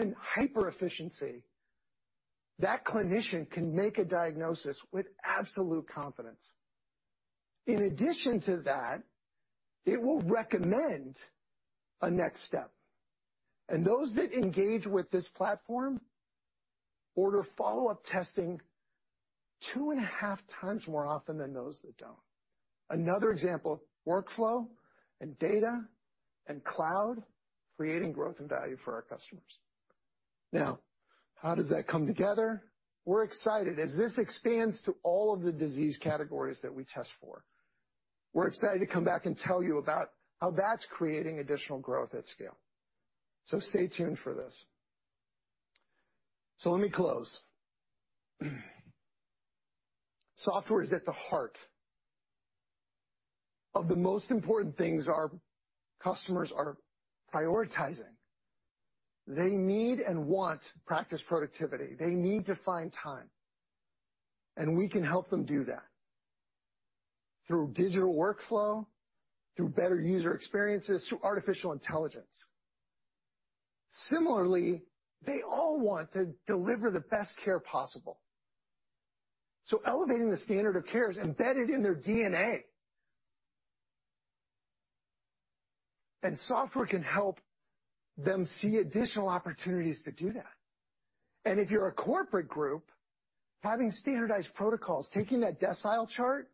and hyper efficiency, that clinician can make a diagnosis with absolute confidence. In addition to that, it will recommend a next step, and those that engage with this platform order follow-up testing 2.5x more often than those that don't. Another example, workflow and data and cloud, creating growth and value for our customers. How does that come together? We're excited as this expands to all of the disease categories that we test for. We're excited to come back and tell you about how that's creating additional growth at scale. Stay tuned for this. Let me close. Software is at the heart of the most important things our customers are prioritizing. They need and want practice productivity. They need to find time, and we can help them do that through digital workflow, through better user experiences, through artificial intelligence. Similarly, they all want to deliver the best care possible, so elevating the standard of care is embedded in their DNA. Software can help them see additional opportunities to do that. If you're a corporate group, having standardized protocols, taking that decile chart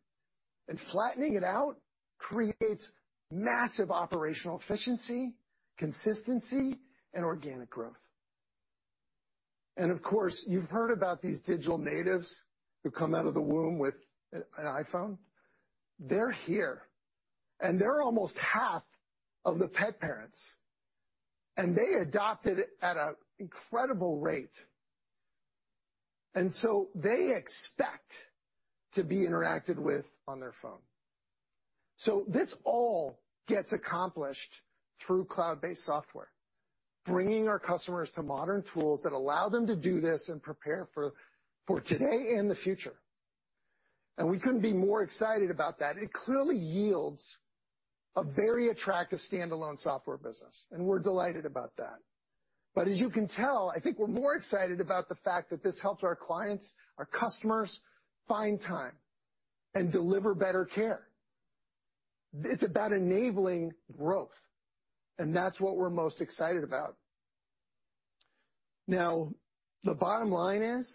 and flattening it out creates massive operational efficiency, consistency, and organic growth. Of course, you've heard about these digital natives who come out of the womb with an iPhone. They're here, and they're almost half of the pet parents, and they adopted it at an incredible rate. They expect to be interacted with on their phone. This all gets accomplished through cloud-based software, bringing our customers to modern tools that allow them to do this and prepare for, for today and the future. We couldn't be more excited about that. It clearly yields a very attractive standalone software business, and we're delighted about that. As you can tell, I think we're more excited about the fact that this helps our clients, our customers, find time and deliver better care. It's about enabling growth, and that's what we're most excited about. The bottom line is,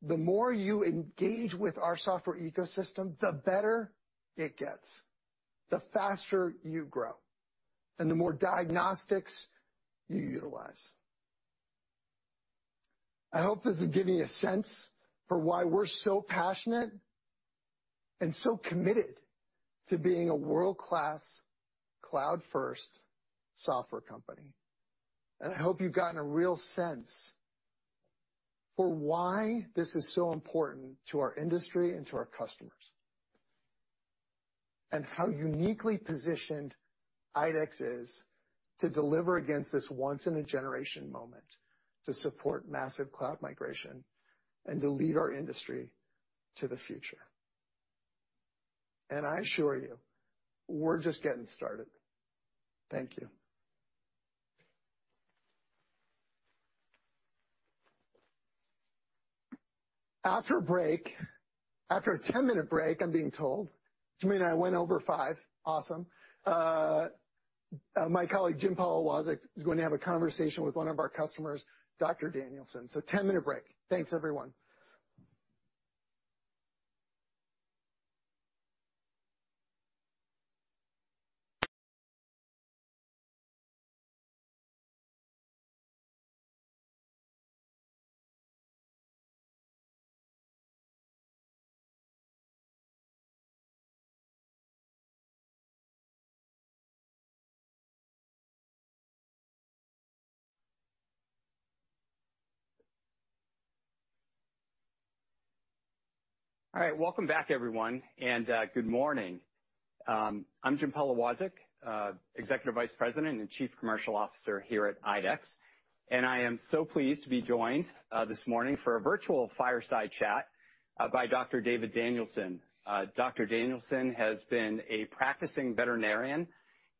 the more you engage with our software ecosystem, the better it gets, the faster you grow, and the more diagnostics you utilize. I hope this is giving you a sense for why we're so passionate and so committed to being a world-class, cloud-first software company. I hope you've gotten a real sense for why this is so important to our industry and to our customers, and how uniquely positioned IDEXX is to deliver against this once-in-a-generation moment to support massive cloud migration and to lead our industry to the future. I assure you, we're just getting started. Thank you. After a break, after a 10-minute break, I'm being told. Which means I went over five. Awesome. My colleague, Jim Polewaczyk, is going to have a conversation with one of our customers, Dr. Danielson. 10-minute break. Thanks, everyone. All right. Welcome back, everyone, and good morning. I'm Jim Polewaczyk, Executive Vice President and Chief Commercial Officer here at IDEXX, and I am so pleased to be joined this morning for a virtual fireside chat by Dr. David Danielson. Dr. Danielson has been a practicing veterinarian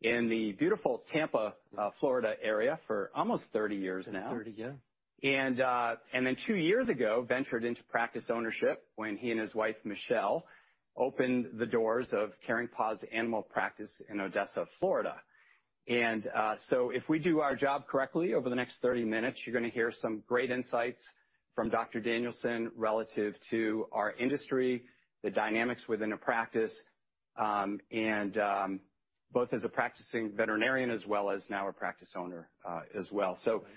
in the beautiful Tampa, Florida area for almost 30 years now. 30, yeah. Two years ago, ventured into practice ownership when he and his wife, Michelle, opened the doors of Caring Paws Animal Practice in Odessa, Florida. If we do our job correctly over the next 30 minutes, you're gonna hear some great insights from Dr. Danielson relative to our industry, the dynamics within a practice, and, both as a practicing veterinarian as well as now a practice owner, as well. Thank you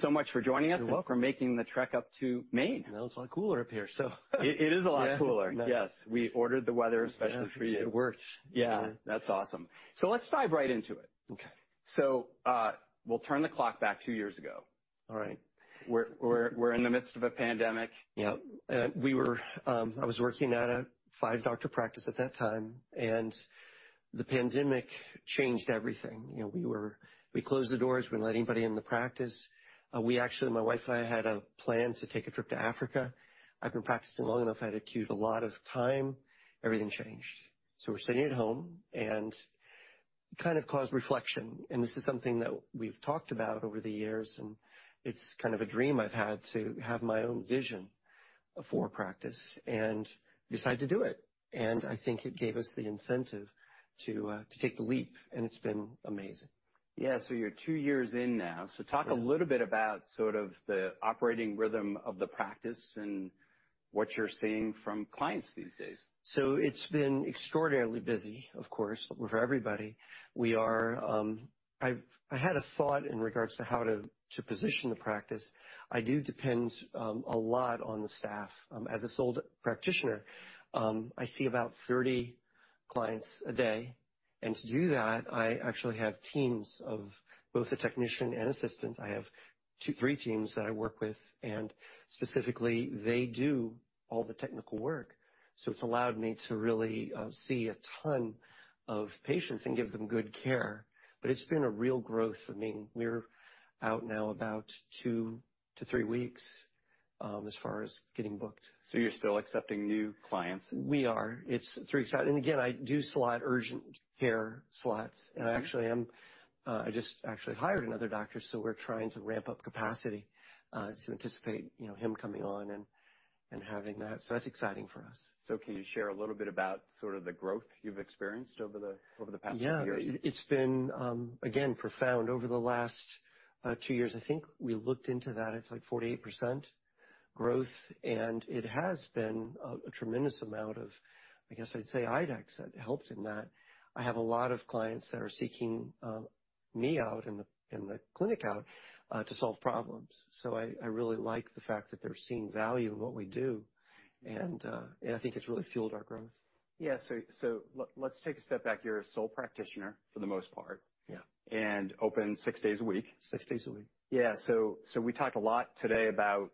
so much for joining us. You're welcome. For making the trek up to Maine. I know it's a lot cooler up here, so. It, it is a lot cooler. Yeah. Yes. We ordered the weather especially for you. It works. Yeah. That's awesome. Let's dive right into it. Okay. We'll turn the clock back two years ago. All right. We're in the midst of a pandemic. Yeah. I was working at a five-doctor practice at that time, and the pandemic changed everything. You know, we closed the doors. We didn't let anybody in the practice. We actually, my wife and I had a plan to take a trip to Africa. I've been practicing long enough. I had accrued a lot of time. Everything changed. We're sitting at home, and it kind of caused reflection, and this is something that we've talked about over the years, and it's kind of a dream I've had to have my own vision for a practice and decided to do it. I think it gave us the incentive to take the leap, and it's been amazing. Yeah. You're two years in now. Yeah. Talk a little bit about sort of the operating rhythm of the practice and what you're seeing from clients these days. It's been extraordinarily busy, of course, for everybody. We are. I had a thought in regards to how to, to position the practice. I do depend a lot on the staff. As a sole practitioner, I see about 30 clients a day, and to do that, I actually have teams of both a technician and assistant. I have two, three teams that I work with, and specifically, they do all the technical work. It's allowed me to really see a ton of patients and give them good care. It's been a real growth. I mean, we're out now about two to three weeks as far as getting booked. You're still accepting new clients? We are. It's very exciting. Again, I do slot urgent care slots, and I actually am, I just actually hired another doctor, so we're trying to ramp up capacity, to anticipate, you know, him coming on and, and having that. That's exciting for us. Can you share a little bit about sort of the growth you've experienced over the, over the past few years? Yeah. It, it's been, again, profound. Over the last, two years, I think we looked into that, it's like 48% growth, and it has been a, a tremendous amount of, I guess I'd say IDEXX that helped in that. I have a lot of clients that are seeking, me out and the, and the clinic out, to solve problems. So I, I really like the fact that they're seeing value in what we do, and, and I think it's really fueled our growth. Yeah. Let's take a step back. You're a sole practitioner for the most part. Yeah. open six days a week. Six days a week. Yeah. so we talked a lot today about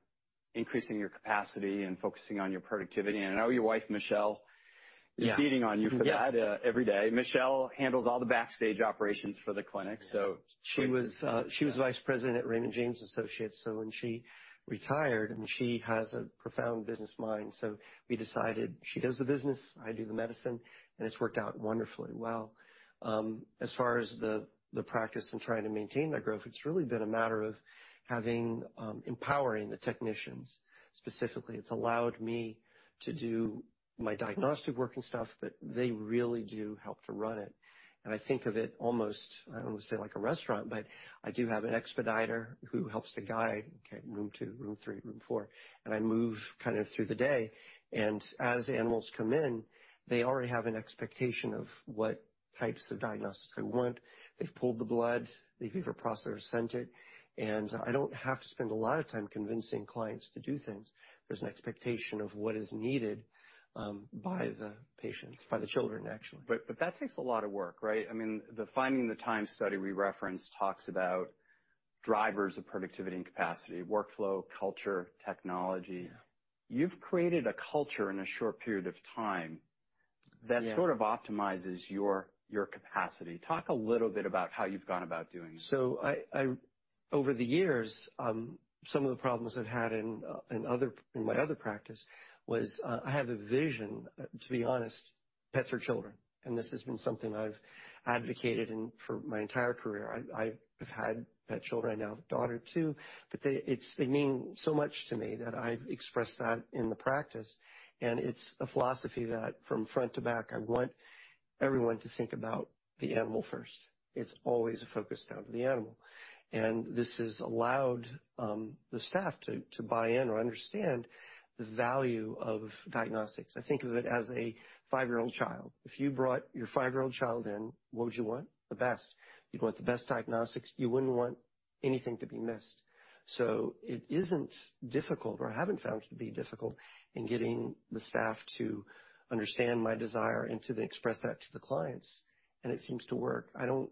increasing your capacity and focusing on your productivity. I know your wife, Michelle- Yeah. is beating on you for that. Yeah. Every day. Michelle handles all the backstage operations for the clinic, so- She was vice president at Raymond James & Associates, so when she retired, I mean, she has a profound business mind. We decided she does the business, I do the medicine, and it's worked out wonderfully well. As far as the practice and trying to maintain that growth, it's really been a matter of having, empowering the technicians. Specifically, it's allowed me to do my diagnostic working stuff, but they really do help to run it. I think of it almost, I don't want to say like a restaurant, but I do have an expediter who helps to guide, okay, room two, room three, room four. I move kind of through the day. As the animals come in, they already have an expectation of what types of diagnostics I want. They've pulled the blood. They've either processed or sent it, and I don't have to spend a lot of time convincing clients to do things. There's an expectation of what is needed, by the patients, by the children, actually. But that takes a lot of work, right? I mean, the Finding the Time study we referenced talks about drivers of productivity and capacity, workflow, culture, technology. Yeah. You've created a culture in a short period of time... Yeah that sort of optimizes your, your capacity. Talk a little bit about how you've gone about doing that. Over the years, some of the problems I've had in other, in my other practice was, I have a vision, to be honest, pets are children, and this has been something I've advocated for my entire career. I, I've had pet children. I now have a daughter, too, but they mean so much to me that I've expressed that in the practice, and it's a philosophy that from front to back, I want everyone to think about the animal first. It's always a focus down to the animal. This has allowed the staff to, to buy in or understand the value of diagnostics. I think of it as a five-year-old child. If you brought your five-year-old child in, what would you want? The best. You'd want the best diagnostics. You wouldn't want anything to be missed. It isn't difficult, or I haven't found it to be difficult, in getting the staff to understand my desire and to then express that to the clients, and it seems to work. I don't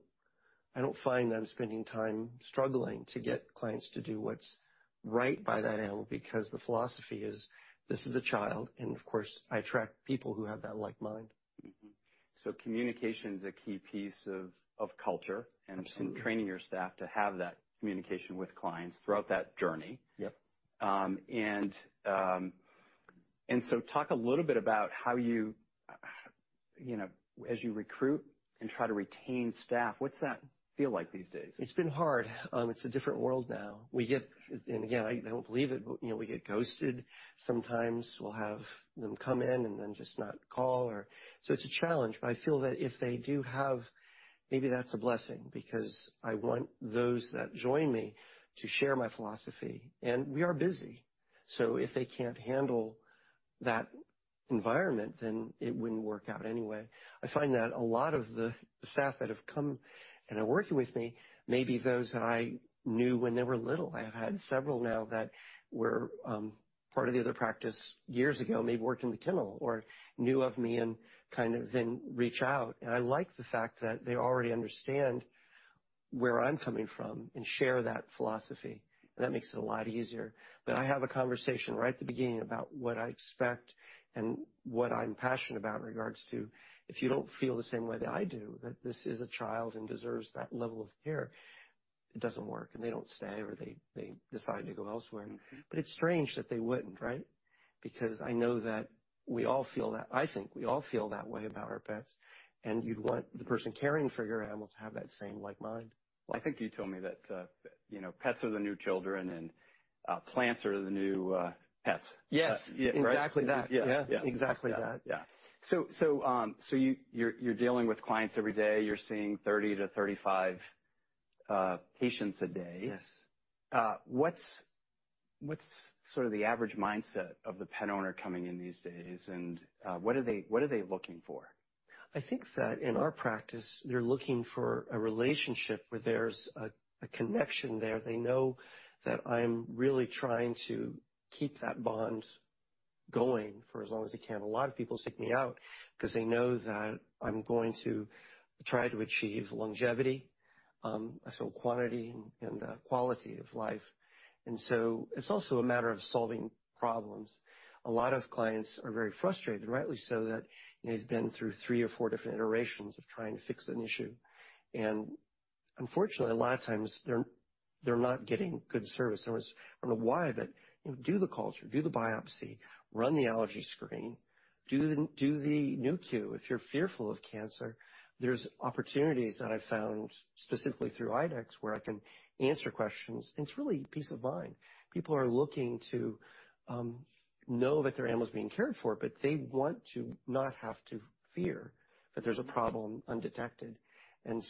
find that I'm spending time struggling to get clients to do what's right by that animal, because the philosophy is, this is a child, and of course, I attract people who have that like mind. Mm-hmm. communication is a key piece of, of culture- Absolutely. Training your staff to have that communication with clients throughout that journey. Yep. Talk a little bit about how you, you know, as you recruit and try to retain staff, what's that feel like these days? It's been hard. It's a different world now. We get, and again, I don't believe it, but, you know, we get ghosted sometimes. We'll have them come in and then just not call or. It's a challenge, but I feel that if they do have, maybe that's a blessing, because I want those that join me to share my philosophy. We are busy, so if they can't handle that environment, then it wouldn't work out anyway. I find that a lot of the staff that have come and are working with me, may be those that I knew when they were little. I've had several now that were part of the other practice years ago, maybe worked in the kennel or knew of me and kind of then reach out. I like the fact that they already understand where I'm coming from and share that philosophy, and that makes it a lot easier. I have a conversation right at the beginning about what I expect and what I'm passionate about in regards to, if you don't feel the same way that I do, that this is a child and deserves that level of care, it doesn't work, and they don't stay, or they, they decide to go elsewhere. Mm-hmm. It's strange that they wouldn't, right? Because I know that we all feel that. I think we all feel that way about our pets, and you'd want the person caring for your animals to have that same like mind. Well, I think you told me that, you know, pets are the new children, and, plants are the new, pets. Yes. Yeah, right? Exactly that. Yeah. Yeah, exactly that. Yeah. You're dealing with clients every day. You're seeing 30 to 35 patients a day. Yes. What's, what's sort of the average mindset of the pet owner coming in these days? What are they, what are they looking for? I think that in our practice, they're looking for a relationship where there's a, a connection there. They know that I'm really trying to keep that bond going for as long as I can. A lot of people seek me out 'cause they know that I'm going to try to achieve longevity, so quantity and quality of life. It's also a matter of solving problems. A lot of clients are very frustrated, rightly so, that they've been through three or four different iterations of trying to fix an issue. Unfortunately, a lot of times, they're, they're not getting good service. I don't know why, but do the culture, do the biopsy, run the allergy screen, do the, do the Nu.Q if you're fearful of cancer. There's opportunities that I've found, specifically through IDEXX, where I can answer questions, and it's really peace of mind. People are looking to know that their animal is being cared for, but they want to not have to fear that there's a problem undetected. I'm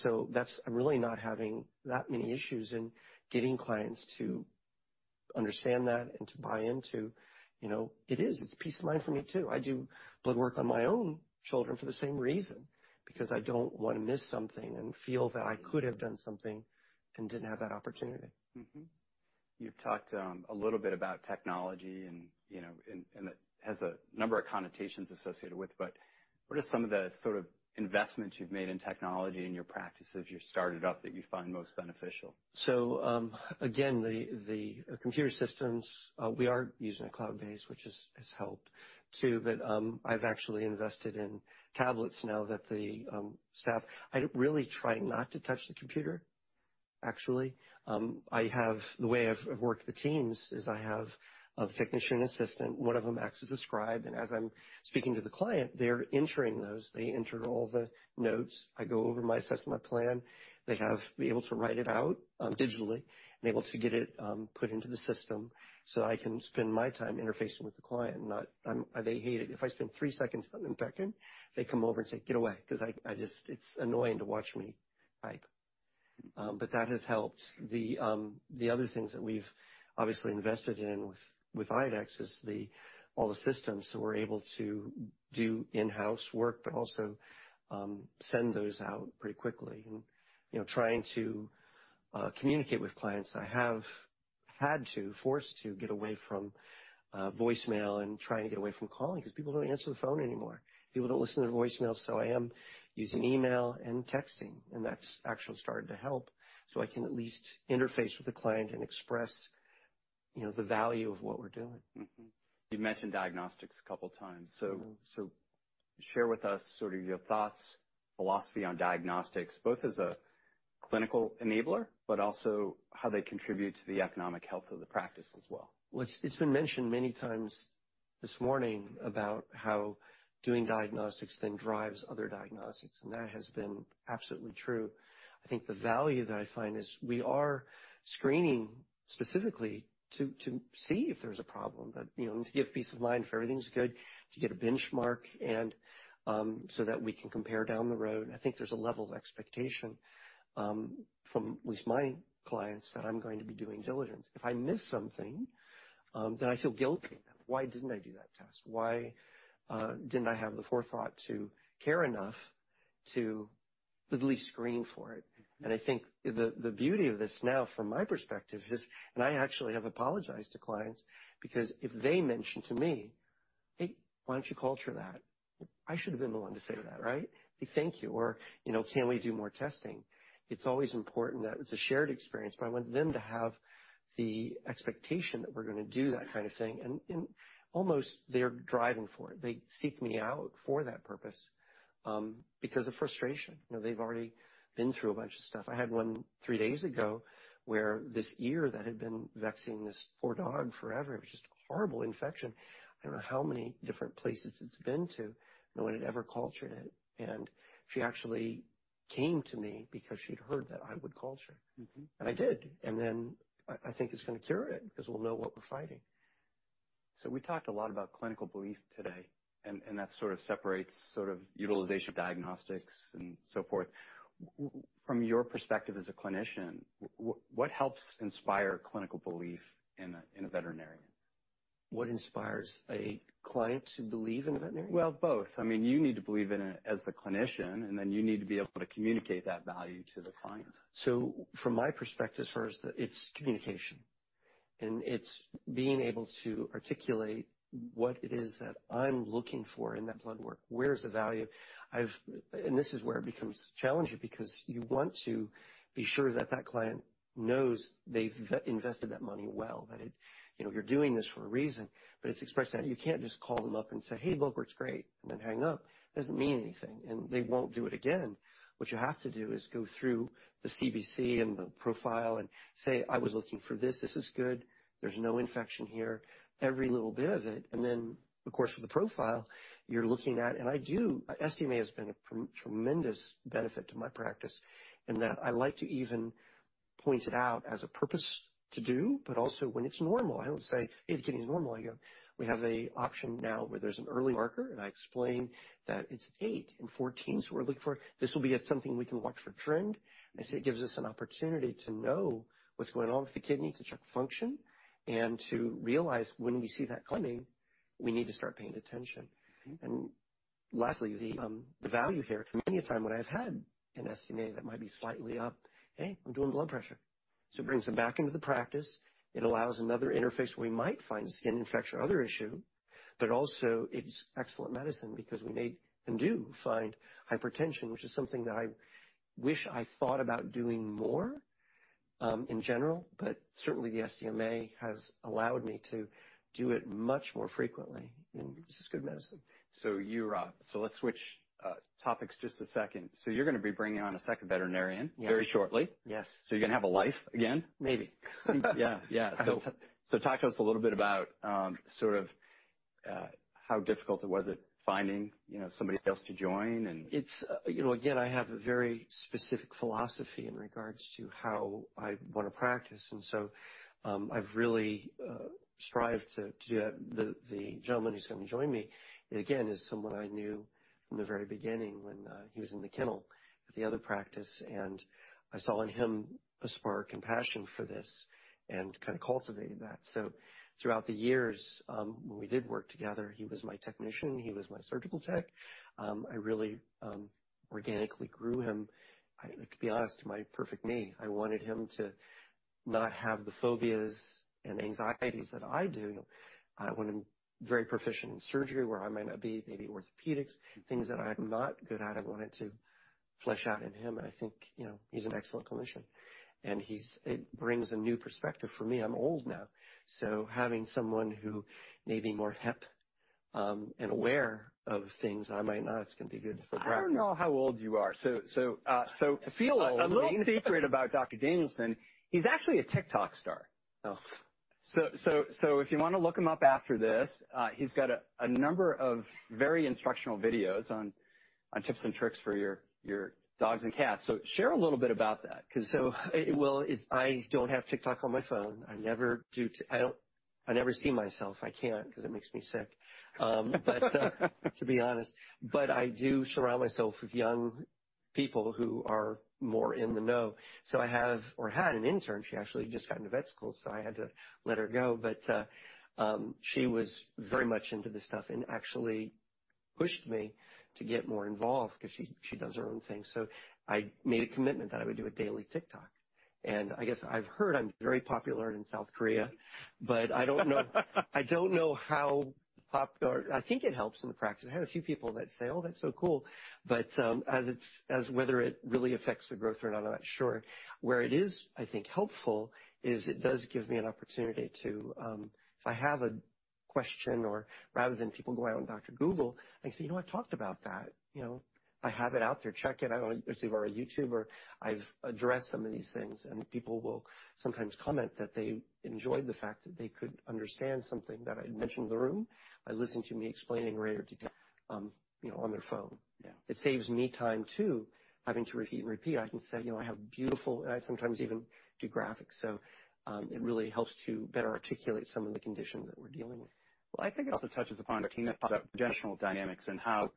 really not having that many issues in getting clients to understand that and to buy into, you know, it is, it's peace of mind for me, too. I do blood work on my own children for the same reason, because I don't want to miss something and feel that I could have done something and didn't have that opportunity. You've talked a little bit about technology and, you know, and it has a number of connotations associated with, but what are some of the sort of investments you've made in technology in your practice as you started up, that you find most beneficial? Again, the, the computer systems, we are using a cloud-based, which has, has helped, too. I've actually invested in tablets now that the staff... I really try not to touch the computer, actually. The way I've, I've worked the teams is I have a technician assistant, one of them acts as a scribe, and as I'm speaking to the client, they're entering those. They enter all the notes. I go over my assessment, my plan. They have be able to write it out, digitally, and able to get it put into the system so I can spend my time interfacing with the client, not... They hate it. If I spend three seconds on the backend, they come over and say, "Get away," 'cause I, I just, it's annoying to watch me type. That has helped. The, the other things that we've obviously invested in with, with IDEXX is the, all the systems, so we're able to do in-house work, but also, send those out pretty quickly. You know, trying to communicate with clients, I have had to, forced to get away from voicemail and trying to get away from calling, 'cause people don't answer the phone anymore. People don't listen to voicemail, so I am using email and texting, and that's actually started to help. I can at least interface with the client and express, you know, the value of what we're doing. Mm-hmm. You've mentioned diagnostics a couple of times. Mm-hmm. Share with us sort of your thoughts, philosophy on diagnostics, both as a clinical enabler, but also how they contribute to the economic health of the practice as well. Well, it's been mentioned many times this morning about how doing diagnostics then drives other diagnostics. That has been absolutely true. I think the value that I find is we are screening specifically to see if there's a problem, but, you know, to get peace of mind if everything's good, to get a benchmark, and so that we can compare down the road. I think there's a level of expectation from at least my clients, that I'm going to be doing diligence. If I miss something, then I feel guilty. Why didn't I do that test? Why didn't I have the forethought to care enough to at least screen for it? Mm-hmm. I think the, the beauty of this now, from my perspective, is and I actually have apologized to clients because if they mention to me, Hey, why don't you culture that? I should have been the one to say that, right? Say thank you, or, you know, can we do more testing? It's always important that it's a shared experience, but I want them to have the expectation that we're gonna do that kind of thing, and, and almost they're driving for it. They seek me out for that purpose, because of frustration. You know, they've already been through a bunch of stuff. I had one three days ago where this ear that had been vexing this poor dog forever, it was just a horrible infection. I don't know how many different places it's been to. No one had ever cultured it, and she actually came to me because she'd heard that I would culture. Mm-hmm. I did, and then I think it's gonna cure it because we'll know what we're fighting. We talked a lot about clinical belief today, and, and that sort of separates sort of utilization, diagnostics, and so forth. From your perspective as a clinician, what helps inspire clinical belief in a, in a veterinarian? What inspires a client to believe in a veterinarian? Well, both. I mean, you need to believe in it as the clinician. Then you need to be able to communicate that value to the client. From my perspective, first, it's communication, and it's being able to articulate what it is that I'm looking for in that blood work. Where's the value? This is where it becomes challenging because you want to be sure that that client knows they've invested that money well, that it, you know, you're doing this for a reason, but it's expressed that you can't just call them up and say, "Hey, blood work's great," and then hang up. It doesn't mean anything, and they won't do it again. What you have to do is go through the CBC and the profile and say, "I was looking for this. This is good. There's no infection here." Every little bit of it, and then, of course, with the profile you're looking at, SDMA has been a tremendous benefit to my practice in that I like to even point it out as a purpose to do, but also when it's normal. I don't say, "Hey, it's getting normal." I go, "We have an option now where there's an early marker," and I explain that it's eight and 14, so we're looking for. This will be something we can watch for trend. I say it gives us an opportunity to know what's going on with the kidney, to check function, and to realize when we see that coming, we need to start paying attention. Mm-hmm. Lastly, the value here, many a time when I've had an SDMA that might be slightly up, "Hey, I'm doing blood pressure." It brings them back into the practice. It allows another interface where we might find a skin infection or other issue, but also it's excellent medicine because we may and do find hypertension, which is something that I wish I thought about doing more in general, but certainly, the SDMA has allowed me to do it much more frequently, and this is good medicine. You, So let's switch topics just a second. You're gonna be bringing on a second veterinarian- Yes. very shortly. Yes. You're gonna have a life again? Maybe. Yeah. Yeah. I hope so. Talk to us a little bit about, sort of, how difficult it was at finding, you know, somebody else to join, and-? It's, you know, again, I have a very specific philosophy in regards to how I want to practice. I've really, strived to, to have the, the gentleman who's gonna join me, again, is someone I knew from the very beginning when, he was in the kennel at the other practice, and I saw in him a spark and passion for this and kind of cultivated that. Throughout the years, when we did work together, he was my technician, he was my surgical tech. I really, organically grew him. I, to be honest, my perfect me. I wanted him to not have the phobias and anxieties that I do. I want him very proficient in surgery, where I might not be, maybe orthopedics, things that I'm not good at, I wanted to flesh out in him. I think, you know, he's an excellent clinician. It brings a new perspective for me. I'm old now, so having someone who may be more hip and aware of things I might not, it's gonna be good for practice. I don't know how old you are. I feel old. a little secret about David Danielson. He's actually a TikTok star. Oh. If you want to look him up after this, he's got a number of very instructional videos on tips and tricks for your dogs and cats. Share a little bit about that, 'cause. Well, it's I don't have TikTok on my phone. I never do I don't... I never see myself. I can't because it makes me sick. to be honest, but I do surround myself with young people who are more in the know. I have or had an intern. She actually just got into vet school, so I had to let her go, she was very much into this stuff and actually pushed me to get more involved 'cause she, she does her own thing. I made a commitment that I would do a daily TikTok, I guess I've heard I'm very popular in South Korea, I don't know I don't know how pop... or I think it helps in the practice. I had a few people that say, "Oh, that's so cool." As whether it really affects the growth or not, I'm not sure. Where it is, I think, helpful, is it does give me an opportunity to, if I have a question or rather than people go out on Dr. Google, I say, "You know what? I talked about that," you know. "I have it out there. Check it." I don't receive or a YouTuber. I've addressed some of these things, and people will sometimes comment that they enjoyed the fact that they could understand something that I'd mentioned in the room by listening to me explaining later detail, you know, on their phone. Yeah. It saves me time, too, having to repeat and repeat. I can say, you know, I sometimes even do graphics, so it really helps to better articulate some of the conditions that we're dealing with. Well, I think it also touches upon professional dynamics and how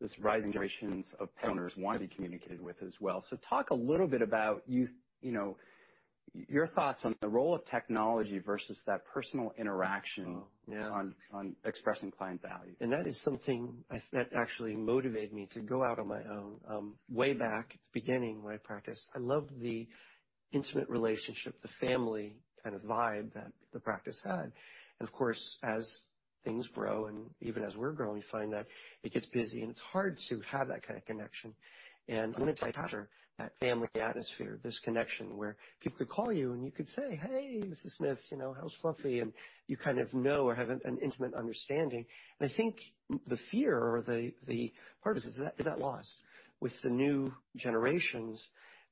this rising generations of owners want to be communicated with as well. Talk a little bit about you know, your thoughts on the role of technology versus that personal interaction... Oh, yeah. On expressing client value. That is something I-- that actually motivated me to go out on my own, way back at the beginning of my practice. I loved the intimate relationship, the family kind of vibe that the practice had. Of course, things grow, and even as we're growing, find that it gets busy, and it's hard to have that kind of connection. I want to capture that family atmosphere, this connection where people could call you, and you could say, "Hey, Mrs. Smith, you know, how's Fluffy?" You kind of know or have an, an intimate understanding. I think the fear or the, the part is, is that lost with the new generations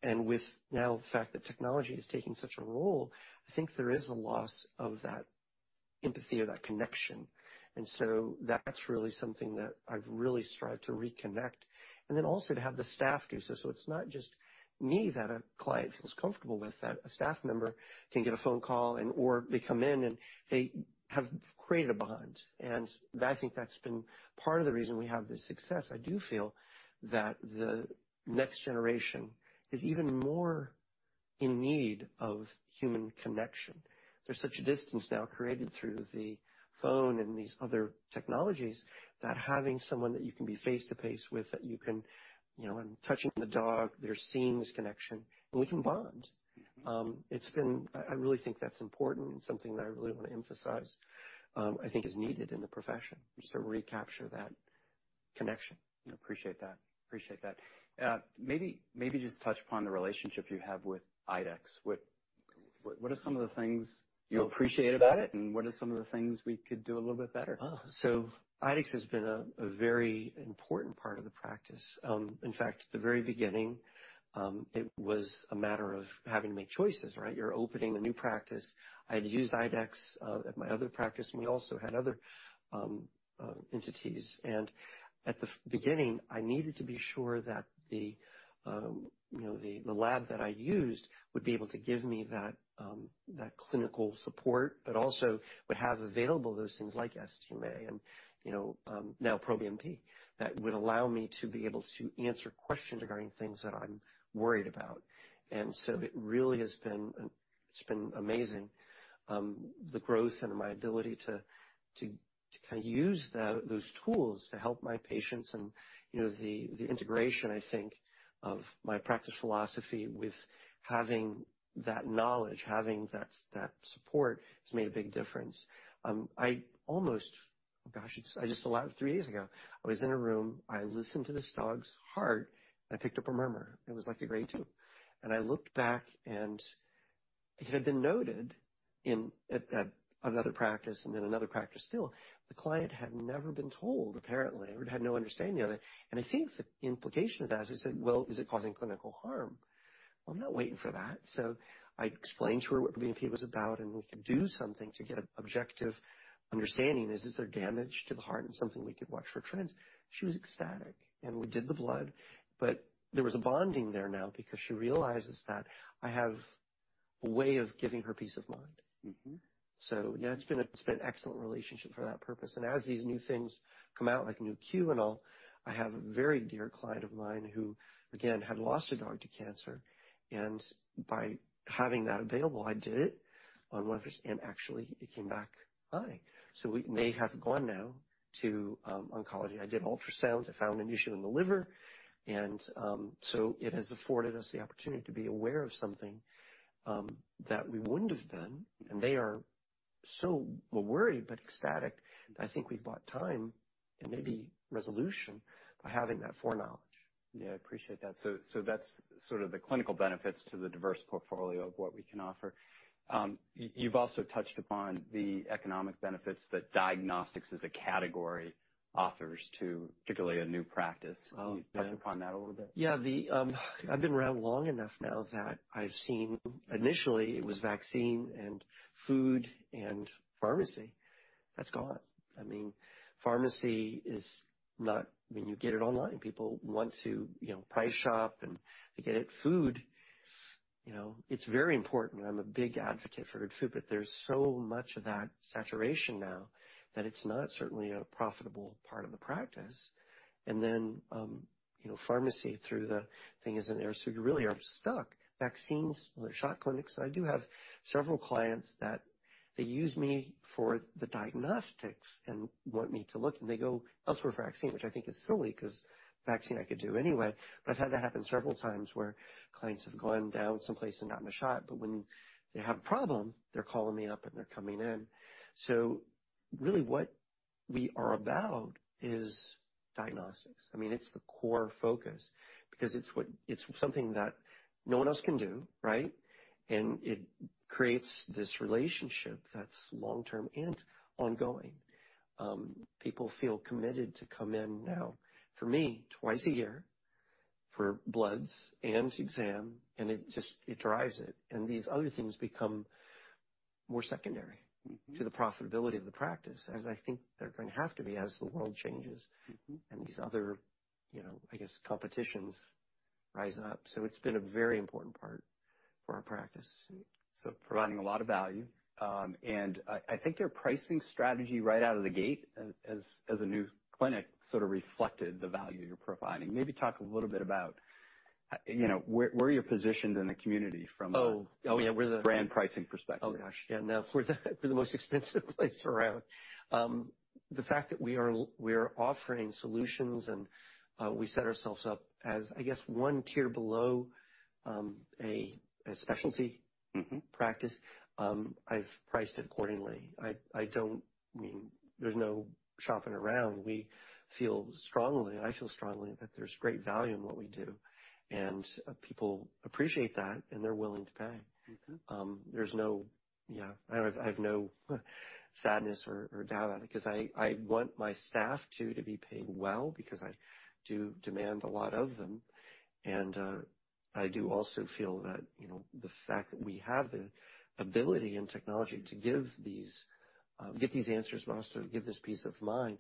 and with now the fact that technology is taking such a role, I think there is a loss of that empathy or that connection. That's really something that I've really strived to reconnect. Also to have the staff do so, so it's not just me that a client feels comfortable with, that a staff member can get a phone call and/or they come in, and they have created a bond. I think that's been part of the reason we have this success. I do feel that the next generation is even more in need of human connection. There's such a distance now created through the phone and these other technologies that having someone that you can be face to face with, that you can, you know, and touching the dog, they're seeing this connection, and we can bond. It's been. I, I really think that's important and something that I really want to emphasize, I think is needed in the profession, just to recapture that connection. I appreciate that. Appreciate that. Maybe, maybe just touch upon the relationship you have with IDEXX. What, what are some of the things you appreciate about it, and what are some of the things we could do a little bit better? IDEXX has been a very important part of the practice. In fact, at the very beginning, it was a matter of having to make choices, right? You're opening a new practice. I'd used IDEXX at my other practice, and we also had other entities. At the beginning, I needed to be sure that the, you know, the lab that I used would be able to give me that clinical support, but also would have available those things like SDMA and, you know, now proBNP, that would allow me to be able to answer questions regarding things that I'm worried about. It really has been, it's been amazing, the growth and my ability to kind of use those tools to help my patients and, you know, the integration, I think, of my practice philosophy with having that knowledge, having that support, has made a big difference. I almost... Gosh, it's, I just labbed three days ago. I was in a room, I listened to this dog's heart, and I picked up a murmur. It was like a grade 2. I looked back, and it had been noted in, at another practice and then another practice still. The client had never been told, apparently, or had no understanding of it. I think the implication of that is that, well, is it causing clinical harm? I'm not waiting for that. I explained to her what BNP was about, and we could do something to get an objective understanding. Is there damage to the heart and something we could watch for trends? She was ecstatic, and we did the blood. There was a bonding there now because she realizes that I have a way of giving her peace of mind. Mm-hmm. Yeah, it's been, it's been an excellent relationship for that purpose. And as these new things come out, like Nu.Q and all, I have a very dear client of mine who, again, had lost a dog to cancer, and by having that available, I did it on one of his, and actually it came back high. We may have gone now to oncology. I did ultrasounds. I found an issue in the liver, and it has afforded us the opportunity to be aware of something that we wouldn't have been, and they are so worried but ecstatic that I think we've bought time and maybe resolution by having that foreknowledge. Yeah, I appreciate that. So that's sort of the clinical benefits to the diverse portfolio of what we can offer. You, you've also touched upon the economic benefits that diagnostics as a category offers to, particularly a new practice. Oh, yeah. Can you touch upon that a little bit? Yeah, the, I've been around long enough now that I've seen initially it was vaccine and food and pharmacy. That's gone. I mean, pharmacy is not. I mean, you get it online. People want to, you know, price shop, and they get it. Food, you know, it's very important. I'm a big advocate for good food, but there's so much of that saturation now that it's not certainly a profitable part of the practice. Then, you know, pharmacy through the thing is in there, so you really are stuck. Vaccines or shot clinics, I do have several clients that they use me for the diagnostics and want me to look, and they go elsewhere for vaccine, which I think is silly because vaccine I could do anyway. I've had that happen several times where clients have gone down someplace and gotten a shot, but when they have a problem, they're calling me up, and they're coming in. Really what we are about is diagnostics. I mean, it's the core focus because it's what it's something that no one else can do, right? It creates this relationship that's long-term and ongoing. People feel committed to come in now for me twice a year for bloods and exam, and it just, it drives it. These other things become more secondary. Mm-hmm. to the profitability of the practice, as I think they're going to have to be as the world changes. Mm-hmm. These other, you know, I guess, competitions rise up. It's been a very important part for our practice. Providing a lot of value. I, I think your pricing strategy right out of the gate as, as a new clinic, sort of reflected the value you're providing. Maybe talk a little bit about... you know, where, where are you positioned in the community from a- Oh! Oh, yeah, we're the- brand pricing perspective. Oh, gosh. Yeah, no, we're the, we're the most expensive place around. The fact that we are offering solutions and, we set ourselves up as, I guess, one tier below, a, a specialty- Mm-hmm. -practice, I've priced it accordingly. I, I don't. I mean, there's no shopping around. We feel strongly, I feel strongly that there's great value in what we do, and people appreciate that, and they're willing to pay. Mm-hmm. Yeah, I have no sadness or doubt about it, 'cause I want my staff, too, to be paid well because I do demand a lot of them. I do also feel that, you know, the fact that we have the ability and technology to give these, get these answers, but also to give this peace of mind,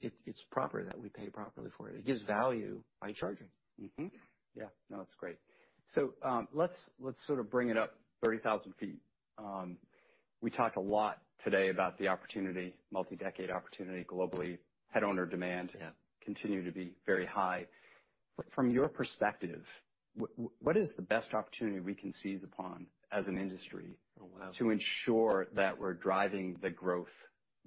it's proper that we pay properly for it. It gives value by charging. Mm-hmm. Yeah. No, that's great. Let's, let's sort of bring it up 30,000 feet. We talked a lot today about the opportunity, multi-decade opportunity globally. Pet owner demand- Yeah. continue to be very high. From your perspective, what is the best opportunity we can seize upon as an industry? Oh, wow! to ensure that we're driving the growth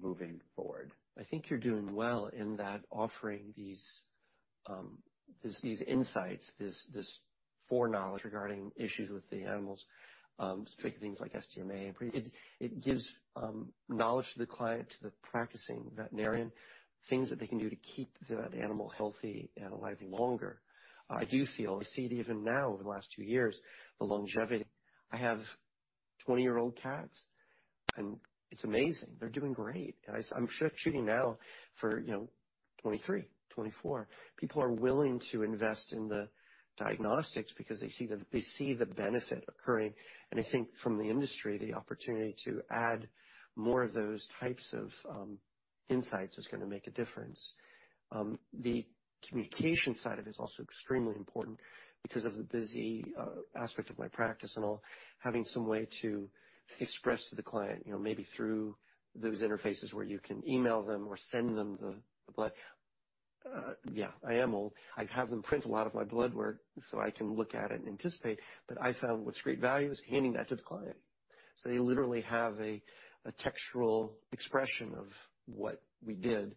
moving forward? I think you're doing well in that offering these, these, these insights, this, this foreknowledge regarding issues with the animals, particularly things like SDMA. It, it gives knowledge to the client, to the practicing veterinarian, things that they can do to keep the animal healthy and alive longer. I do feel, I see it even now, over the last two years, the longevity. I have 20-year-old cats, and it's amazing. They're doing great, and I'm shooting now for, you know, 23, 24. People are willing to invest in the diagnostics because they see the, they see the benefit occurring. I think from the industry, the opportunity to add more of those types of insights is gonna make a difference. The communication side of it is also extremely important because of the busy aspect of my practice and all. Having some way to express to the client, you know, maybe through those interfaces where you can email them or send them the blood. Yeah, I am old. I have them print a lot of my blood work, so I can look at it and anticipate, but I found what's great value is handing that to the client. They literally have a textural expression of what we did,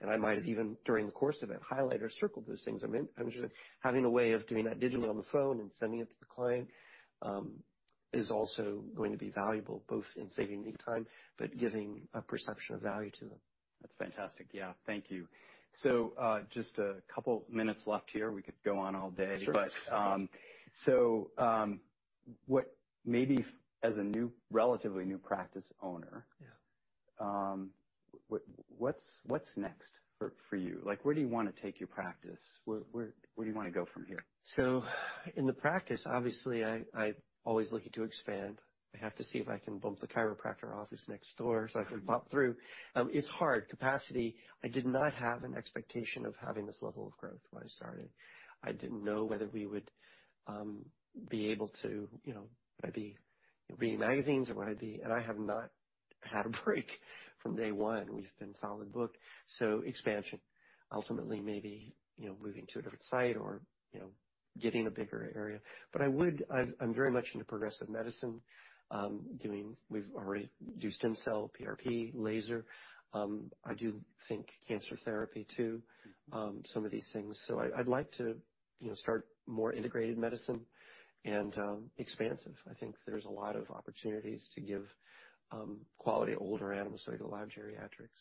and I might have even, during the course of it, highlighted or circled those things. I mean, I'm just having a way of doing that digitally on the phone and sending it to the client, is also going to be valuable, both in saving me time, but giving a perception of value to them. That's fantastic. Yeah. Thank you. Just a couple minutes left here. We could go on all day. Sure. What maybe as a new, relatively new practice owner- Yeah. What's next for you? Like, where do you want to take your practice? Where do you want to go from here? In the practice, obviously, I, I'm always looking to expand. I have to see if I can bump the chiropractor office next door, so I can bop through. It's hard. Capacity, I did not have an expectation of having this level of growth when I started. I didn't know whether we would be able to, you know, would I be reading magazines or would I be... I have not had a break from day one. We've been solid booked. Expansion, ultimately, maybe, you know, moving to a different site or, you know, getting a bigger area. I would, I'm, I'm very much into progressive medicine. Doing... We've already do stem cell, PRP, laser. I do think cancer therapy, too, some of these things. I, I'd like to, you know, start more integrated medicine and expansive. I think there's a lot of opportunities to give, quality older animals, specialized geriatrics.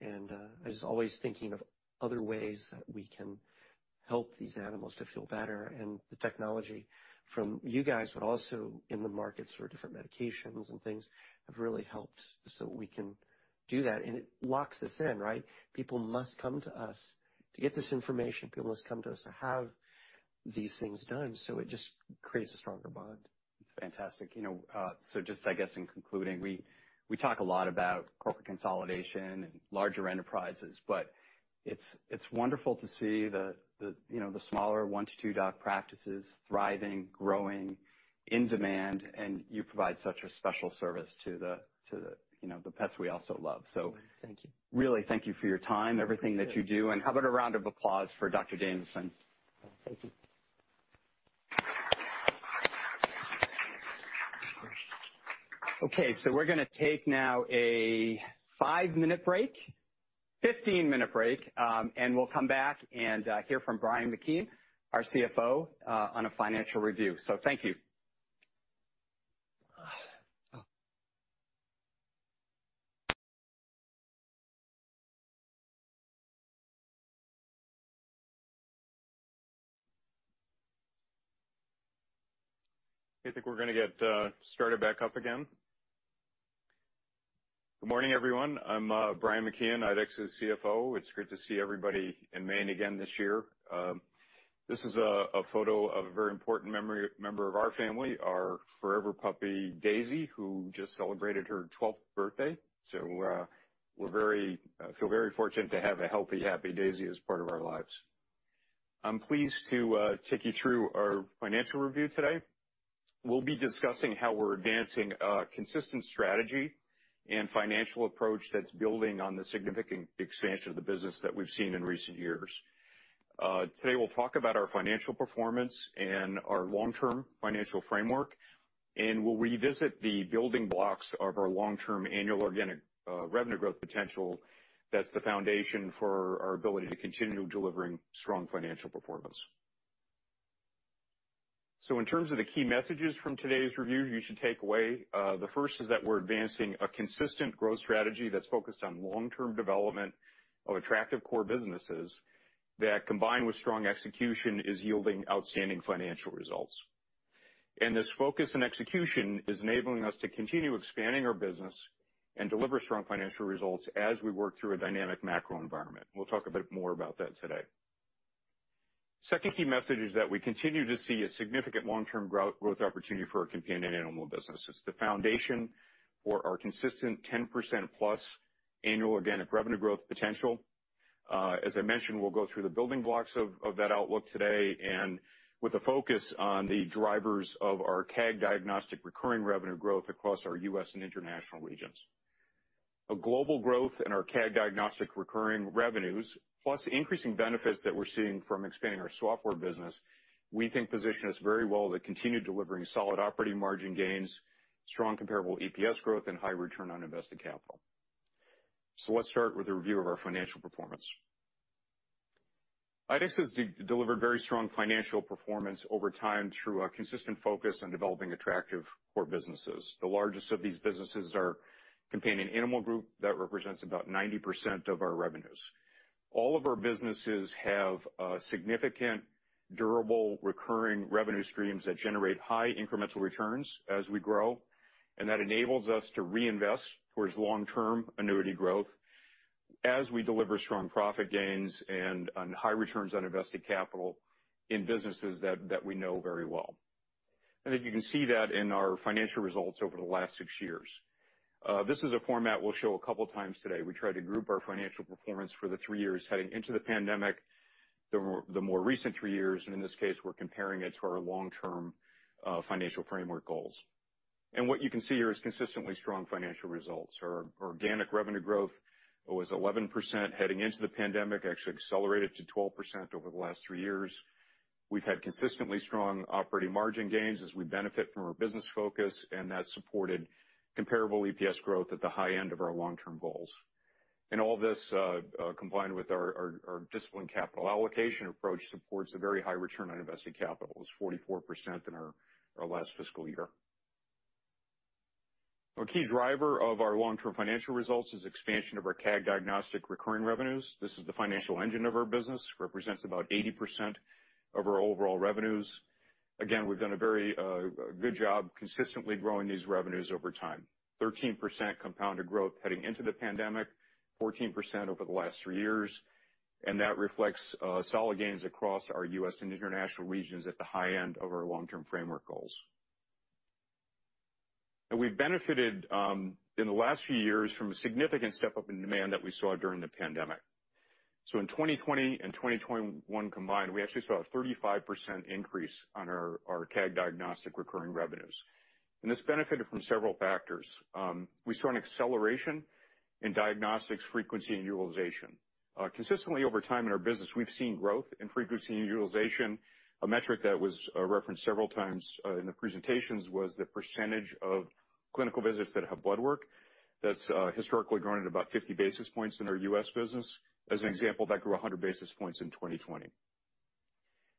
Yeah. I was always thinking of other ways that we can help these animals to feel better and the technology from you guys, but also in the markets for different medications and things, have really helped. We can do that, and it locks us in, right? People must come to us to get this information. People must come to us to have these things done. It just creates a stronger bond. It's fantastic. You know, so just, I guess, in concluding, we, we talk a lot about corporate consolidation and larger enterprises, but it's, it's wonderful to see the, the, you know, the smaller one to two doc practices thriving, growing, in demand, and you provide such a special service to the, to the, you know, the pets we also love. Thank you. really, thank you for your time, everything that you do. Sure. How about a round of applause for Dr. Danielson? Thank you. Okay, so we're gonna take now a five-minute break-- 15-minute break, and we'll come back and hear from Brian McKeon, our CFO, on a financial review. Thank you. I think we're gonna get started back up again. Good morning, everyone. I'm Brian McKeon, IDEXX's CFO. It's great to see everybody in Maine again this year. This is a photo of a very important member of our family, our forever puppy, Daisy, who just celebrated her 12th birthday. We're very fortunate to have a healthy, happy Daisy as part of our lives. I'm pleased to take you through our financial review today. We'll be discussing how we're advancing a consistent strategy and financial approach that's building on the significant expansion of the business that we've seen in recent years. Today, we'll talk about our financial performance and our long-term financial framework. We'll revisit the building blocks of our long-term annual organic revenue growth potential that's the foundation for our ability to continue delivering strong financial performance. In terms of the key messages from today's review, you should take away, the first is that we're advancing a consistent growth strategy that's focused on long-term development of attractive core businesses, that combined with strong execution, is yielding outstanding financial results. This focus and execution is enabling us to continue expanding our business and deliver strong financial results as we work through a dynamic macro environment. We'll talk a bit more about that today. Second key message is that we continue to see a significant long-term growth opportunity for our companion animal businesses, the foundation for our consistent 10% plus annual organic revenue growth potential. As I mentioned, we'll go through the building blocks of that outlook today, with a focus on the drivers of our CAG Diagnostic recurring revenue growth across our U.S. and international regions. A global growth in our CAG Diagnostic recurring revenues, plus increasing benefits that we're seeing from expanding our software business, we think position us very well to continue delivering solid operating margin gains, strong comparable EPS growth, and high return on invested capital. Let's start with a review of our financial performance. IDEXX has delivered very strong financial performance over time through a consistent focus on developing attractive core businesses. The largest of these businesses are Companion Animal Group that represents about 90% of our revenues. All of our businesses have significant, durable, recurring revenue streams that generate high incremental returns as we grow, and that enables us to reinvest towards long-term annuity growth as we deliver strong profit gains and high returns on invested capital in businesses that we know very well. I think you can see that in our financial results over the last 6 years. This is a format we'll show a couple times today. We tried to group our financial performance for the 3 years heading into the pandemic, the more recent three years, and in this case, we're comparing it to our long-term financial framework goals. What you can see here is consistently strong financial results. Our, our organic revenue growth was 11% heading into the pandemic, actually accelerated to 12% over the last three years. We've had consistently strong operating margin gains as we benefit from our business focus, and that supported comparable EPS growth at the high end of our long-term goals. All this combined with our, our, our disciplined capital allocation approach, supports a very high return on invested capital. It was 44% in our, our last fiscal year. A key driver of our long-term financial results is expansion of our CAG Diagnostics recurring revenues. This is the financial engine of our business, represents about 80% of our overall revenues. Again, we've done a very good job consistently growing these revenues over time. 13% compounded growth heading into the pandemic, 14% over the last 3 years, that reflects solid gains across our U.S. and international regions at the high end of our long-term framework goals. We've benefited in the last few years from a significant step-up in demand that we saw during the pandemic. In 2020 and 2021 combined, we actually saw a 35% increase on our, our CAG Diagnostic recurring revenues, and this benefited from several factors. We saw an acceleration in diagnostics frequency and utilization. Consistently over time in our business, we've seen growth in frequency and utilization. A metric that was referenced several times in the presentations was the percentage of clinical visits that have blood work. That's historically grown at about 50 basis points in our U.S. business. As an example, that grew 100 basis points in 2020.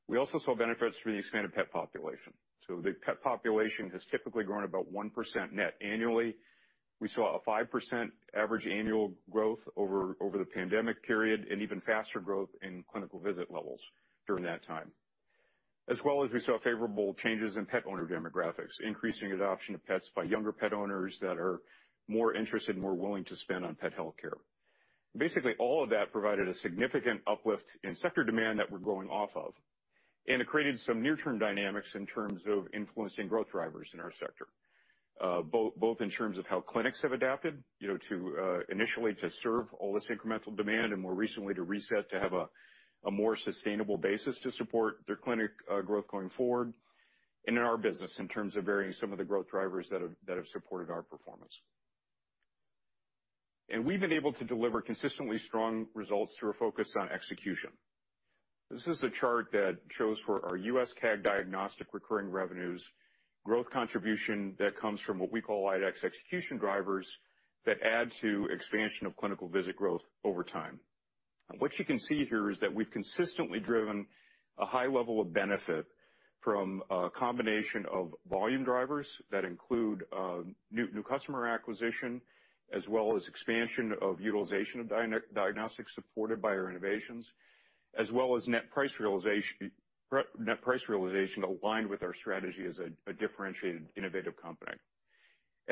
We also saw benefits from the expanded pet population. The pet population has typically grown about 1% net annually. We saw a 5% average annual growth over the pandemic period, and even faster growth in clinical visit levels during that time. As well as we saw favorable changes in pet owner demographics, increasing adoption of pets by younger pet owners that are more interested and more willing to spend on pet healthcare. Basically, all of that provided a significant uplift in sector demand that we're going off of, and it created some near-term dynamics in terms of influencing growth drivers in our sector, both, both in terms of how clinics have adapted, you know, to initially to serve all this incremental demand, and more recently, to reset to have a more sustainable basis to support their clinic growth going forward, and in our business in terms of varying some of the growth drivers that have, that have supported our performance. We've been able to deliver consistently strong results through a focus on execution. This is the chart that shows for our U.S. CAG Diagnostics recurring revenues, growth contribution that comes from what we call IDEXX execution drivers, that add to expansion of clinical visit growth over time. What you can see here is that we've consistently driven a high level of benefit from a combination of volume drivers that include new, new customer acquisition, as well as expansion of utilization of diagnostics supported by our innovations, as well as net price realization, net price realization aligned with our strategy as a, a differentiated, innovative company.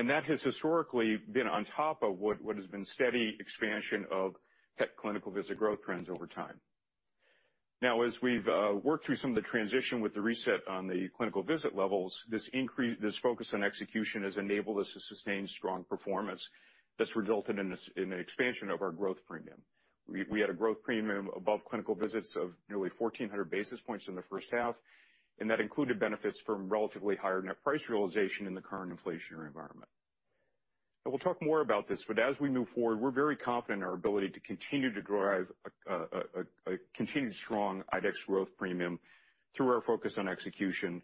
That has historically been on top of what, what has been steady expansion of pet clinical visit growth trends over time. Now, as we've worked through some of the transition with the reset on the clinical visit levels, this increase, this focus on execution has enabled us to sustain strong performance that's resulted in this, in an expansion of our growth premium. We, we had a growth premium above clinical visits of nearly 1,400 basis points in the first half, that included benefits from relatively higher net price realization in the current inflationary environment. We'll talk more about this, but as we move forward, we're very confident in our ability to continue to drive a continued strong IDEXX growth premium through our focus on execution,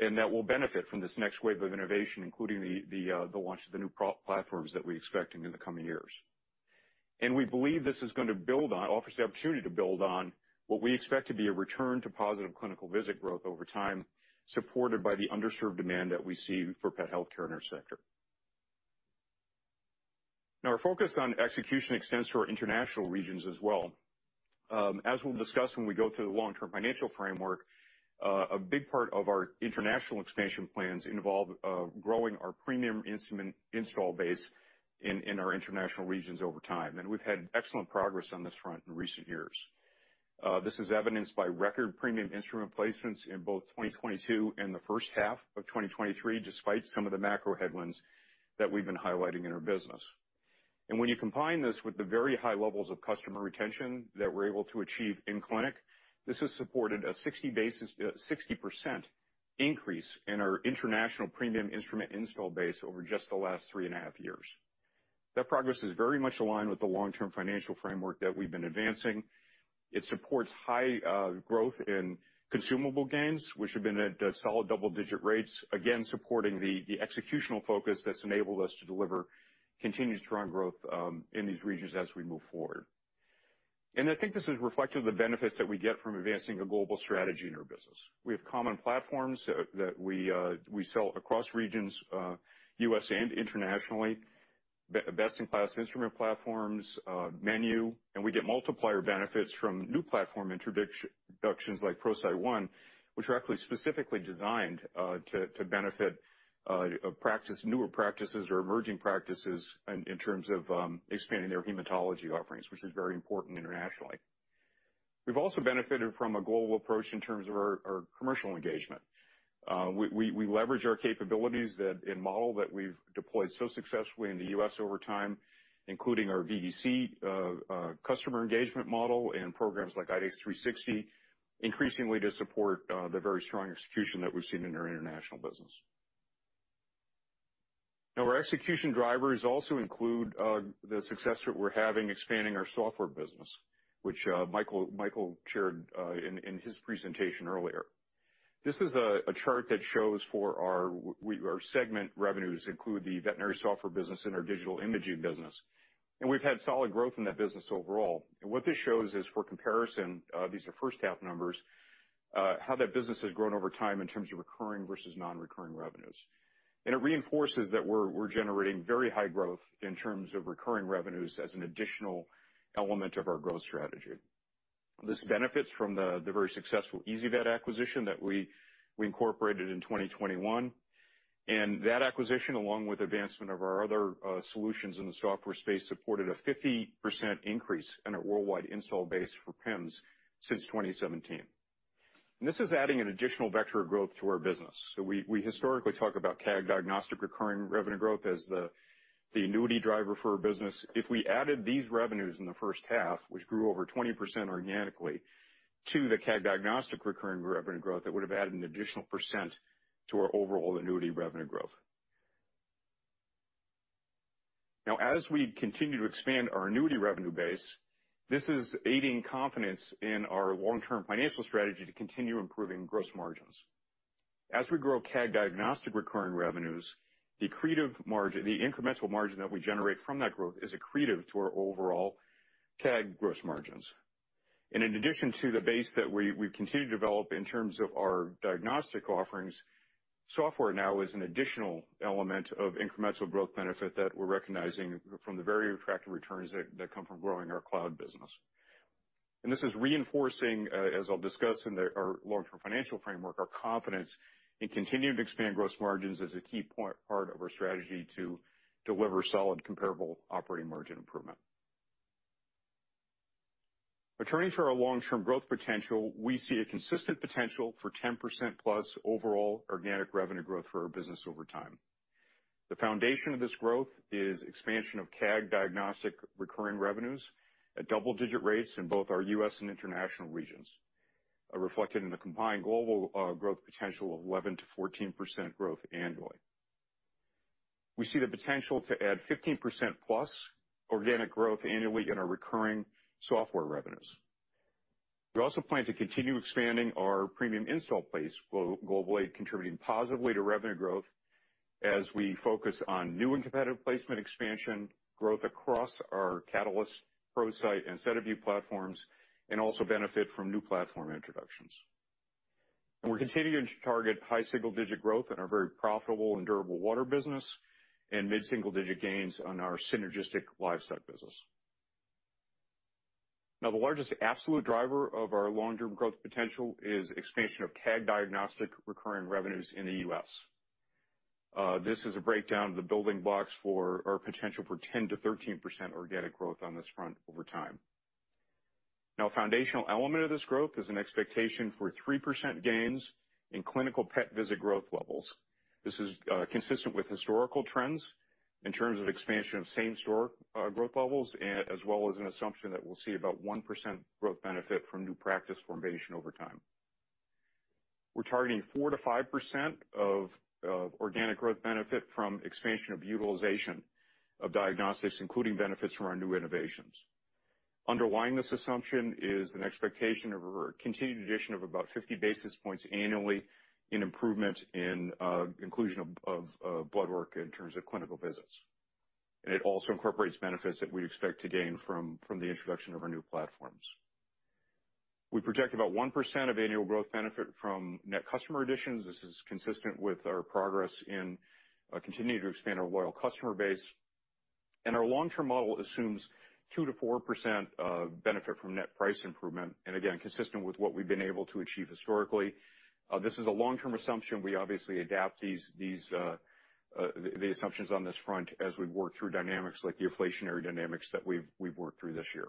and that will benefit from this next wave of innovation, including the, the, the launch of the new platforms that we're expecting in the coming years. We believe this is going to build on, offers the opportunity to build on, what we expect to be a return to positive clinical visit growth over time, supported by the underserved demand that we see for pet healthcare in our sector. Now, our focus on execution extends to our international regions as well. As we'll discuss when we go through the long-term financial framework, a big part of our international expansion plans involve growing our premium instrument install base in our international regions over time. We've had excellent progress on this front in recent years. This is evidenced by record premium instrument placements in both 2022 and the first half of 2023, despite some of the macro headwinds that we've been highlighting in our business. When you combine this with the very high levels of customer retention that we're able to achieve in clinic, this has supported a 60 basis-- 60% increase in our international premium instrument install base over just the last three and a half years. That progress is very much aligned with the long-term financial framework that we've been advancing. It supports high growth in consumable gains, which have been at, at solid double-digit rates, again, supporting the executional focus that's enabled us to deliver continued strong growth in these regions as we move forward. I think this is reflective of the benefits that we get from advancing a global strategy in our business. We have common platforms that we sell across regions, U.S. and internationally, best-in-class instrument platforms, menu, and we get multiplier benefits from new platform introductions, like ProCyte One, which are actually specifically designed to benefit a practice, newer practices or emerging practices in terms of expanding their hematology offerings, which is very important internationally. We've also benefited from a global approach in terms of our, our commercial engagement. We, we, we leverage our capabilities that and model that we've deployed so successfully in the U.S. over time, including our VDC customer engagement model and programs like IDEXX 360, increasingly to support the very strong execution that we've seen in our international business. Now, our execution drivers also include the success that we're having expanding our software business, which Michael, Michael shared in his presentation earlier. This is a chart that shows for our segment revenues include the veterinary software business and our digital imaging business. We've had solid growth in that business overall. What this shows is, for comparison, these are first half numbers, how that business has grown over time in terms of recurring versus non-recurring revenues. It reinforces that we're, we're generating very high growth in terms of recurring revenues as an additional element of our growth strategy. This benefits from the, the very successful ezyVet acquisition that we, we incorporated in 2021, and that acquisition, along with advancement of our other solutions in the software space, supported a 50% increase in our worldwide install base for PIMS since 2017. This is adding an additional vector of growth to our business. We, we historically talk about CAG diagnostic recurring revenue growth as the, the annuity driver for our business. If we added these revenues in the first half, which grew over 20% organically, to the CAG diagnostic recurring revenue growth, it would've added an additional % to our overall annuity revenue growth. Now, as we continue to expand our annuity revenue base, this is aiding confidence in our long-term financial strategy to continue improving gross margins. As we grow CAG diagnostic recurring revenues, accretive margin, the incremental margin that we generate from that growth is accretive to our overall CAG gross margins. In addition to the base that we, we've continued to develop in terms of our diagnostic offerings, software now is an additional element of incremental growth benefit that we're recognizing from the very attractive returns that, that come from growing our cloud business. This is reinforcing, as I'll discuss in our long-term financial framework, our confidence in continuing to expand gross margins as a key point, part of our strategy to deliver solid, comparable operating margin improvement. Returning to our long-term growth potential, we see a consistent potential for 10%+ overall organic revenue growth for our business over time. The foundation of this growth is expansion of CAG diagnostic recurring revenues at double-digit rates in both our U.S. and international regions, reflected in the combined global growth potential of 11%-14% growth annually. We see the potential to add 15%+ organic growth annually in our recurring software revenues. We also plan to continue expanding our premium install base globally, contributing positively to revenue growth as we focus on new and competitive placement expansion growth across our Catalyst ProCyte and SediVue platforms, also benefit from new platform introductions. We're continuing to target high single-digit growth in our very profitable and durable Water business, and mid-single-digit gains on our synergistic Livestock business. Now, the largest absolute driver of our long-term growth potential is expansion of CAG Diagnostics recurring revenues in the U.S. This is a breakdown of the building blocks for our potential for 10%-13% organic growth on this front over time. Now, a foundational element of this growth is an expectation for 3% gains in clinical pet visit growth levels. This is consistent with historical trends in terms of expansion of same-store growth levels, and as well as an assumption that we'll see about 1% growth benefit from new practice formation over time. We're targeting 4%-5% of organic growth benefit from expansion of utilization of diagnostics, including benefits from our new innovations. Underlying this assumption is an expectation of a continued addition of about 50 basis points annually in improvement in inclusion of, of blood work in terms of clinical visits. It also incorporates benefits that we expect to gain from, from the introduction of our new platforms. We project about 1% of annual growth benefit from net customer additions. This is consistent with our progress in continuing to expand our loyal customer base, our long-term model assumes 2%-4% benefit from net price improvement. Again, consistent with what we've been able to achieve historically. This is a long-term assumption. We obviously adapt these, these the, the assumptions on this front as we work through dynamics like the inflationary dynamics that we've, we've worked through this year.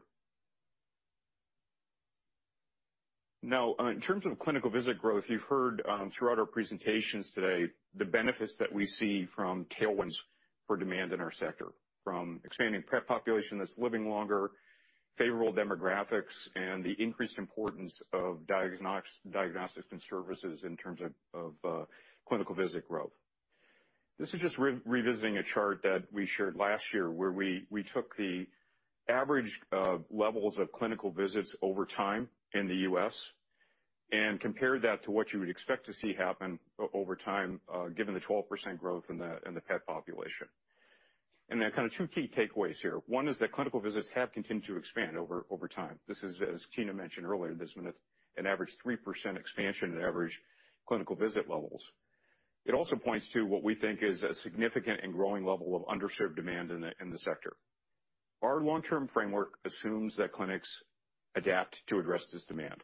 Now, in terms of clinical visit growth, you've heard throughout our presentations today, the benefits that we see from tailwinds for demand in our sector, from expanding pet population that's living longer, favorable demographics, and the increased importance of diagnostic services in terms of clinical visit growth. This is just revisiting a chart that we shared last year, where we took the average levels of clinical visits over time in the U.S. and compared that to what you would expect to see happen over time, given the 12% growth in the pet population. There are kind of two key takeaways here. One is that clinical visits have continued to expand over time. This is, as Tina mentioned earlier, this is an average 3% expansion in average clinical visit levels. It also points to what we think is a significant and growing level of underserved demand in the, in the sector. Our long-term framework assumes that clinics adapt to address this demand,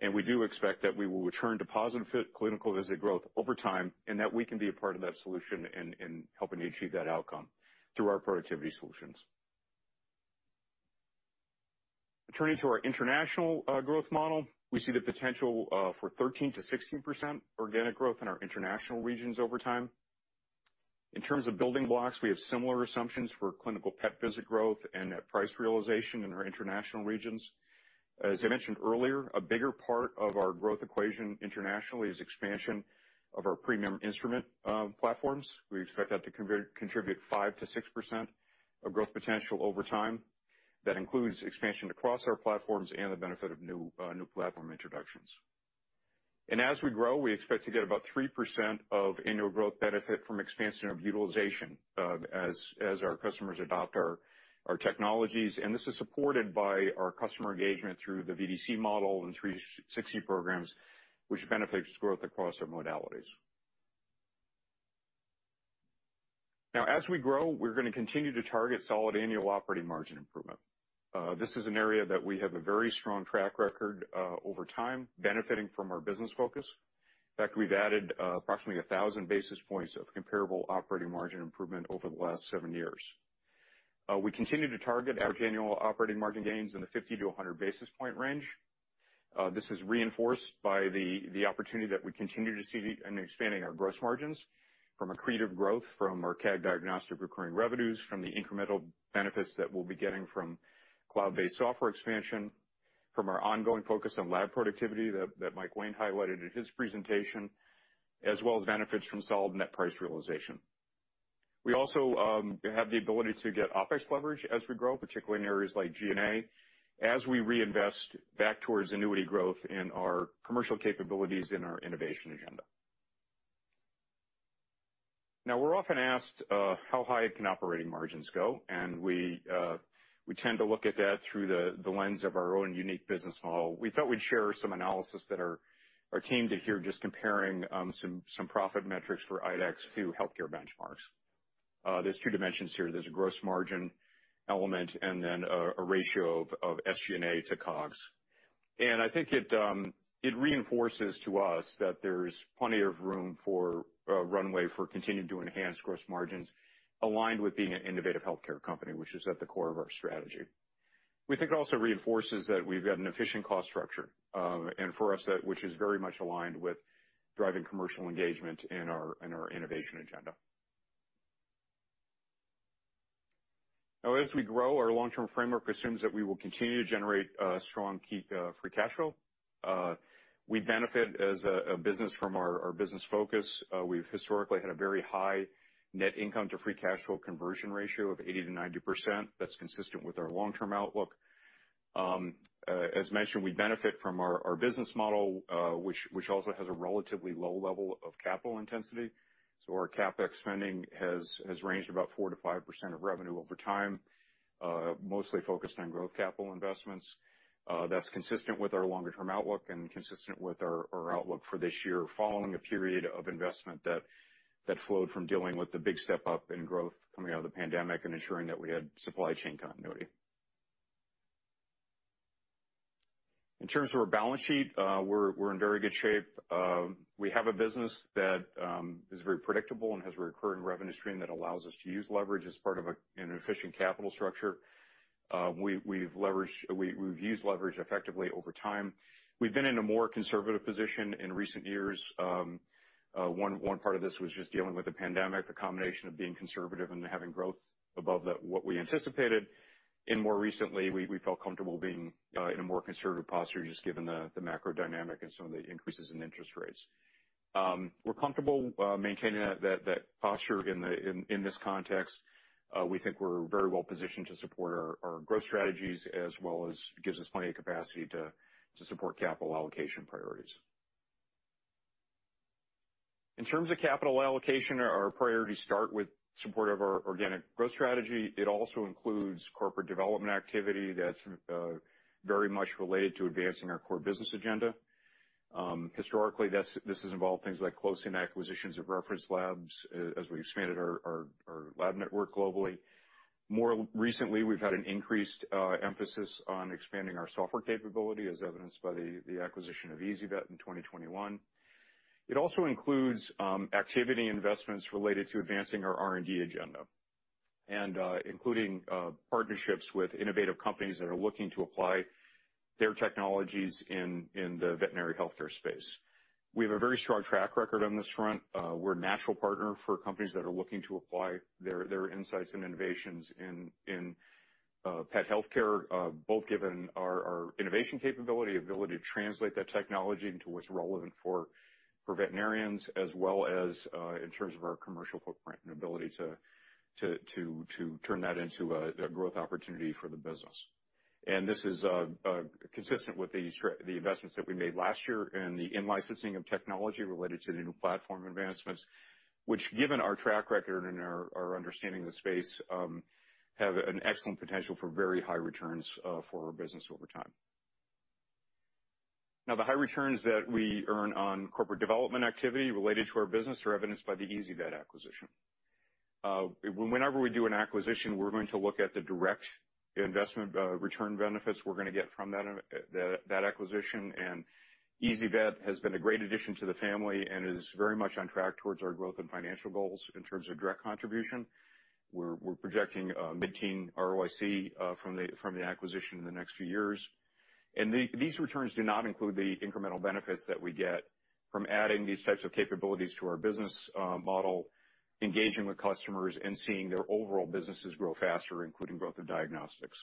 and we do expect that we will return to positive fit clinical visit growth over time, and that we can be a part of that solution in, in helping to achieve that outcome through our productivity solutions. Turning to our international growth model, we see the potential for 13%-16% organic growth in our international regions over time. In terms of building blocks, we have similar assumptions for clinical pet visit growth and net price realization in our international regions. As I mentioned earlier, a bigger part of our growth equation internationally is expansion of our premium instrument platforms. We expect that to contribute 5%-6% of growth potential over time. That includes expansion across our platforms and the benefit of new, new platform introductions. As we grow, we expect to get about 3% of annual growth benefit from expansion of utilization, as, as our customers adopt our, our technologies, and this is supported by our customer engagement through the VDC model and 360 programs, which benefits growth across our modalities. Now, as we grow, we're gonna continue to target solid annual operating margin improvement. This is an area that we have a very strong track record over time, benefiting from our business focus. In fact, we've added approximately 1,000 basis points of comparable operating margin improvement over the last seven years. We continue to target our annual operating margin gains in the 50 to 100 basis point range. This is reinforced by the opportunity that we continue to see in expanding our gross margins from accretive growth, from our CAG Diagnostics recurring revenues, from the incremental benefits that we'll be getting from cloud-based software expansion, from our ongoing focus on lab productivity that Mike Lane highlighted in his presentation, as well as benefits from solid net price realization. We also have the ability to get OpEx leverage as we grow, particularly in areas like G&A, as we reinvest back towards annuity growth in our commercial capabilities in our innovation agenda. Now, we're often asked how high can operating margins go, and we tend to look at that through the lens of our own unique business model. We thought we'd share some analysis that our team did here, just comparing some profit metrics for IDEXX to healthcare benchmarks. There's two dimensions here. There's a gross margin element and then a ratio of SG&A to COGS. I think it reinforces to us that there's plenty of room for a runway for continuing to enhance gross margins aligned with being an innovative healthcare company, which is at the core of our strategy. We think it also reinforces that we've got an efficient cost structure, and for us, that which is very much aligned with driving commercial engagement in our innovation agenda. As we grow, our long-term framework assumes that we will continue to generate strong, keep free cash flow. We benefit as a business from our business focus. We've historically had a very high net income to free cash flow conversion ratio of 80%-90%. That's consistent with our long-term outlook. As mentioned, we benefit from our business model, which also has a relatively low level of capital intensity. Our CapEx spending has ranged about 4%-5% of revenue over time, mostly focused on growth capital investments. That's consistent with our longer-term outlook and consistent with our outlook for this year, following a period of investment that flowed from dealing with the big step-up in growth coming out of the pandemic and ensuring that we had supply chain continuity. In terms of our balance sheet, we're in very good shape. We have a business that is very predictable and has a recurring revenue stream that allows us to use leverage as part of an efficient capital structure. We've used leverage effectively over time. We've been in a more conservative position in recent years. One part of this was just dealing with the pandemic, a combination of being conservative and having growth above the, what we anticipated. More recently, we felt comfortable being in a more conservative posture, just given the macro dynamic and some of the increases in interest rates. We're comfortable maintaining that posture in this context. We think we're very well positioned to support our growth strategies, as well as gives us plenty of capacity to support capital allocation priorities. In terms of capital allocation, our priorities start with support of our organic growth strategy. It also includes corporate development activity that's very much related to advancing our core business agenda. Historically, this has involved things like closing acquisitions of reference labs, as we expanded our lab network globally. More recently, we've had an increased emphasis on expanding our software capability, as evidenced by the acquisition of ezyVet in 2021. It also includes activity investments related to advancing our R&D agenda, and including partnerships with innovative companies that are looking to apply their technologies in the veterinary healthcare space. We have a very strong track record on this front. We're a natural partner for companies that are looking to apply their insights and innovations in pet healthcare, both given our innovation capability, ability to translate that technology into what's relevant for veterinarians, as well as in terms of our commercial footprint and ability to turn that into a growth opportunity for the business. This is consistent with the investments that we made last year in the in-licensing of technology related to the new platform advancements, which given our track record and our understanding of the space, have an excellent potential for very high returns for our business over time. Now, the high returns that we earn on corporate development activity related to our business are evidenced by the ezyVet acquisition. Whenever we do an acquisition, we're gonna look at the direct investment return benefits we're gonna get from that, that acquisition. ezyVet has been a great addition to the family and is very much on track towards our growth and financial goals in terms of direct contribution. We're, we're projecting mid-teen ROIC from the, from the acquisition in the next few years. These returns do not include the incremental benefits that we get from adding these types of capabilities to our business model, engaging with customers, and seeing their overall businesses grow faster, including growth in diagnostics.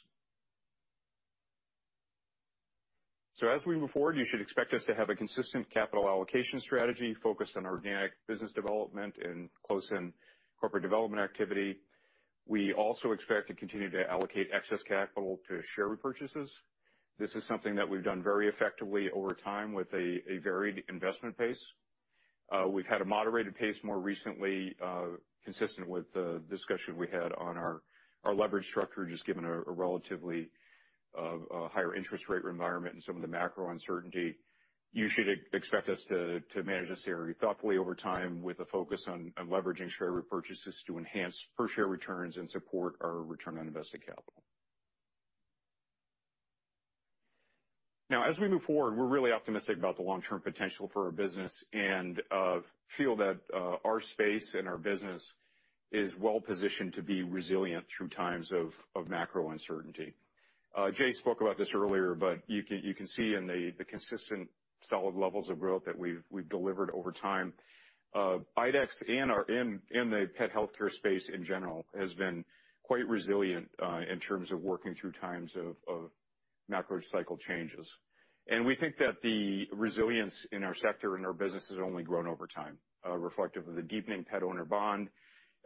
As we move forward, you should expect us to have a consistent capital allocation strategy focused on organic business development and close-in corporate development activity. We also expect to continue to allocate excess capital to share repurchases. This is something that we've done very effectively over time with a, a varied investment pace. We've had a moderated pace more recently, consistent with the discussion we had on our, our leverage structure, just given a, a relatively higher interest rate environment and some of the macro uncertainty. You should expect us to, to manage this area thoughtfully over time with a focus on, on leveraging share repurchases to enhance per-share returns and support our return on invested capital. Now, as we move forward, we're really optimistic about the long-term potential for our business and feel that our space and our business is well positioned to be resilient through times of, of macro uncertainty. Jay spoke about this earlier, but you can, you can see in the, the consistent solid levels of growth that we've, we've delivered over time, IDEXX and our... in, in the pet healthcare space in general, has been quite resilient, in terms of working through times of, of macro cycle changes. We think that the resilience in our sector and our business has only grown over time, reflective of the deepening pet owner bond,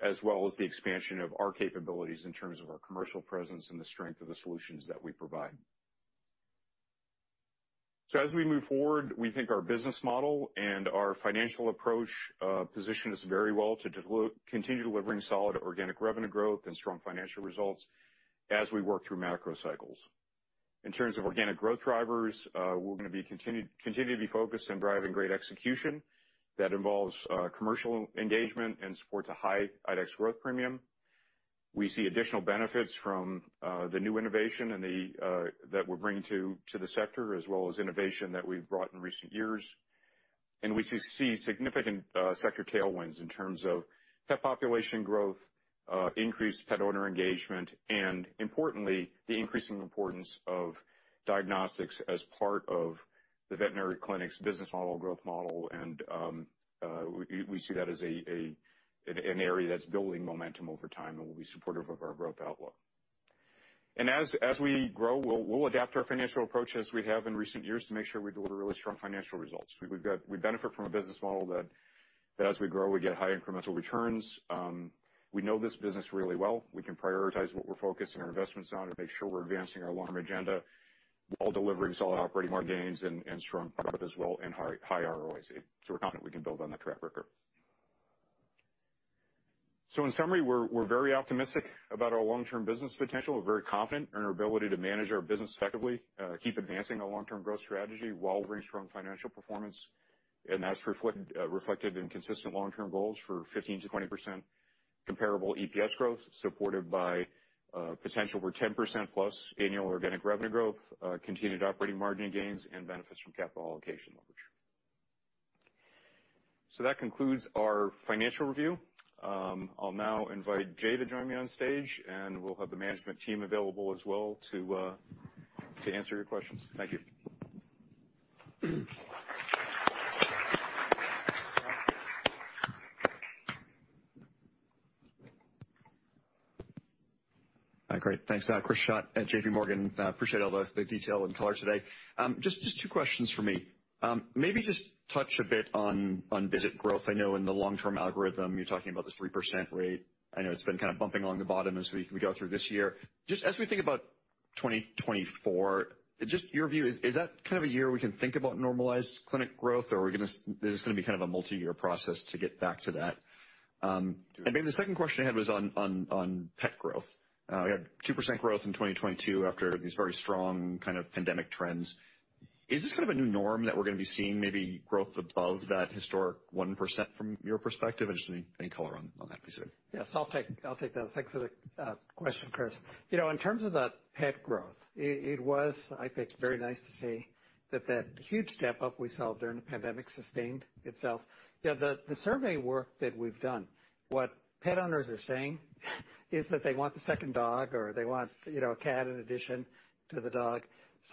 as well as the expansion of our capabilities in terms of our commercial presence and the strength of the solutions that we provide. As we move forward, we think our business model and our financial approach, position us very well to del- continue delivering solid organic revenue growth and strong financial results as we work through macro cycles. In terms of organic growth drivers, we're going to continue to be focused on driving great execution. That involves commercial engagement and supports a high IDEXX growth premium. We see additional benefits from the new innovation and that we're bringing to the sector, as well as innovation that we've brought in recent years. We see significant sector tailwinds in terms of pet population growth, increased pet owner engagement, and importantly, the increasing importance of diagnostics as part of the veterinary clinic's business model, growth model, and we see that as an area that's building momentum over time and will be supportive of our growth outlook. As we grow, we'll adapt our financial approach, as we have in recent years, to make sure we deliver really strong financial results. We benefit from a business model that, that as we grow, we get high incremental returns. We know this business really well. We can prioritize what we're focusing our investments on and make sure we're advancing our long-term agenda, while delivering solid operating margin gains and, and strong product as well, and high, high ROIC. We're confident we can build on that track record. In summary, we're, we're very optimistic about our long-term business potential. We're very confident in our ability to manage our business effectively, keep advancing our long-term growth strategy, while delivering strong financial performance. That's reflect, reflected in consistent long-term goals for 15%-20% comparable EPS growth, supported by potential over 10%+ annual organic revenue growth, continued operating margin gains, and benefits from capital allocation leverage. That concludes our financial review. I'll now invite Jay to join me on stage, and we'll have the management team available as well to answer your questions. Thank you. Hi, great. Thanks, Chris Schott at JPMorgan. I appreciate all the, the detail and color today. just, just two questions for me. maybe just touch a bit on, on visit growth. I know in the long-term algorithm, you're talking about this 3% rate. I know it's been kind of bumping along the bottom as we, we go through this year. Just as we think about 2024, just your view, is, is that kind of a year we can think about normalized clinic growth, or are we gonna - is this gonna be kind of a multi-year process to get back to that? Maybe the second question I had was on, on, on pet growth. we had 2% growth in 2022 after these very strong kind of pandemic trends. Is this kind of a new norm that we're gonna be seeing, maybe growth above that historic 1% from your perspective? I just need any color on, on that piece of it. Yes, I'll take, I'll take those. Thanks for the question, Chris. You know, in terms of the pet growth, it, it was, I think, very nice to see that that huge step up we saw during the pandemic sustained itself. You know, the, the survey work that we've done, what pet owners are saying is that they want the second dog or they want, you know, a cat in addition to the dog.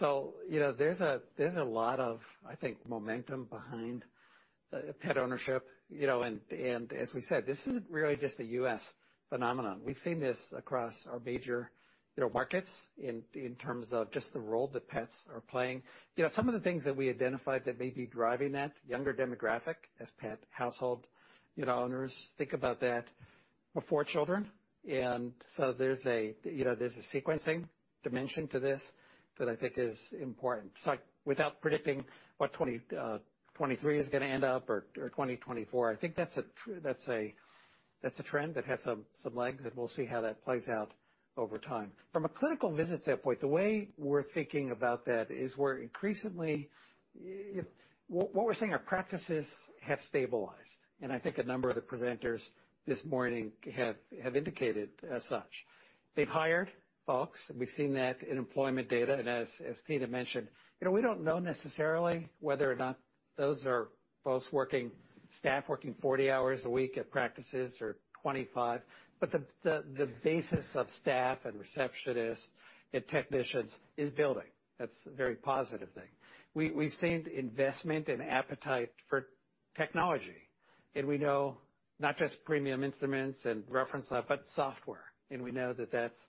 You know, there's a, there's a lot of, I think, momentum behind pet ownership, you know, and, and as we said, this isn't really just a U.S. phenomenon. We've seen this across our major, you know, markets in, in terms of just the role that pets are playing. You know, some of the things that we identified that may be driving that, younger demographic as pet household. You know, owners think about that before children. There's a, you know, there's a sequencing dimension to this that I think is important. Without predicting what 2023 is gonna end up or 2024, I think that's a that's a, that's a trend that has some, some legs, and we'll see how that plays out over time. From a clinical visit standpoint, the way we're thinking about that is we're increasingly... If - what we're saying, our practices have stabilized, and I think a number of the presenters this morning have, have indicated as such. They've hired folks, and we've seen that in employment data, and as, as Tina mentioned, you know, we don't know necessarily whether or not those are both working, staff working 40 hours a week at practices or 25, but the, the, the basis of staff and receptionists and technicians is building. That's a very positive thing. We, we've seen investment and appetite for technology, and we know not just premium instruments and reference lab, but software, and we know that that's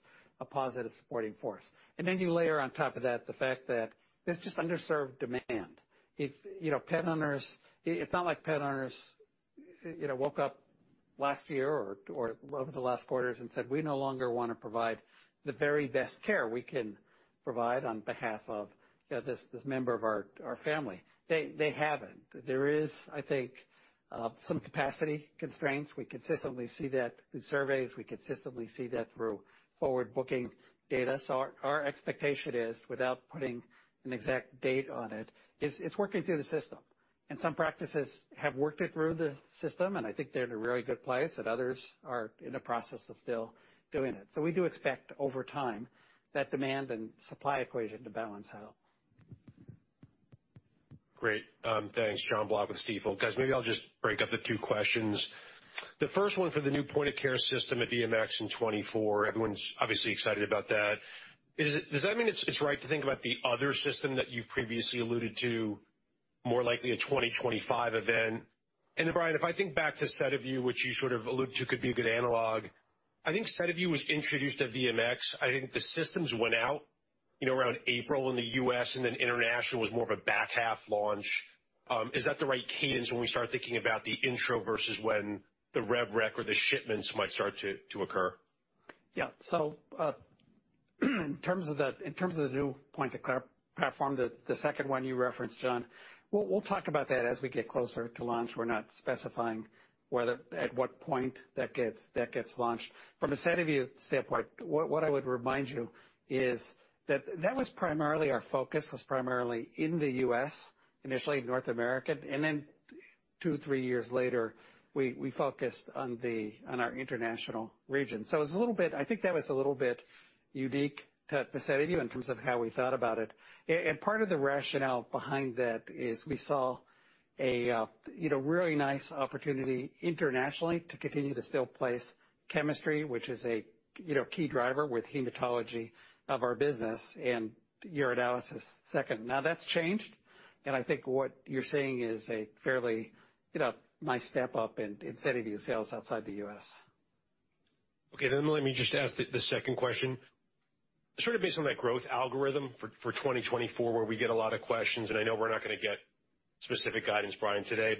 a positive supporting force. Then you layer on top of that the fact that there's just underserved demand. If, you know, pet owners... It's not like pet owners, you know, woke up last year or, or over the last quarters and said, "We no longer want to provide the very best care we can provide on behalf of, you know, this, this member of our, our family." They, they haven't. There is, I think, some capacity constraints. We consistently see that in surveys. We consistently see that through forward-booking data. Our, our expectation is, without putting an exact date on it, is it's working through the system, and some practices have worked it through the system, and I think they're in a really good place, and others are in the process of still doing it. We do expect over time, that demand and supply equation to balance out. Great. Thanks, Jon Block with Stifel. Guys, maybe I'll just break up the two questions. The first one for the new point-of-care system at VMX in 2024, everyone's obviously excited about that. Does that mean it's, it's right to think about the other system that you previously alluded to, more likely a 2025 event? Brian, if I think back to SediVue, which you sort of alluded to, could be a good analog. I think SediVue was introduced at VMX. I think the systems went out, you know, around April in the U.S., and then international was more of a back-half launch. Is that the right cadence when we start thinking about the intro versus when the rev rec or the shipments might start to occur? Yeah. In terms of the, in terms of the new point of care platform, the, the second one you referenced, John, we'll, we'll talk about that as we get closer to launch. We're not specifying whether, at what point that gets, that gets launched. From a SediVue standpoint, what, what I would remind you is that that was primarily our focus, was primarily in the U.S., initially in North America, and then 2, 3 years later, we, we focused on the, on our international region. It was a little bit, I think that was a little bit unique to SediVue in terms of how we thought about it. Part of the rationale behind that is we saw a, you know, really nice opportunity internationally to continue to still place chemistry, which is a, you know, key driver with hematology of our business and urinalysis second. Now, that's changed, and I think what you're seeing is a fairly, you know, nice step up in, in SediVue sales outside the U.S. Okay, let me just ask the second question. Sort of based on that growth algorithm for 2024, where we get a lot of questions, I know we're not gonna get specific guidance, Brian, today,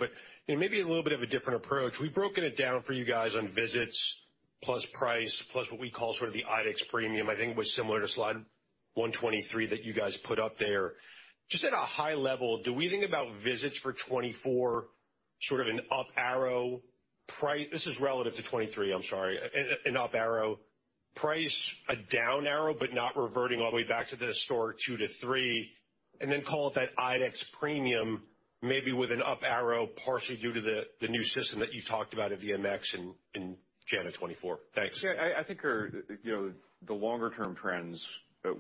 you know, maybe a little bit of a different approach. We've broken it down for you guys on visits plus price, plus what we call sort of the IDEXX premium. I think it was similar to slide 123 that you guys put up there. Just at a high level, do we think about visits for 2024 sort of an up arrow price. This is relative to 2023, I'm sorry, an up arrow. Price, a down arrow, but not reverting all the way back to the historic 2%-3%, and then call it that IDEXX premium, maybe with an up arrow, partially due to the, the new system that you talked about at VMX in, in January 2024. Thanks. Yeah, I, I think our, you know, the longer-term trends,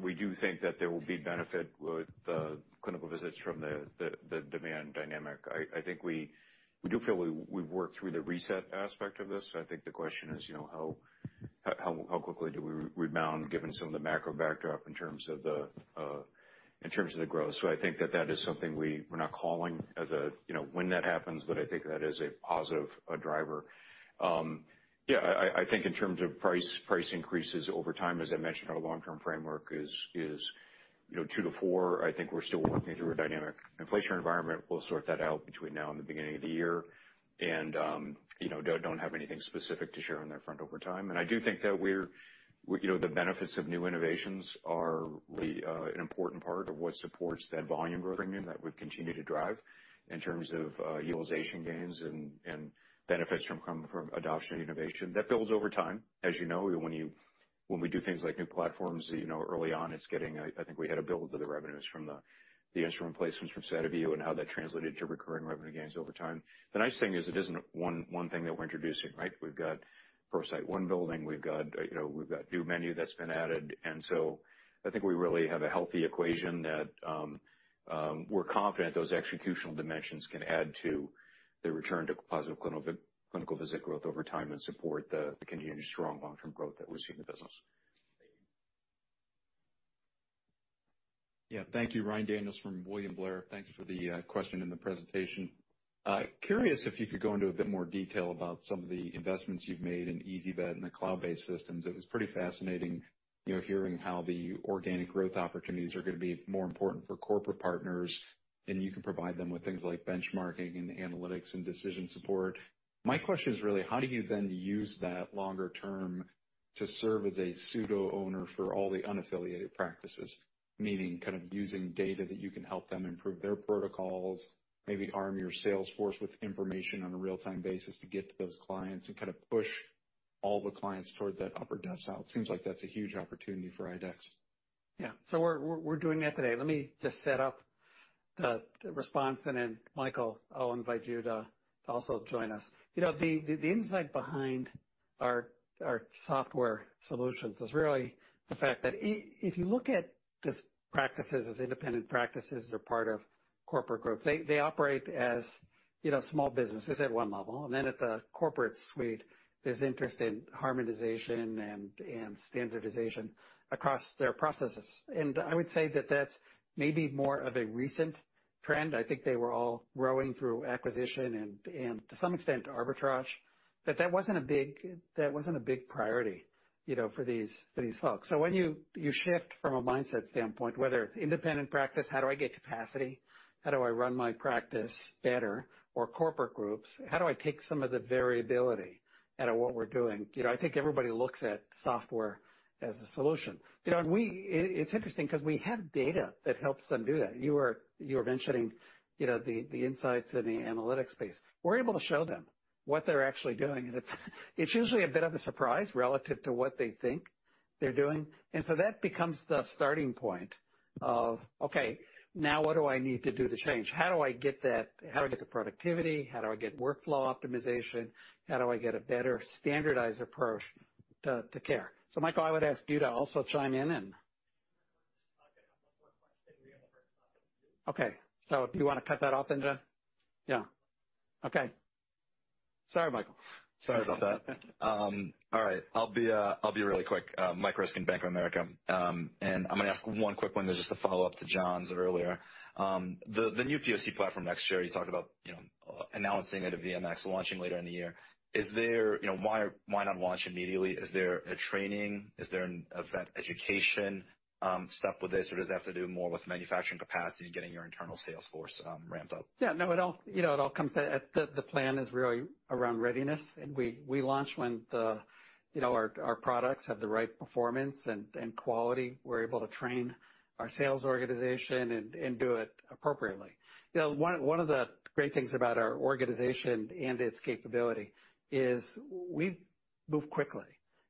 we do think that there will be benefit with the clinical visits from the, the, the demand dynamic. I, I think we, we do feel we, we've worked through the reset aspect of this. I think the question is, you know, how, how, how quickly do we rebound given some of the macro backdrop in terms of the, in terms of the growth? I think that that is something we're not calling as a, you know, when that happens, but I think that is a positive driver. Yeah, I, I, I think in terms of price, price increases over time, as I mentioned, our long-term framework is, is, you know, 2%-4%. I think we're still working through a dynamic inflation environment. We'll sort that out between now and the beginning of the year. you know, don't, don't have anything specific to share on that front over time. I do think that we're, you know, the benefits of new innovations are really an important part of what supports that volume growth premium that we've continued to drive in terms of utilization gains and benefits from adoption and innovation. That builds over time. As you know, when we do things like new platforms, you know, early on, it's getting I, I think we had a build to the revenues from the instrument placements from SediVue and how that translated to recurring revenue gains over time. The nice thing is it isn't one, one thing that we're introducing, right? We've got ProCyte One building, we've got, you know, we've got new menu that's been added, and so I think we really have a healthy equation that we're confident those executional dimensions can add to the return to positive clinical, clinical visit growth over time and support the continued strong long-term growth that we see in the business. Thank you. Yeah. Thank you, Ryan Daniels from William Blair. Thanks for the question and the presentation. Curious if you could go into a bit more detail about some of the investments you've made in ezyVet and the cloud-based systems. It was pretty fascinating, you know, hearing how the organic growth opportunities are going to be more important for corporate partners, and you can provide them with things like benchmarking and analytics and decision support. My question is really, how do you then use that longer term to serve as a pseudo-owner for all the unaffiliated practices? Meaning, kind of using data that you can help them improve their protocols, maybe arm your sales force with information on a real-time basis to get to those clients and kind of push all the clients toward that upper decile. It seems like that's a huge opportunity for IDEXX. Yeah. We're, we're, we're doing that today. Let me just set up the response, and then, Michael, I'll invite you to also join us. You know, the insight behind our software solutions is really the fact that if you look at these practices as independent practices as a part of corporate groups, they, they operate as, you know, small businesses at one level, and then at the corporate suite, there's interest in harmonization and standardization across their processes. I would say that that's maybe more of a recent trend. I think they were all growing through acquisition and, to some extent, arbitrage, that that wasn't a big, that wasn't a big priority, you know, for these, for these folks. When you, you shift from a mindset standpoint, whether it's independent practice, how do I get capacity? How do I run my practice better? Corporate groups, how do I take some of the variability out of what we're doing? You know, I think everybody looks at software as a solution. You know, and it's interesting because we have data that helps them do that. You were, you were mentioning, you know, the, the insights in the analytics space. We're able to show them what they're actually doing, and it's usually a bit of a surprise relative to what they think they're doing. So that becomes the starting point of, "Okay, now what do I need to do to change? How do I get the productivity? How do I get workflow optimization? How do I get a better standardized approach to, to care?" Michael, I would ask you to also chime in. One more question. We have the first topic, too. Okay. Do you want to cut that off into... Yeah. Okay. Sorry, Michael. Sorry about that. All right. I'll be, I'll be really quick. Michael Ryskin, Bank of America. And I'm going to ask one quick one, just a follow-up to Jon's earlier. The, the new POC platform next year, you talked about, you know, announcing it at VMX, launching later in the year. Is there... You know, why, why not launch immediately? Is there a training? Is there an education stuff with this, or does it have to do more with manufacturing capacity and getting your internal sales force ramped up? Yeah, no, it all, you know, it all comes to. The, the plan is really around readiness, and we, we launch when the, you know, our, our products have the right performance and, and quality. We're able to train our sales organization and, and do it appropriately. You know, one, one of the great things about our organization and its capability is we move quickly,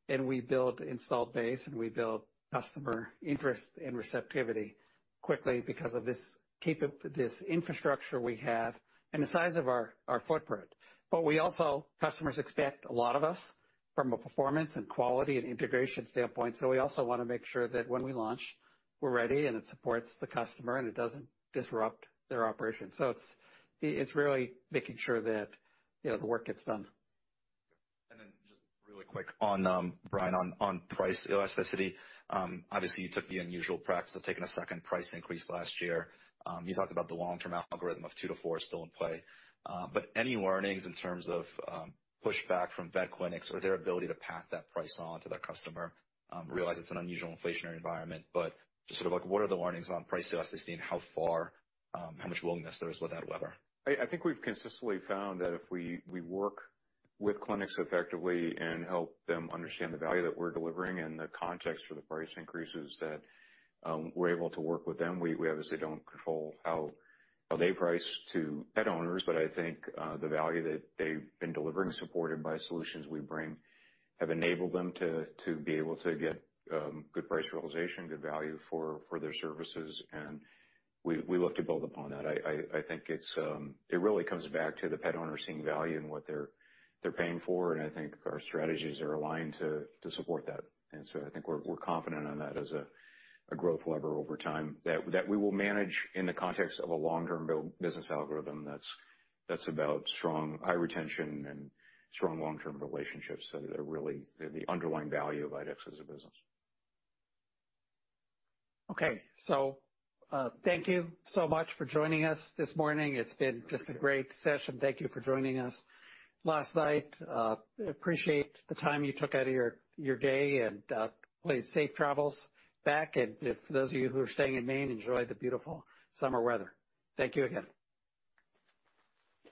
and we build installed base, and we build customer interest and receptivity quickly because of this infrastructure we have and the size of our, our footprint. We also. Customers expect a lot of us from a performance and quality and integration standpoint. We also want to make sure that when we launch, we're ready, and it supports the customer, and it doesn't disrupt their operations. It's, it's really making sure that, you know, the work gets done. Just really quick on Brian, on price elasticity. Obviously, you took the unusual practice of taking a second price increase last year. You talked about the long-term algorithm of 2-4 still in play. Any warnings in terms of pushback from vet clinics or their ability to pass that price on to their customer? Realize it's an unusual inflationary environment, but just sort of like, what are the warnings on price elasticity and how far, how much willingness there is with that weather? I, I think we've consistently found that if we, we work with clinics effectively and help them understand the value that we're delivering and the context for the price increases, that we're able to work with them. We, we obviously don't control how, how they price to pet owners, but I think the value that they've been delivering, supported by solutions we bring, have enabled them to, to be able to get good price realization, good value for, for their services, and we, we look to build upon that. I, I, I think it's it really comes back to the pet owner seeing value in what they're, they're paying for, and I think our strategies are aligned to, to support that. I think we're confident on that as a growth lever over time, that we will manage in the context of a long-term business algorithm that's about strong, high retention and strong long-term relationships that are really the underlying value of IDEXX as a business. Thank you so much for joining us this morning. It's been just a great session. Thank you for joining us last night. Appreciate the time you took out of your, your day, and please, safe travels back. If those of you who are staying in Maine, enjoy the beautiful summer weather. Thank you again.